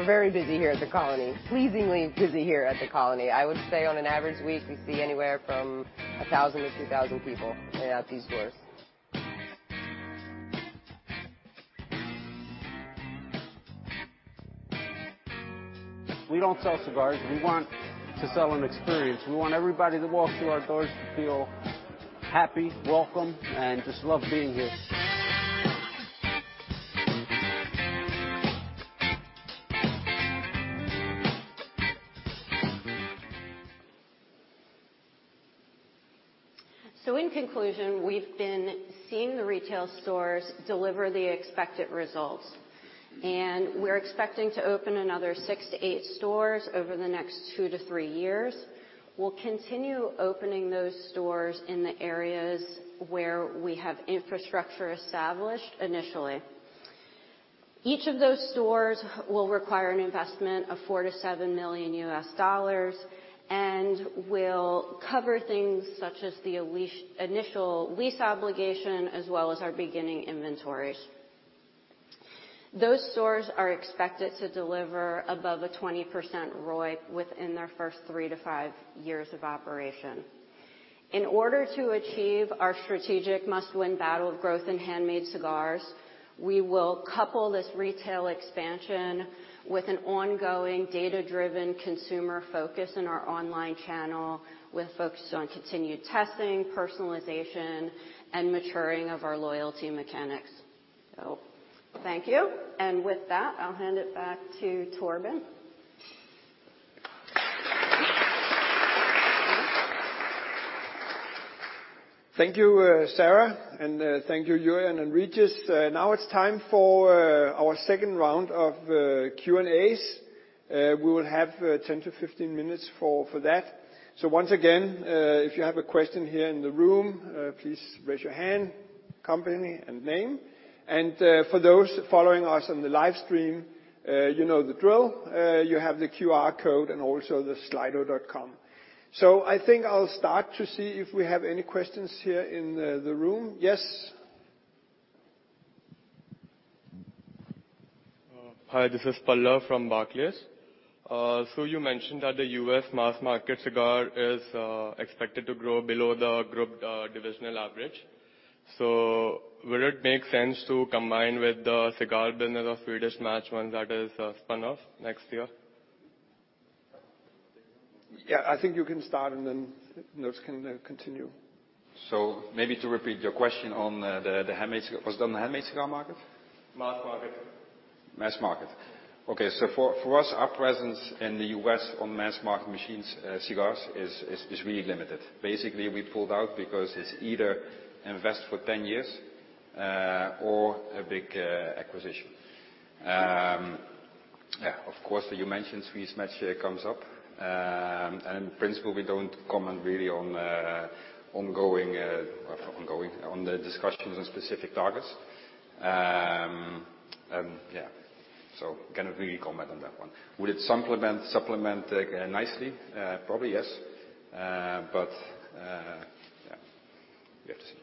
We're very busy here at The Colony, pleasingly busy here at The Colony. I would say on an average week, we see anywhere from 1,000 to 2,000 people coming out to these stores. We don't sell cigars. We want to sell an experience. We want everybody that walks through our doors to feel happy, welcome, and just love being here. In conclusion, we've been seeing the retail stores deliver the expected results, and we're expecting to open another 6-8 stores over the next 2-3 years. We'll continue opening those stores in the areas where we have infrastructure established initially. Each of those stores will require an investment of $4 million-$7 million and will cover things such as the initial lease obligation as well as our beginning inventories. Those stores are expected to deliver above a 20% ROI within their first 3-5 years of operation. In order to achieve our strategic must-win battle of growth in handmade cigars, we will couple this retail expansion with an ongoing data-driven consumer focus in our online channel, with focus on continued testing, personalization, and maturing of our loyalty mechanics. Thank you. With that, I'll hand it back to Torben. Thank you, Sarah. Thank you, Jurjan and Régis. Now it's time for our second round of Q&As. We will have 10-15 minutes for that. Once again, if you have a question here in the room, please raise your hand, company and name. For those following us on the live stream, you know the drill. You have the QR code and also the Slido. I think I'll start to see if we have any questions here in the room. Yes. H`i, this is Pallav from Barclays. You mentioned that the U.S. mass market cigar is expected to grow below the group divisional average. Would it make sense to combine with the cigar business of Swedish Match once that is spun off next year? Yeah, I think you can start, and then notes can continue. Maybe to repeat your question on the handmade, was it on the handmade cigar market? Mass market. Mass market. Okay. For us, our presence in the U.S. on mass market machines cigars is really limited. Basically, we pulled out because it's either invest for 10 years a big acquisition. Yeah, of course, you mentioned Swedish Match comes up. In principle, we don't comment really on ongoing discussions on specific targets. Yeah, cannot really comment on that one. Would it supplement nicely? Probably yes. Yeah, we have to see.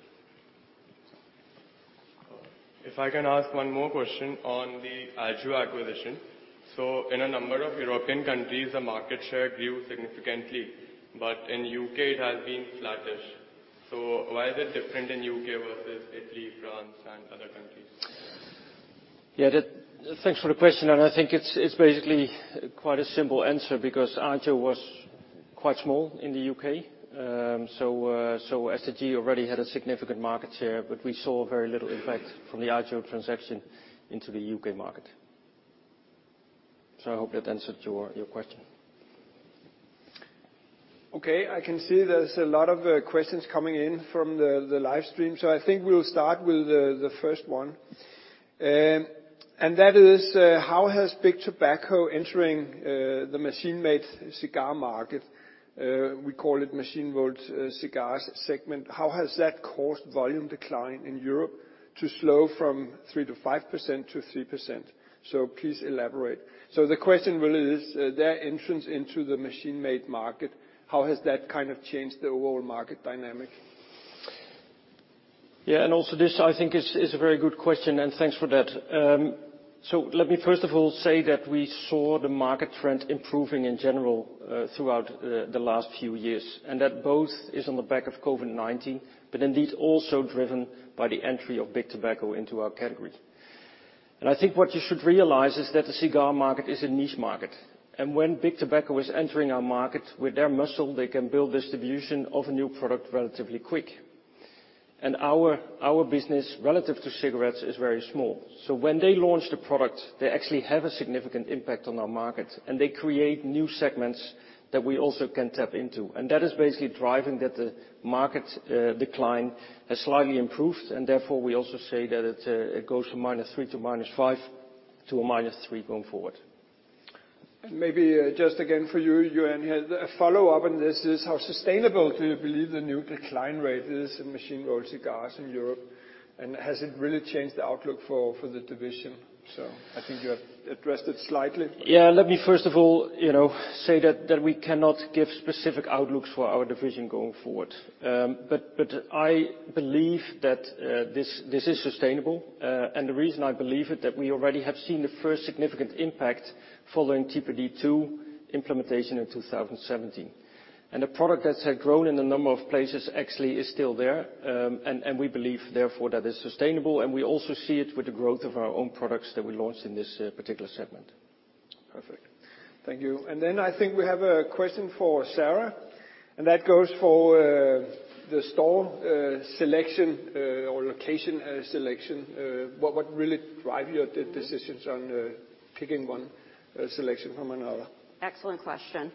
If I can ask one more question on the iSub acquisition. In a number of European countries, the market share grew significantly, but in U.K. it has been flattish. Why is it different in U.K. versus Italy, France, and other countries? Thanks for the question, and I think it's basically quite a simple answer because iSub was quite small in the U.K. STG already had a significant market share, but we saw very little impact from the iSub transaction into the U.K. market. I hope that answered your question. Okay. I can see there's a lot of questions coming in from the live stream, so I think we'll start with the first one. That is, how has big tobacco entering the machine-made cigar market, we call it machine-rolled cigars segment, how has that caused volume decline in Europe to slow from 3%-5% to 3%? Please elaborate. The question really is their entrance into the machine-made market, how has that kind of changed the overall market dynamic? Yeah. Also this, I think is a very good question, and thanks for that. So let me first of all say that we saw the market trend improving in general, throughout the last few years, and that both is on the back of COVID-19, but indeed also driven by the entry of big tobacco into our category. I think what you should realize is that the cigar market is a niche market, and when big tobacco is entering our market, with their muscle, they can build distribution of a new product relatively quick. Our business relative to cigarettes is very small. When they launch the product, they actually have a significant impact on our market, and they create new segments that we also can tap into. That is basically driving that the market decline has slightly improved, and therefore we also say that it goes from -3% to -5% to -3% going forward. Maybe just again for you, Jurjan, here. A follow-up on this is, how sustainable do you believe the new decline rate is in machine-rolled cigars in Europe, and has it really changed the outlook for the division? I think you have addressed it slightly. Let me first of all, you know, say that we cannot give specific outlooks for our division going forward. But I believe that this is sustainable. The reason I believe it is that we already have seen the first significant impact following TPD2 implementation in 2017. The product that had grown in a number of places actually is still there. We believe therefore that it is sustainable, and we also see it with the growth of our own products that we launched in this particular segment. Perfect. Thank you. I think we have a question for Sarah, and that goes for the store selection or location selection. What really drive your decisions on picking one selection from another? Excellent question.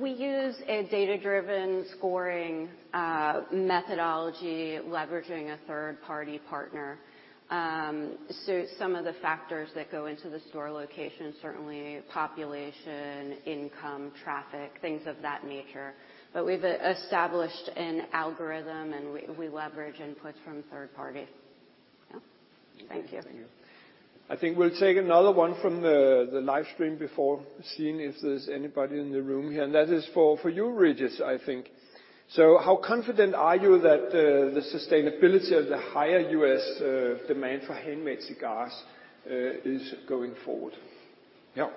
We use a data-driven scoring methodology leveraging a third-party partner. Some of the factors that go into the store location, certainly population, income, traffic, things of that nature. We've established an algorithm, and we leverage inputs from third party. Yeah. Thank you. Thank you. I think we'll take another one from the live stream before seeing if there's anybody in the room here, and that is for you, Régis, I think. How confident are you that the sustainability of the higher U.S. demand for handmade cigars is going forward? Yeah.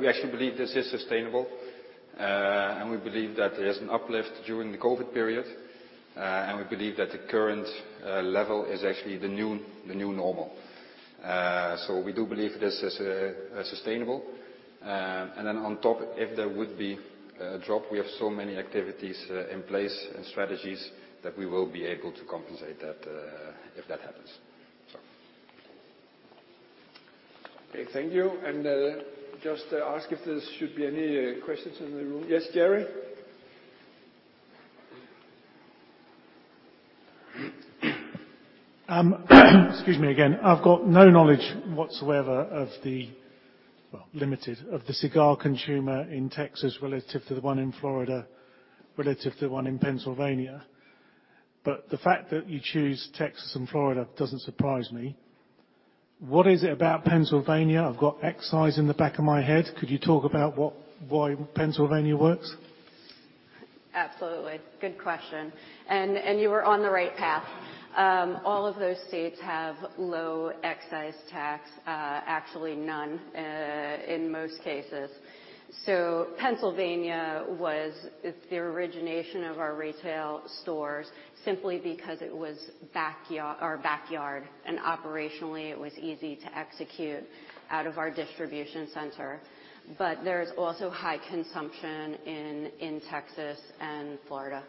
We actually believe this is sustainable. We believe that there is an uplift during the COVID period, and we believe that the current level is actually the new normal. We do believe this is sustainable. On top, if there would be a drop, we have so many activities in place and strategies that we will be able to compensate that, if that happens. Okay. Thank you. Just to ask if there should be any questions in the room. Yes, Gerry? Excuse me again. I've got no knowledge whatsoever of the cigar consumer in Texas relative to the one in Florida, relative to one in Pennsylvania. The fact that you choose Texas and Florida doesn't surprise me. What is it about Pennsylvania? I've got excise in the back of my head. Could you talk about what, why Pennsylvania works? Absolutely. Good question. You are on the right path. All of those states have low excise tax, actually none, in most cases. Pennsylvania was. It's the origination of our retail stores simply because it was our backyard, and operationally it was easy to execute out of our distribution center. There is also high consumption in Texas and Florida.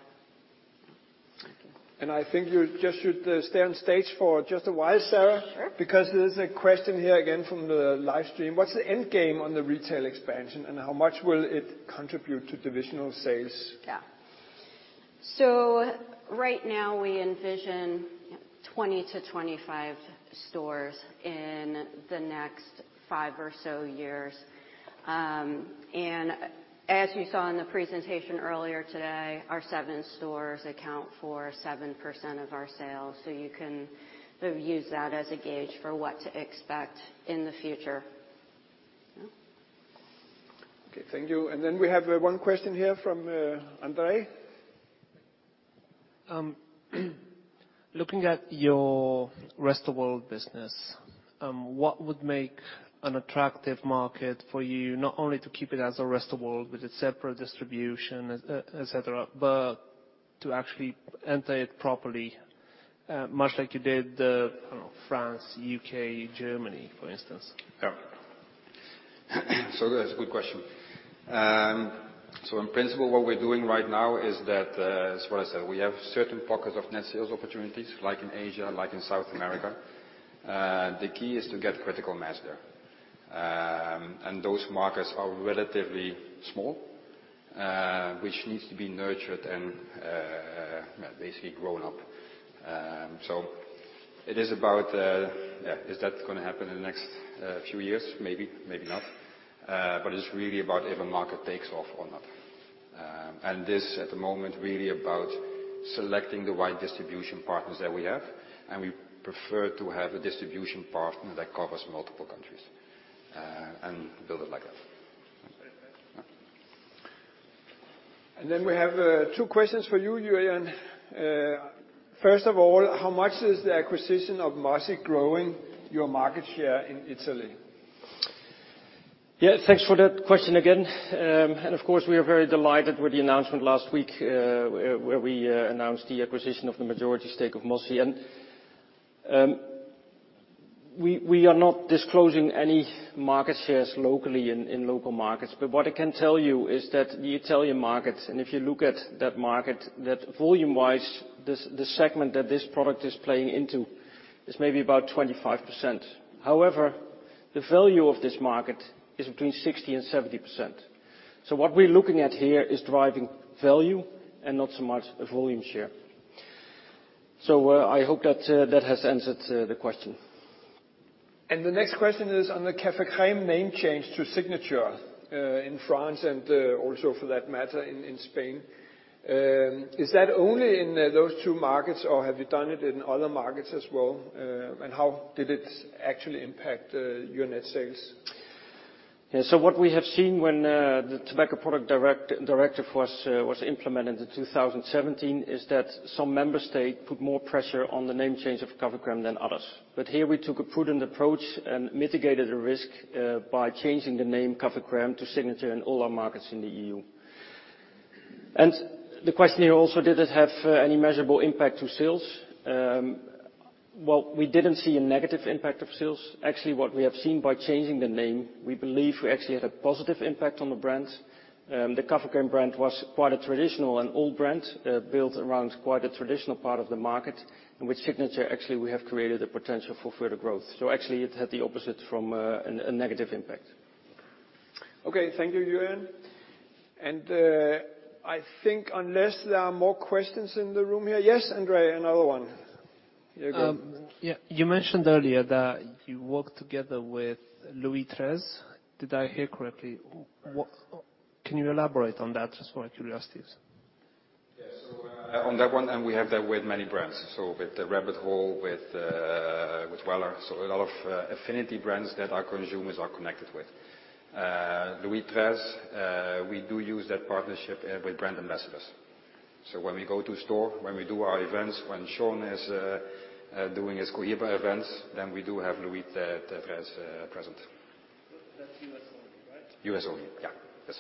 Thank you. I think you just should stay on stage for just a while, Sarah. Sure. Because there's a question here again from the live stream. What's the end game on the retail expansion, and how much will it contribute to divisional sales? Yeah. Right now we envision 20-25 stores in the next five or so years. As you saw in the presentation earlier today, our 7 stores account for 7% of our sales, so you can sort of use that as a gauge for what to expect in the future. Yeah. Okay, thank you. We have one question here from Andre. Looking at your rest of world business, what would make an attractive market for you, not only to keep it as a rest of world with a separate distribution, et cetera, but to actually enter it properly, much like you did, I don't know, France, U.K., Germany, for instance? Yeah. That's a good question. In principle, what we're doing right now is that, as well as, we have certain pockets of net sales opportunities, like in Asia, like in South America. The key is to get critical mass there. Those markets are relatively small, which needs to be nurtured and, basically grown up. It is about, yeah, is that gonna happen in the next few years? Maybe, maybe not. It's really about if a market takes off or not. This at the moment really about selecting the right distribution partners that we have, and we prefer to have a distribution partner that covers multiple countries, and build it like that. Okay, thank you. Yeah. We have 2 questions for you, Jurjan. First of all, how much is the acquisition of Mosi growing your market share in Italy? Yeah, thanks for that question again. Of course, we are very delighted with the announcement last week, where we announced the acquisition of the majority stake of Mosi. We are not disclosing any market shares locally in local markets. What I can tell you is that the Italian market, and if you look at that market, that volume-wise, the segment that this product is playing into is maybe about 25%. However, the value of this market is between 60%-70%. What we're looking at here is driving value and not so much a volume share. I hope that that has answered the question. The next question is on the Café Crème name change to Signature in France and also for that matter in Spain. Is that only in those two markets, or have you done it in other markets as well? How did it actually impact your net sales? Yeah. What we have seen when the Tobacco Products Directive was implemented in 2017 is that some member states put more pressure on the name change of Café Crème than others. Here we took a prudent approach and mitigated the risk by changing the name Café Crème to Signature in all our markets in the EU. The question here also, did it have any measurable impact on sales? Well, we didn't see a negative impact on sales. Actually, what we have seen by changing the name, we believe we actually had a positive impact on the brand. The Café Crème brand was quite a traditional and old brand built around quite a traditional part of the market, in which Signature actually we have created the potential for further growth. Actually it had the opposite from a negative impact. Okay. Thank you, Jurjan. I think unless there are more questions in the room here. Yes, Andre, another one. You go. Yeah. You mentioned earlier that you work together with Louis XIII. Did I hear correctly? Can you elaborate on that, just for my curiosities? Yeah. On that one, we have that with many brands, with the Rabbit Hole, with Weller, a lot of affinity brands that our consumers are connected with. Louis XIII, we do use that partnership with brand ambassadors. When we go to store, when we do our events, when Sean is doing his Cohiba events, we do have Louis XIII present. That's U.S. only, right? U.S. only. Yeah. Yes.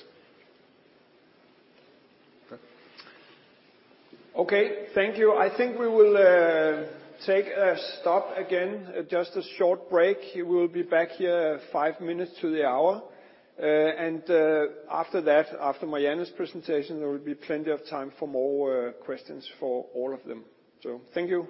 Okay. Thank you. I think we will take a stop again, just a short break. We will be back here five minutes to the hour. After that, after Marianne's presentation, there will be plenty of time for more questions for all of them. Thank you.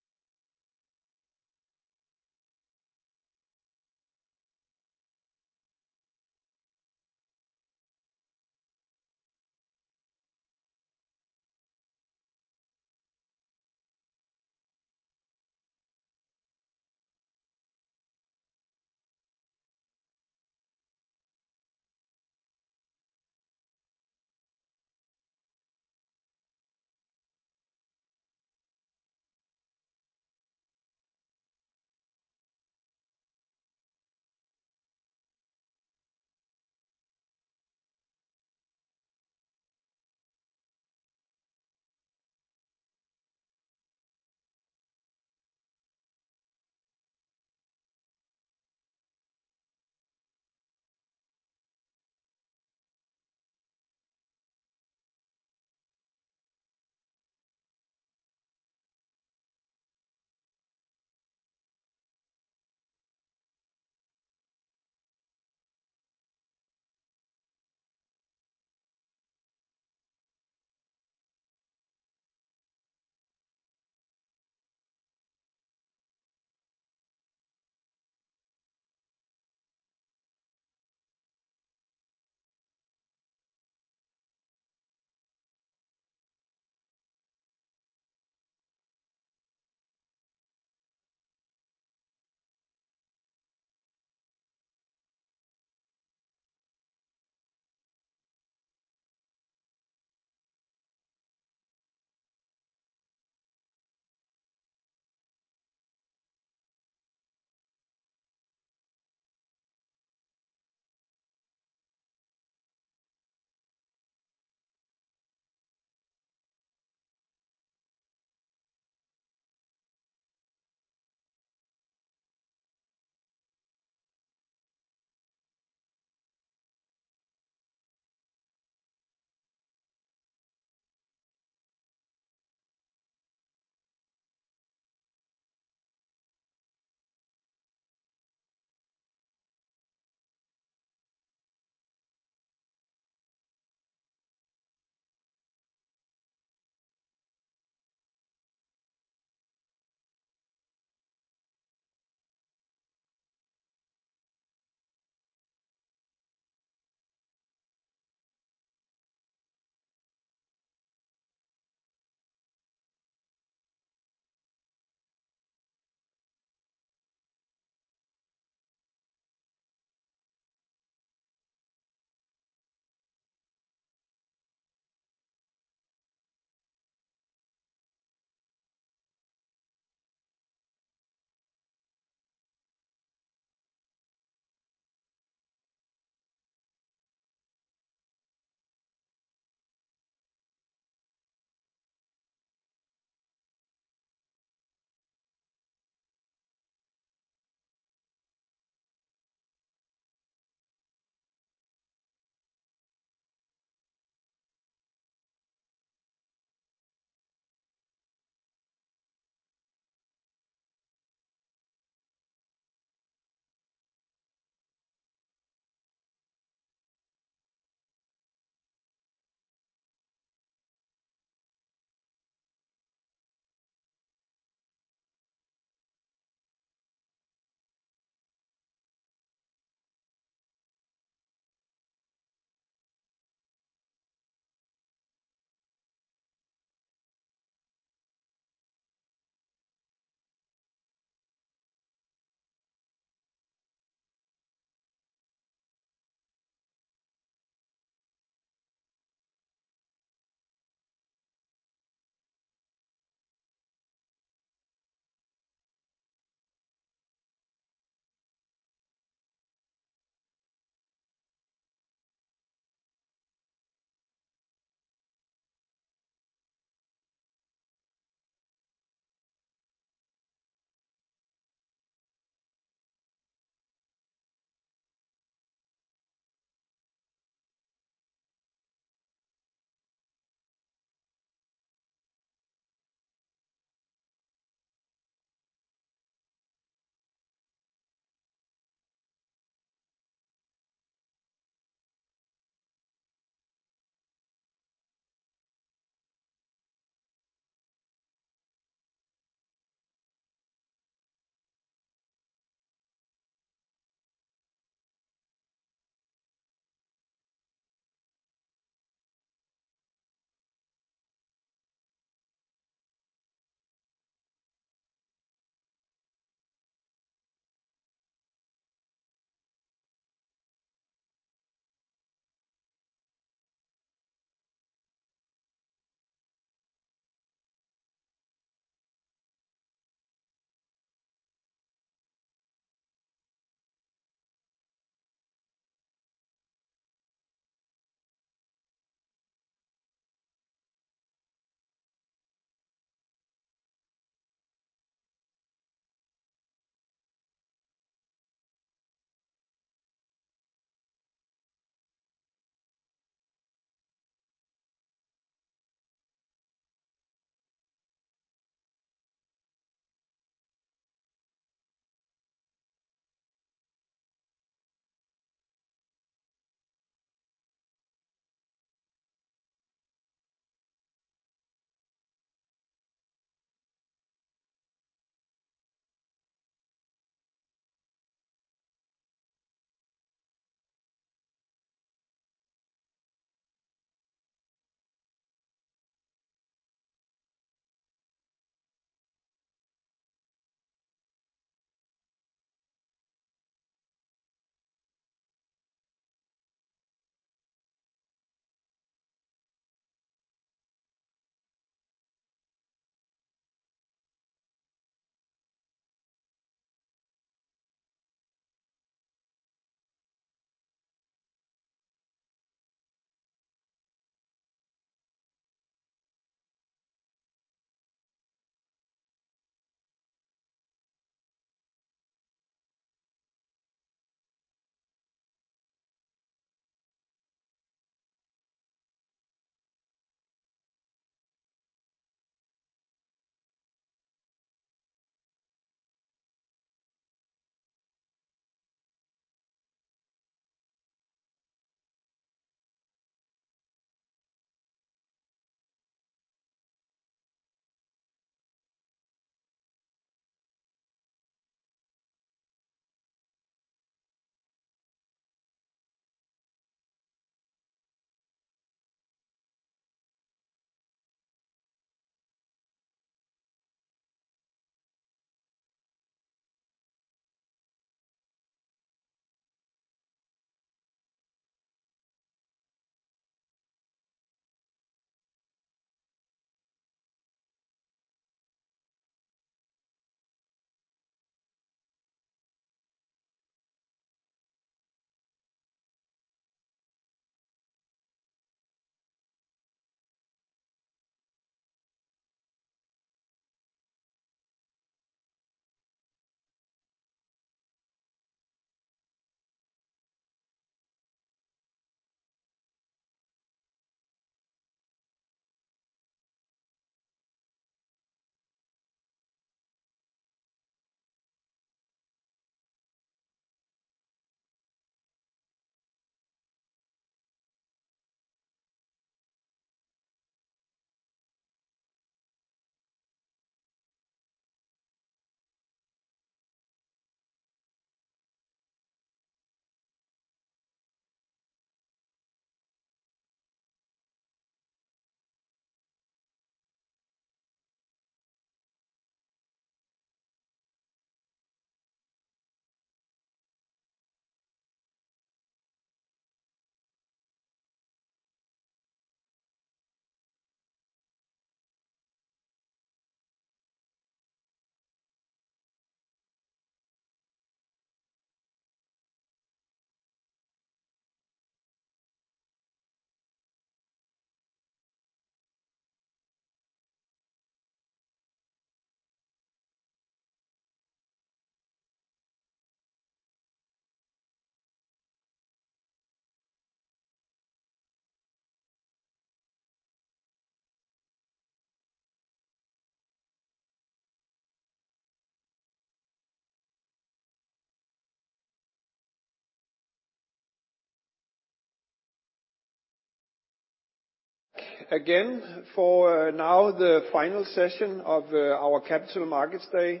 Again, for now the final session of our Capital Markets Day.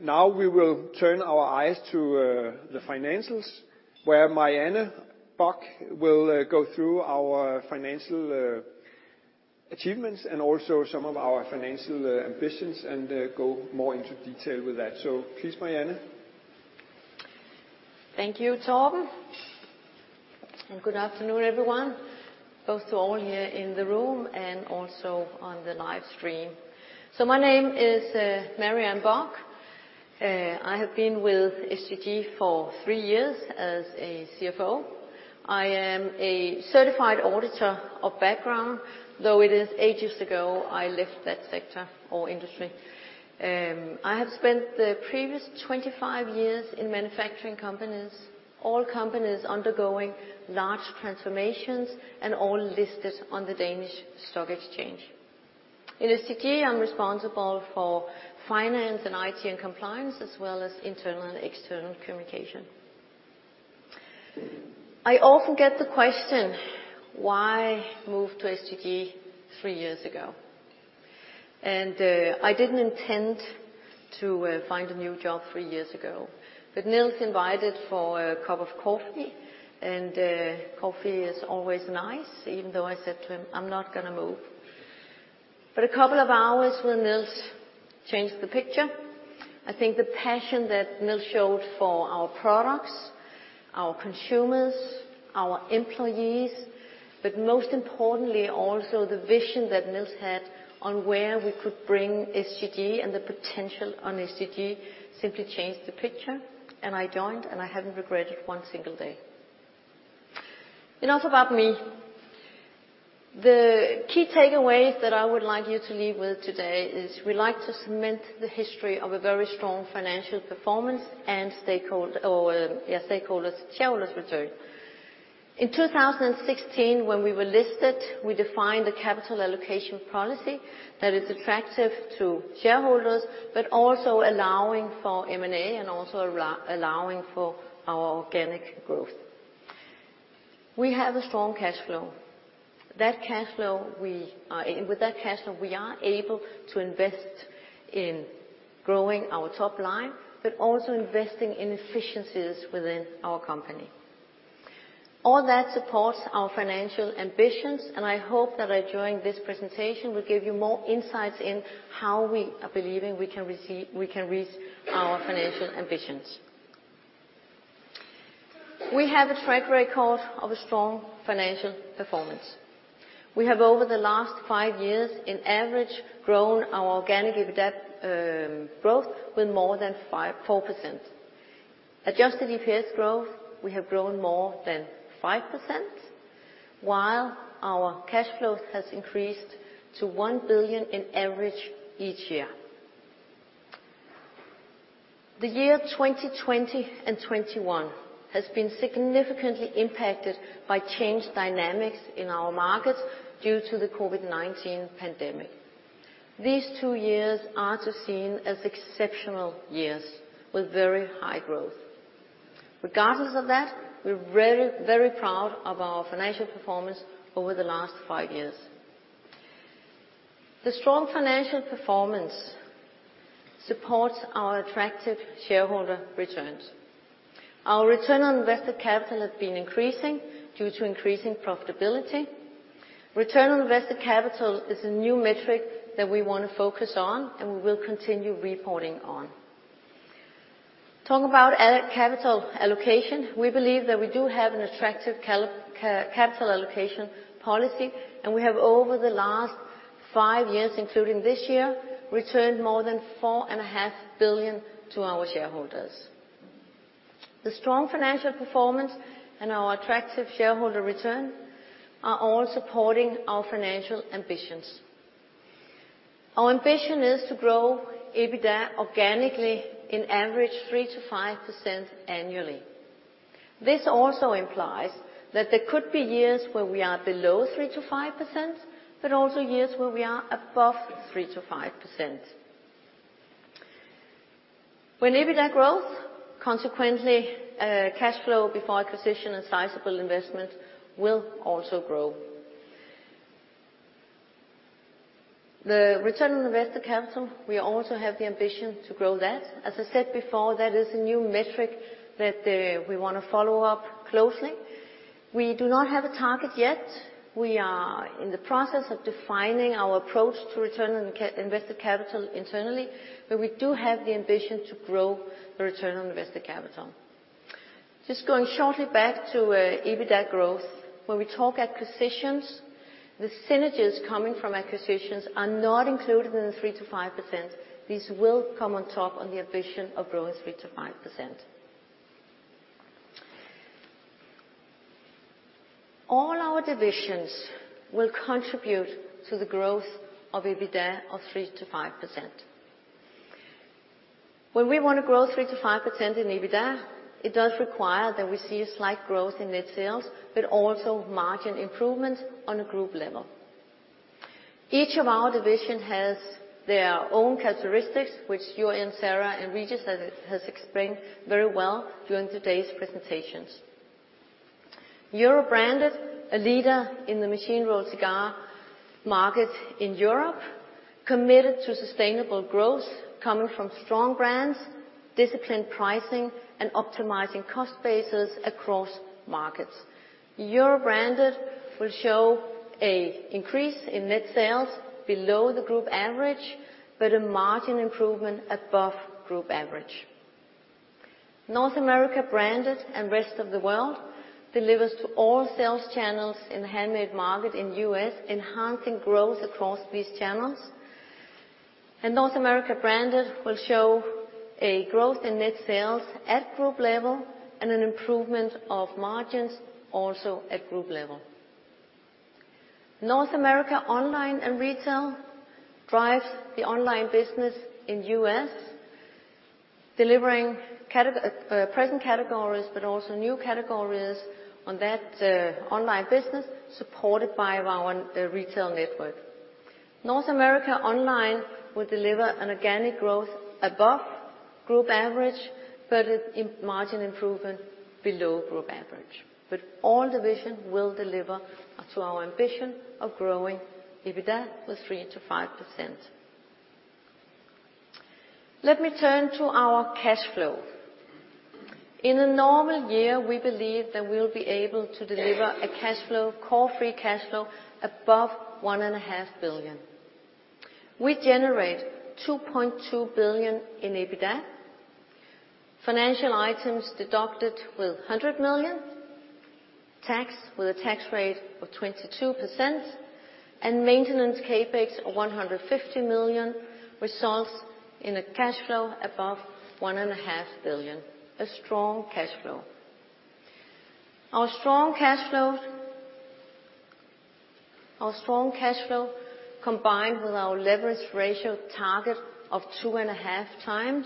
Now we will turn our eyes to the financials, where Marianne Bock will go through our financial achievements and also some of our financial ambitions and go more into detail with that. Please, Marianne. Thank you, Torben. Good afternoon, everyone, both to all here in the room and also on the live stream. My name is Marianne Bock. I have been with STG for three years as a CFO. I am a certified auditor by background, though it is ages ago I left that sector or industry. I have spent the previous 25 years in manufacturing companies, all companies undergoing large transformations and all listed on the Danish Stock Exchange. In STG, I'm responsible for finance and IT, and compliance, as well as internal and external communication. I often get the question, why move to STG three years ago? I didn't intend to find a new job three years ago. Niels invited for a cup of coffee, and coffee is always nice, even though I said to him, "I'm not gonna move." A couple of hours with Niels changed the picture. I think the passion that Niels showed for our products, our consumers, our employees, but most importantly, also the vision that Niels had on where we could bring STG and the potential of STG simply changed the picture, and I joined, and I haven't regretted one single day. Enough about me. The key takeaways that I would like you to leave with today is we like to cement the history of a very strong financial performance and stakeholders, shareholders return. In 2016, when we were listed, we defined a capital allocation policy that is attractive to shareholders, but also allowing for M&A and also allowing for our organic growth. We have a strong cash flow. That cash flow, and with that cash flow, we are able to invest in growing our top line, but also investing in efficiencies within our company. All that supports our financial ambitions, and I hope that during this presentation will give you more insights into how we are believing we can achieve our financial ambitions. We have a track record of a strong financial performance. We have, over the last five years, on average, grown our organic EBITDA growth with more than 5.4%. Adjusted EPS growth, we have grown more than 5%, while our cash flow has increased to 1 billion on average each year. The year 2020 and 2021 has been significantly impacted by changed dynamics in our markets due to the COVID-19 pandemic. These two years are to be seen as exceptional years with very high growth. Regardless of that, we're very, very proud of our financial performance over the last five years. The strong financial performance supports our attractive shareholder returns. Our return on invested capital has been increasing due to increasing profitability. Return on invested capital is a new metric that we wanna focus on, and we will continue reporting on. Talking about capital allocation, we believe that we do have an attractive capital allocation policy, and we have, over the last five years, including this year, returned more than 4.5 billion to our shareholders. The strong financial performance and our attractive shareholder return are all supporting our financial ambitions. Our ambition is to grow EBITDA organically on average 3%-5% annually. This also implies that there could be years where we are below 3%-5%, but also years where we are above 3%-5%. With EBITDA growth, consequently, cash flow before acquisition and sizable investment will also grow. The return on invested capital, we also have the ambition to grow that. As I said before, that is a new metric that, we wanna follow up closely. We do not have a target yet. We are in the process of defining our approach to return on invested capital internally, but we do have the ambition to grow the return on invested capital. Just going shortly back to EBITDA growth. When we talk about acquisitions, the synergies coming from acquisitions are not included in the 3%-5%. These will come on top of the ambition of growing 3%-5%. All our divisions will contribute to the growth of EBITDA of 3%-5%. When we wanna grow 3%-5% in EBITDA, it does require that we see a slight growth in net sales, but also margin improvements on a group level. Each of our division has their own characteristics, which Jurjan and Sarah and Régis has explained very well during today's presentations. Europe Branded, a leader in the machine rolled cigar market in Europe, committed to sustainable growth coming from strong brands, disciplined pricing, and optimizing cost bases across markets. Europe Branded will show an increase in net sales below the group average, but a margin improvement above group average. North America Branded and Rest of the World delivers to all sales channels in the handmade market in U.S., enhancing growth across these channels. North America Branded will show a growth in net sales at group level and an improvement of margins also at group level. North America Online and Retail drives the online business in U.S., delivering present categories, but also new categories on that online business supported by our retail network. North America Online will deliver an organic growth above group average, but a margin improvement below group average. All division will deliver to our ambition of growing EBITDA with 3%-5%. Let me turn to our cash flow. In a normal year, we believe that we'll be able to deliver a cash flow, core free cash flow above $1.5 billion. We generate $2.2 billion in EBITDA. Financial items deducted with $100 million, tax with a tax rate of 22%, and maintenance CapEx of $150 million results in a cash flow above $1.5 billion, a strong cash flow. Our strong cash flow combined with our leverage ratio target of 2.5x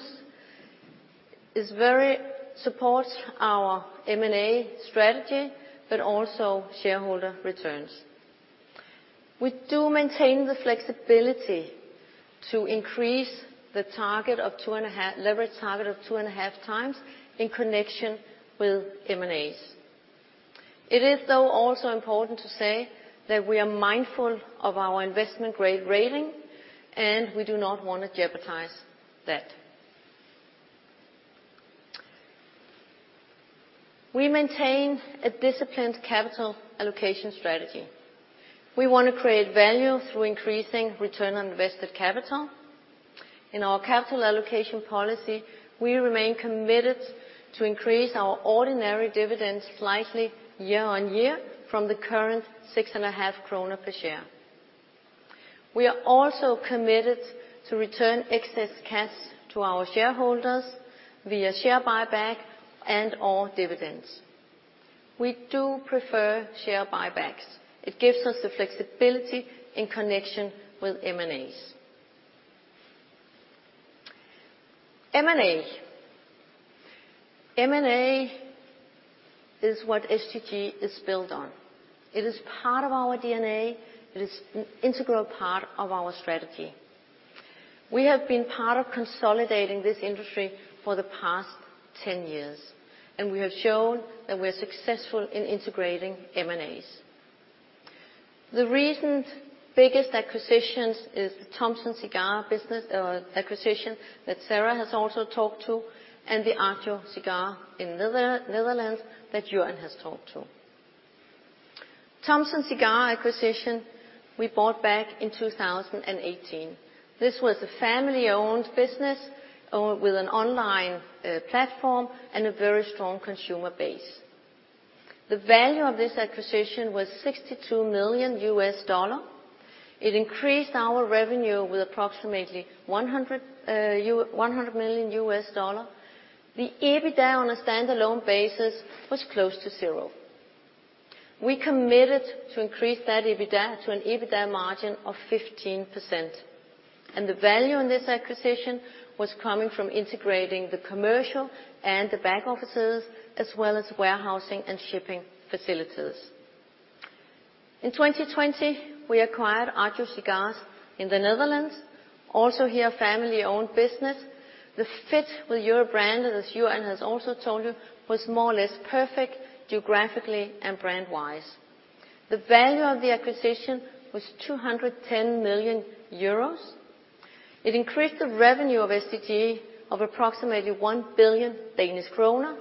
is very supportive of our M&A strategy, but also shareholder returns. We do maintain the flexibility to increase the leverage target of 2.5x in connection with M&As. It is, though, also important to say that we are mindful of our investment grade rating, and we do not wanna jeopardize that. We maintain a disciplined capital allocation strategy. We wanna create value through increasing return on invested capital. In our capital allocation policy, we remain committed to increase our ordinary dividends slightly year-over-year from the current 6.5 krone per share. We are also committed to return excess cash to our shareholders via share buyback and/or dividends. We do prefer share buybacks. It gives us the flexibility in connection with M&As. M&A is what STG is built on. It is part of our DNA. It is an integral part of our strategy. We have been part of consolidating this industry for the past 10 years, and we have shown that we're successful in integrating M&As. The recent biggest acquisitions is the Thompson Cigar business, or acquisition, that Sarah has also talked to, and the Agio Cigars in the Netherlands, that Jurjan has talked to. Thompson Cigar acquisition, we bought back in 2018. This was a family-owned business, with an online platform and a very strong consumer base. The value of this acquisition was $62 million. It increased our revenue with approximately $100 million. The EBITDA on a standalone basis was close to zero. We committed to increase that EBITDA to an EBITDA margin of 15%, and the value in this acquisition was coming from integrating the commercial and the back offices, as well as warehousing and shipping facilities. In 2020, we acquired Agio Cigars in the Netherlands. Also here, a family-owned business. The fit with your brand, as Jurjan has also told you, was more or less perfect geographically and brand-wise. The value of the acquisition was 210 million euros. It increased the revenue of STG by approximately 1 billion Danish kroner,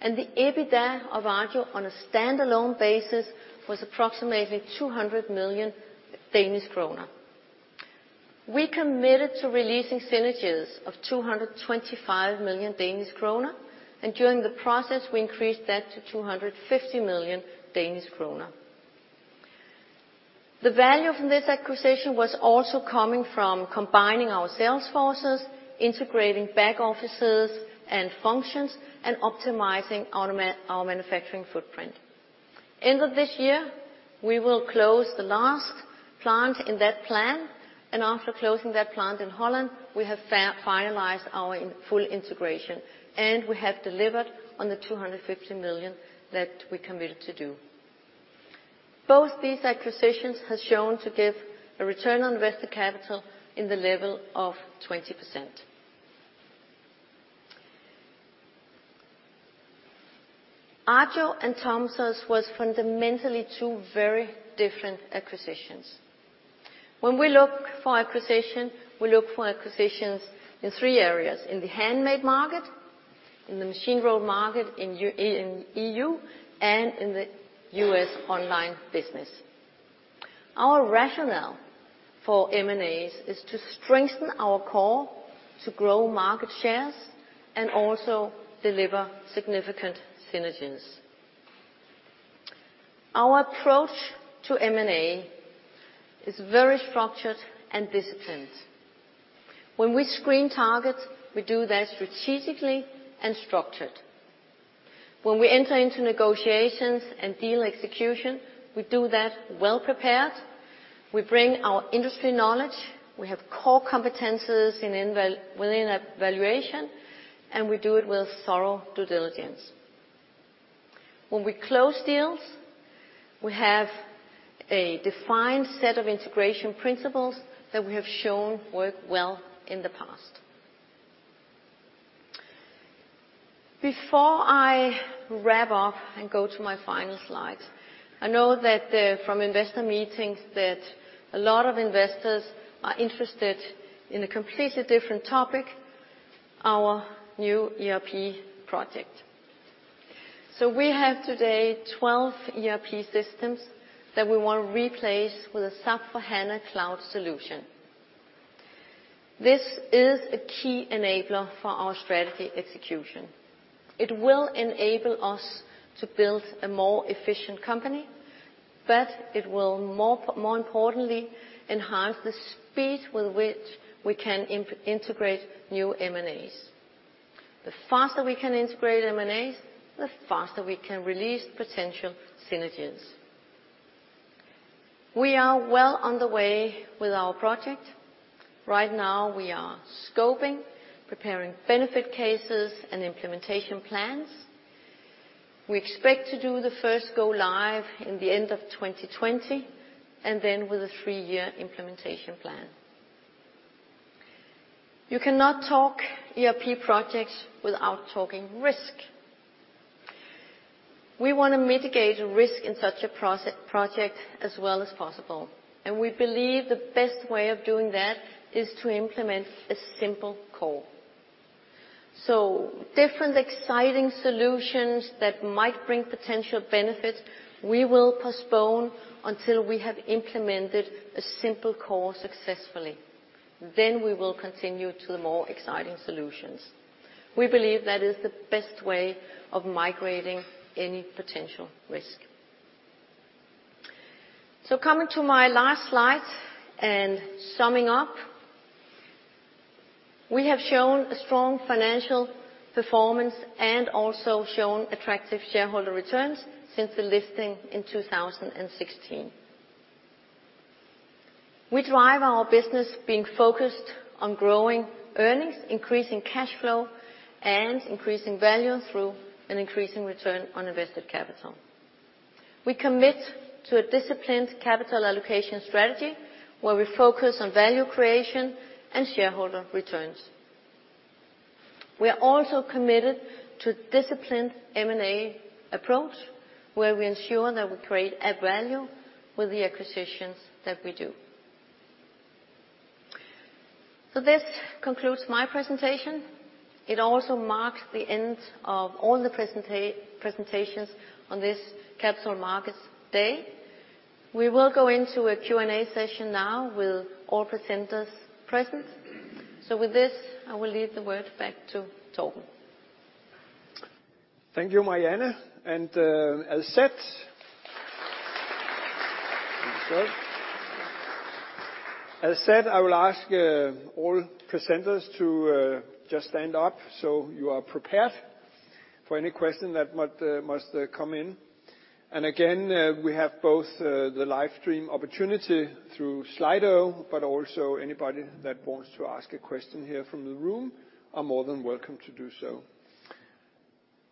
and the EBITDA of Agio on a standalone basis was approximately 200 million Danish kroner. We committed to releasing synergies of 225 million Danish kroner, and during the process, we increased that to 250 million Danish kroner. The value from this acquisition was also coming from combining our sales forces, integrating back offices and functions, and optimizing our manufacturing footprint. End of this year, we will close the last plant in that plan, and after closing that plant in Holland, we have finalized our full integration, and we have delivered on the 250 million that we committed to do. Both these acquisitions has shown to give a return on invested capital in the level of 20%. Agio and Thompson Cigar was fundamentally two very different acquisitions. When we look for acquisition, we look for acquisitions in three areas: in the handmade market, in the machine-rolled market in EU, and in the U.S. online business. Our rationale for M&As is to strengthen our core, to grow market shares, and also deliver significant synergies. Our approach to M&A is very structured and disciplined. When we screen targets, we do that strategically and structured. When we enter into negotiations and deal execution, we do that well prepared. We bring our industry knowledge. We have core competences within a valuation, and we do it with thorough due diligence. When we close deals, we have a defined set of integration principles that we have shown work well in the past. Before I wrap up and go to my final slide, I know that from investor meetings that a lot of investors are interested in a completely different topic, our new ERP project. We have today 12 ERP systems that we wanna replace with a SAP S/4HANA Cloud solution. This is a key enabler for our strategy execution. It will enable us to build a more efficient company, but it will more importantly enhance the speed with which we can integrate new M&As. The faster we can integrate M&As, the faster we can release potential synergies. We are well on the way with our project. Right now we are scoping, preparing benefit cases and implementation plans. We expect to do the first go live in the end of 2020, and then with a three-year implementation plan. You cannot talk ERP projects without talking risk. We wanna mitigate risk in such a project as well as possible, and we believe the best way of doing that is to implement a simple core. Different exciting solutions that might bring potential benefits, we will postpone until we have implemented a simple core successfully. We will continue to the more exciting solutions. We believe that is the best way of migrating any potential risk. Coming to my last slide and summing up, we have shown a strong financial performance and also shown attractive shareholder returns since the listing in 2016. We drive our business being focused on growing earnings, increasing cash flow, and increasing value through an increasing return on invested capital. We commit to a disciplined capital allocation strategy where we focus on value creation and shareholder returns. We are also committed to disciplined M&A approach, where we ensure that we create added value with the acquisitions that we do. This concludes my presentation. It also marks the end of all the presentations on this Capital Markets Day. We will go into a Q&A session now with all presenters present. With this, I will hand the word back to Torben. Thank you, Marianne. As said, thank you, sir. I will ask all presenters to just stand up so you are prepared for any question that might just come in. Again, we have both the live stream opportunity through Slido, but also anybody that wants to ask a question here from the room are more than welcome to do so.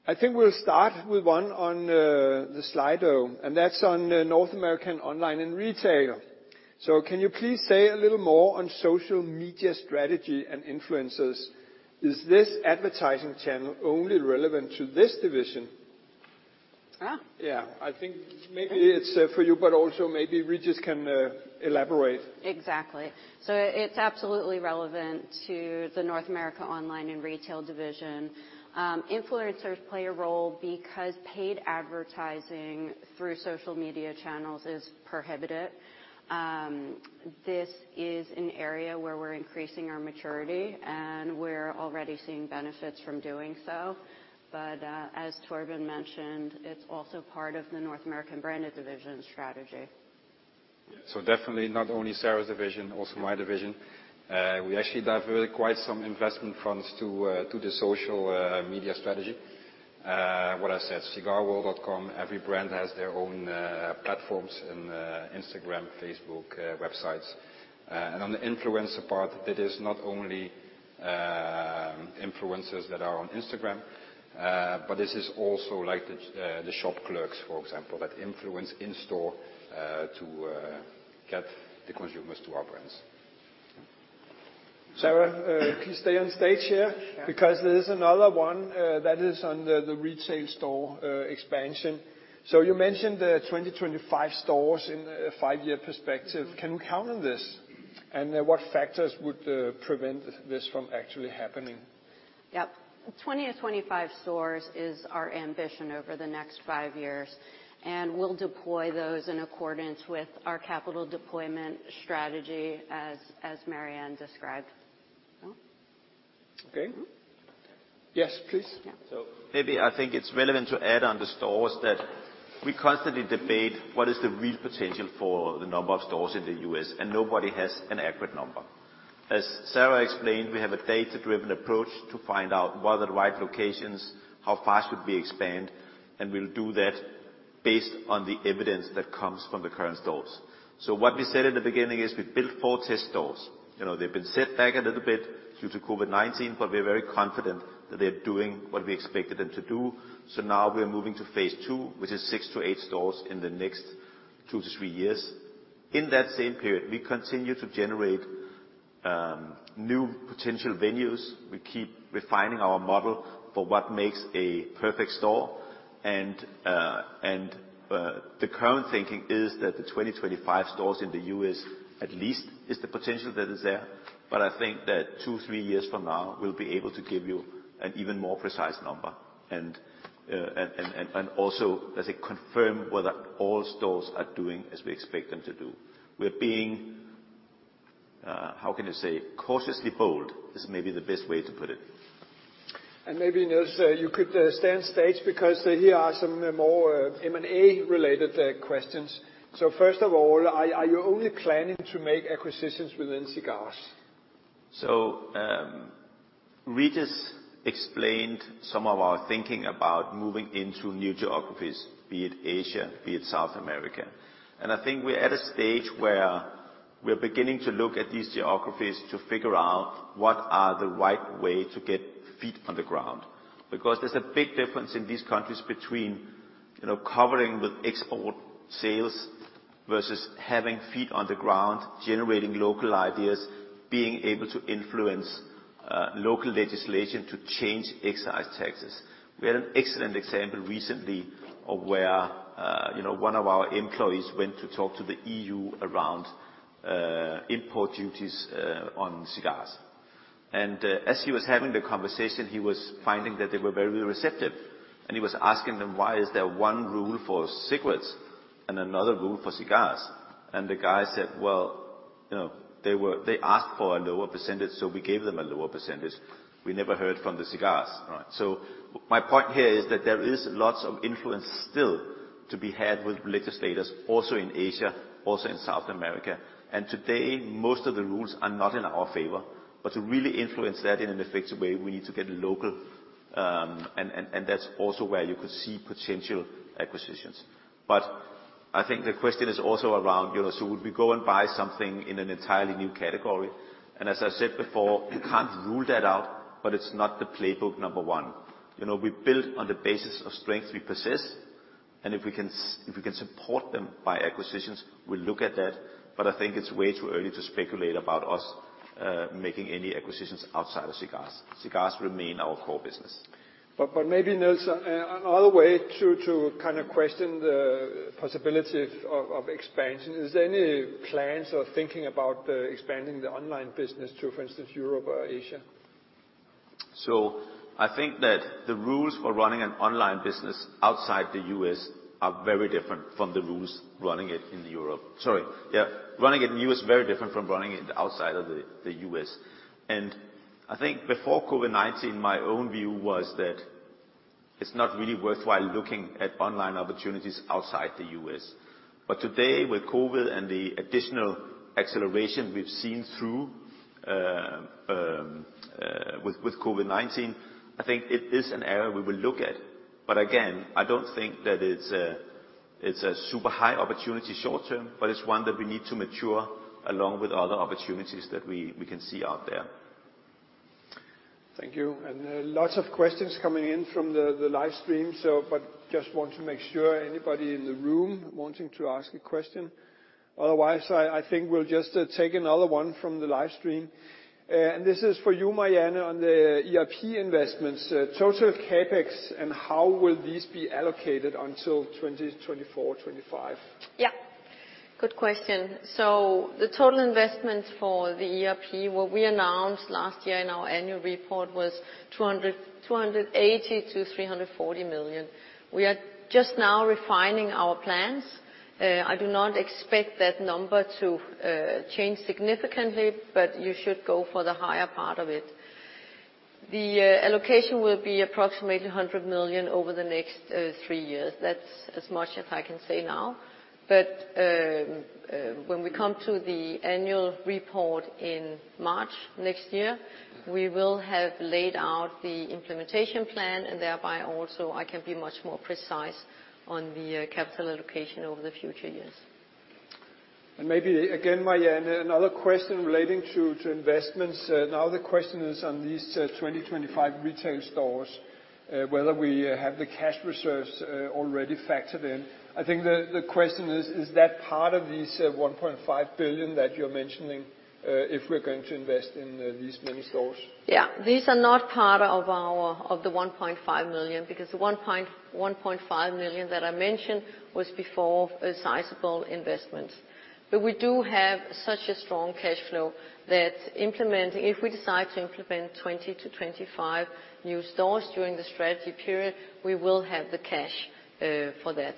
I think we'll start with one on the Slido, and that's on North America Online and Retail. Can you please say a little more on social media strategy and influencers? Is this advertising channel only relevant to this division? Ah. Yeah. I think maybe it's for you, but also maybe Régis can elaborate. Exactly. It's absolutely relevant to the North America Online and Retail Division. Influencers play a role because paid advertising through social media channels is prohibited. This is an area where we're increasing our maturity, and we're already seeing benefits from doing so. As Torben mentioned, it's also part of the North America Branded Division strategy. Definitely not only Sarah's division, also my division. We actually diverted quite some investment funds to the social media strategy. What I said, cigarworld.com, every brand has their own platforms in Instagram, Facebook, websites. On the influencer part, it is not only influencers that are on Instagram, but this is also like the shop clerks, for example, that influence in store to get the consumers to our brands. Sarah, please stay on stage here. Yeah. Because there is another one that is on the retail store expansion. You mentioned 20-25 stores in a five-year perspective. Mm-hmm. Can we count on this? What factors would prevent this from actually happening? Yep. 20-25 stores is our ambition over the next five years, and we'll deploy those in accordance with our capital deployment strategy as Marianne described. No? Okay. Mm-hmm. Yes, please. Yeah. Maybe I think it's relevant to add on the stores that we constantly debate what is the real potential for the number of stores in the U.S., and nobody has an accurate number. As Sarah explained, we have a data-driven approach to find out what are the right locations, how fast could we expand, and we'll do that based on the evidence that comes from the current stores. What we said in the beginning is we built 4 test stores. You know, they've been set back a little bit due to COVID-19, but we're very confident that they're doing what we expected them to do. Now we're moving to phase two, which is 6-8 stores in the next two to three years. In that same period, we continue to generate New potential venues. We keep refining our model for what makes a perfect store. The current thinking is that the 2025 stores in the U.S. at least is the potential that is there. I think that 2, 3 years from now, we'll be able to give you an even more precise number. Also as I confirm whether all stores are doing as we expect them to do. We're being, how can you say, cautiously bold, is maybe the best way to put it. Maybe, Niels, you could stay on stage because here are some more M&A related questions. First of all, are you only planning to make acquisitions within cigars? Régis explained some of our thinking about moving into new geographies, be it Asia, be it South America. I think we're at a stage where we're beginning to look at these geographies to figure out what are the right way to get feet on the ground. Because there's a big difference in these countries between, you know, covering with export sales versus having feet on the ground, generating local ideas, being able to influence, local legislation to change excise taxes. We had an excellent example recently of where, you know, one of our employees went to talk to the EU around, import duties, on cigars. As he was having the conversation, he was finding that they were very receptive, and he was asking them, "Why is there one rule for cigarettes and another rule for cigars?" The guy said, "Well, you know, they asked for a lower percentage, so we gave them a lower percentage. We never heard from the cigars." Right? My point here is that there is lots of influence still to be had with legislators, also in Asia, also in South America. Today, most of the rules are not in our favor. To really influence that in an effective way, we need to get local, and that's also where you could see potential acquisitions. I think the question is also around, you know, would we go and buy something in an entirely new category? As I said before, you can't rule that out, but it's not the playbook number one. You know, we build on the basis of strength we possess, and if we can support them by acquisitions, we'll look at that. I think it's way too early to speculate about us making any acquisitions outside of cigars. Cigars remain our core business. Maybe, Niels, another way to kind of question the possibility of expansion, is there any plans or thinking about expanding the online business to, for instance, Europe or Asia? I think that the rules for running an online business outside the U.S. are very different from the rules running it in Europe. Running it in the U.S. is very different from running it outside of the U.S. I think before COVID-19, my own view was that it's not really worthwhile looking at online opportunities outside the U.S. Today, with COVID and the additional acceleration we've seen through with COVID-19, I think it is an area we will look at. Again, I don't think that it's a super high opportunity short term, but it's one that we need to mature along with other opportunities that we can see out there. Thank you. Lots of questions coming in from the live stream, so but just want to make sure anybody in the room wanting to ask a question. Otherwise, I think we'll just take another one from the live stream. This is for you, Marianne, on the ERP investments. Total CapEx and how will these be allocated until 2024, 2025? Good question. The total investment for the ERP, what we announced last year in our annual report, was 280 million-340 million. We are just now refining our plans. I do not expect that number to change significantly, but you should go for the higher part of it. The allocation will be approximately 100 million over the next three years. That's as much as I can say now. When we come to the annual report in March next year, we will have laid out the implementation plan, and thereby also I can be much more precise on the capital allocation over the future years. Maybe again, Marianne, another question relating to investments. Now the question is on these 2025 retail stores, whether we have the cash reserves already factored in. I think the question is that part of this 1.5 billion that you're mentioning, if we're going to invest in these many stores? Yeah. These are not part of our one point five million, because the 1.5 million that I mentioned was before a sizable investment. We do have such a strong cash flow that if we decide to implement 20-25 new stores during the strategy period, we will have the cash for that,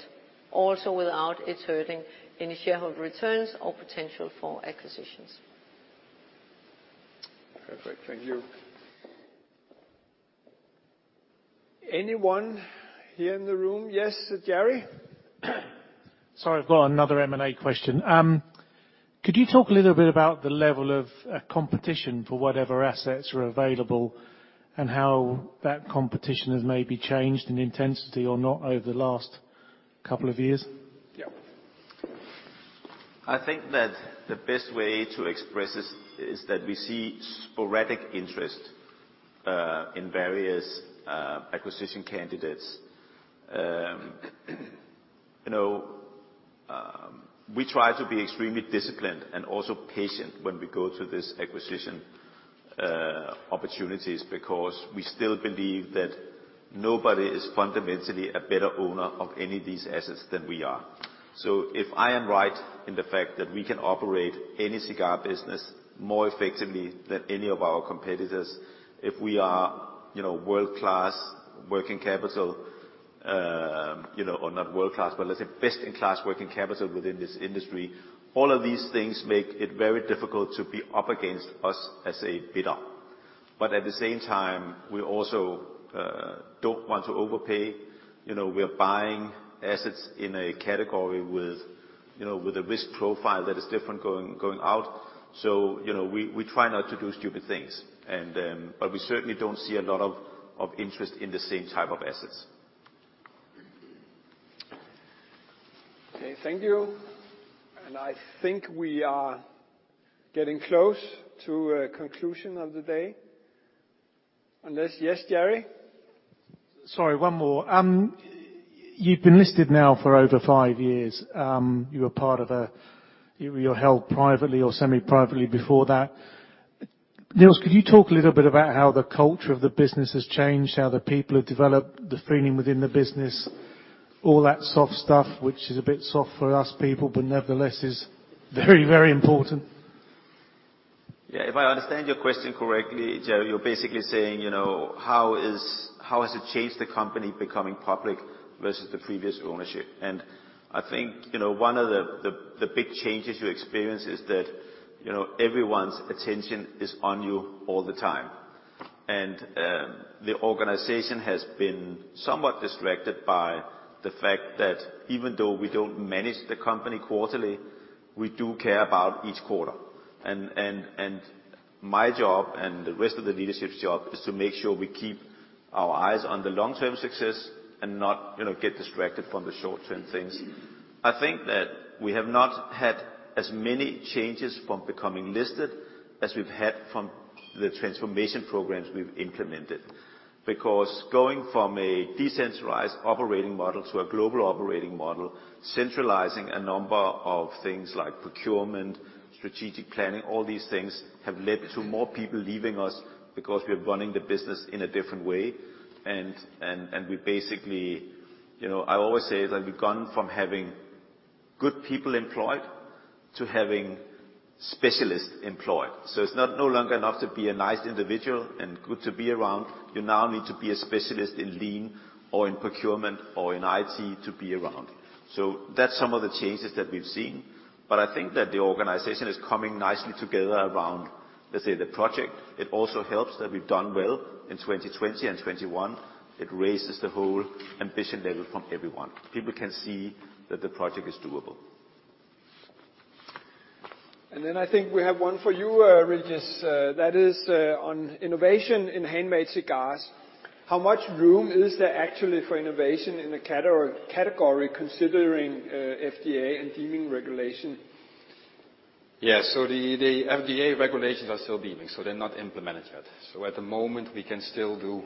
also without it hurting any shareholder returns or potential for acquisitions. Perfect. Thank you. Anyone here in the room? Yes, Gerry? Sorry, I've got another M&A question. Could you talk a little bit about the level of competition for whatever assets are available and how that competition has maybe changed in intensity or not over the last couple of years? Yeah. I think that the best way to express this is that we see sporadic interest in various acquisition candidates. You know, we try to be extremely disciplined and also patient when we go to this acquisition opportunities, because we still believe that nobody is fundamentally a better owner of any of these assets than we are. If I am right in the fact that we can operate any cigar business more effectively than any of our competitors, if we are, you know, world-class working capital, you know, or not world-class, but let's say best in class working capital within this industry, all of these things make it very difficult to be up against us as a bidder. At the same time, we also don't want to overpay. You know, we are buying assets in a category with, you know, with a risk profile that is different going out. You know, we try not to do stupid things. But we certainly don't see a lot of interest in the same type of assets. Okay. Thank you. I think we are getting close to a conclusion of the day. Unless. Yes, Gerry? Sorry, one more. You've been listed now for over five years. You were held privately or semi-privately before that. Niels, could you talk a little bit about how the culture of the business has changed? How the people have developed, the feeling within the business, all that soft stuff which is a bit soft for us people, but nevertheless is very, very important. Yeah, if I understand your question correctly, Gerry, you're basically saying, you know, how has it changed the company becoming public versus the previous ownership? I think, you know, one of the big changes you experience is that, you know, everyone's attention is on you all the time. The organization has been somewhat distracted by the fact that even though we don't manage the company quarterly, we do care about each quarter. My job and the rest of the leadership's job is to make sure we keep our eyes on the long-term success and not, you know, get distracted from the short-term things. I think that we have not had as many changes from becoming listed as we've had from the transformation programs we've implemented. Because going from a decentralized operating model to a global operating model, centralizing a number of things like procurement, strategic planning, all these things, have led to more people leaving us because we're running the business in a different way. We basically, you know, I always say that we've gone from having good people employed to having specialists employed. It's not no longer enough to be a nice individual and good to be around. You now need to be a specialist in Lean or in procurement or in IT to be around. That's some of the changes that we've seen. I think that the organization is coming nicely together around, let's say, the project. It also helps that we've done well in 2020 and 2021. It raises the whole ambition level from everyone. People can see that the project is doable. I think we have one for you, Régis. That is on innovation in handmade cigars. How much room is there actually for innovation in the category considering FDA and Deeming regulation? The FDA regulations are still Deeming, so they're not implemented yet. At the moment, we can still do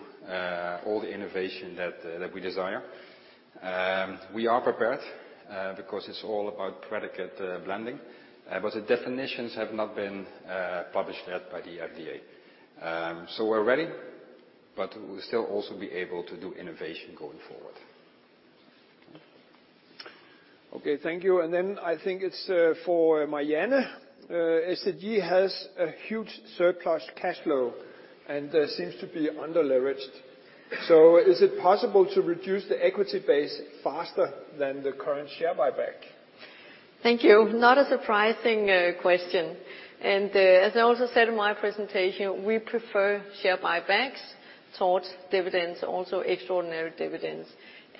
all the innovation that we desire. We are prepared because it's all about predicate blending. The definitions have not been published yet by the FDA. We're ready, but we'll still also be able to do innovation going forward. Okay. Thank you. Then I think it's for Marianne. STG has a huge surplus cash flow and seems to be under-leveraged. Is it possible to reduce the equity base faster than the current share buyback? Thank you. Not a surprising question. As I also said in my presentation, we prefer share buybacks towards dividends, also extraordinary dividends.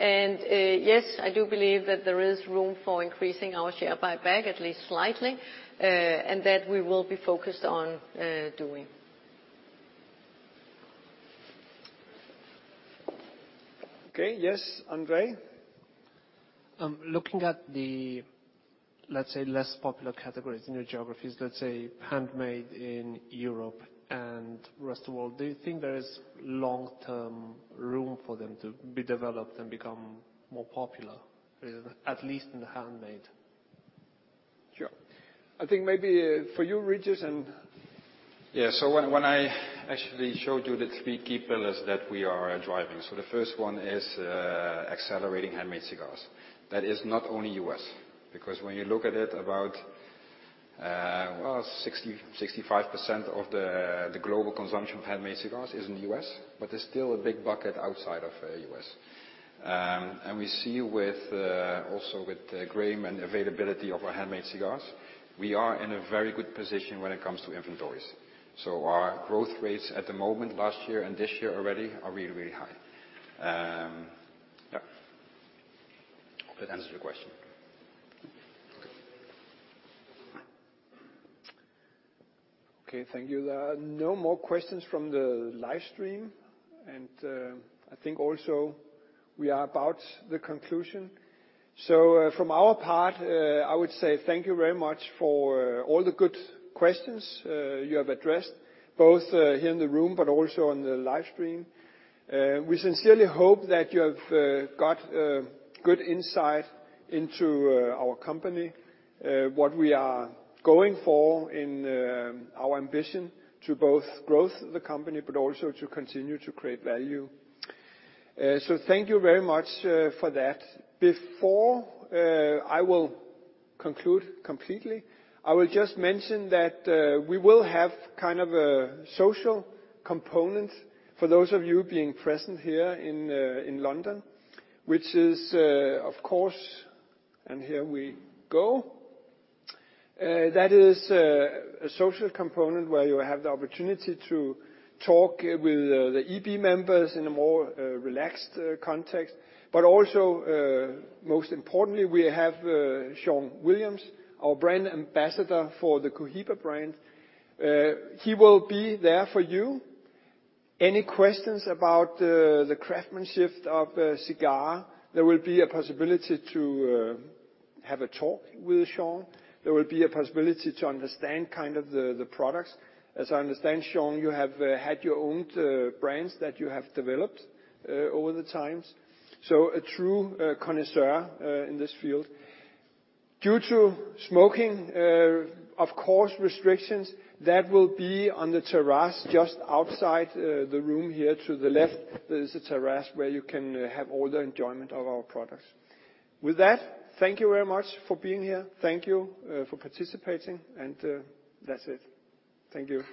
Yes, I do believe that there is room for increasing our share buyback at least slightly, and that we will be focused on doing. Okay. Yes, Andre? Looking at the, let's say, less popular categories in your geographies, let's say handmade in Europe and rest of all, do you think there is long-term room for them to be developed and become more popular, at least in the handmade? Sure. I think maybe, for you, Régis, and When I actually showed you the three key pillars that we are driving. The first one is accelerating handmade cigars. That is not only U.S., because when you look at it, about, well, 65% of the global consumption of handmade cigars is in the U.S., but there's still a big bucket outside of U.S. We see with the range and availability of our handmade cigars, we are in a very good position when it comes to inventories. Our growth rates at the moment, last year and this year already, are really high. Hope that answers your question. Okay. Thank you. There are no more questions from the live stream. I think also we are about the conclusion. From our part, I would say thank you very much for all the good questions you have addressed, both here in the room, but also on the live stream. We sincerely hope that you have got good insight into our company, what we are going for in our ambition to both growth the company, but also to continue to create value. Thank you very much for that. Before I will conclude completely, I will just mention that we will have kind of a social component for those of you being present here in London, which is of course. That is a social component where you have the opportunity to talk with the EB members in a more relaxed context. Also, most importantly, we have Sean Williams, our brand ambassador for the Cohiba brand. He will be there for you. Any questions about the craftsmanship of a cigar, there will be a possibility to have a talk with Sean. There will be a possibility to understand kind of the products. As I understand, Sean, you have had your own brands that you have developed over the times. A true connoisseur in this field. Due to smoking restrictions, of course, that will be on the terrace just outside the room here to the left. There's a terrace where you can have all the enjoyment of our products. With that, thank you very much for being here. Thank you for participating, and that's it. Thank you.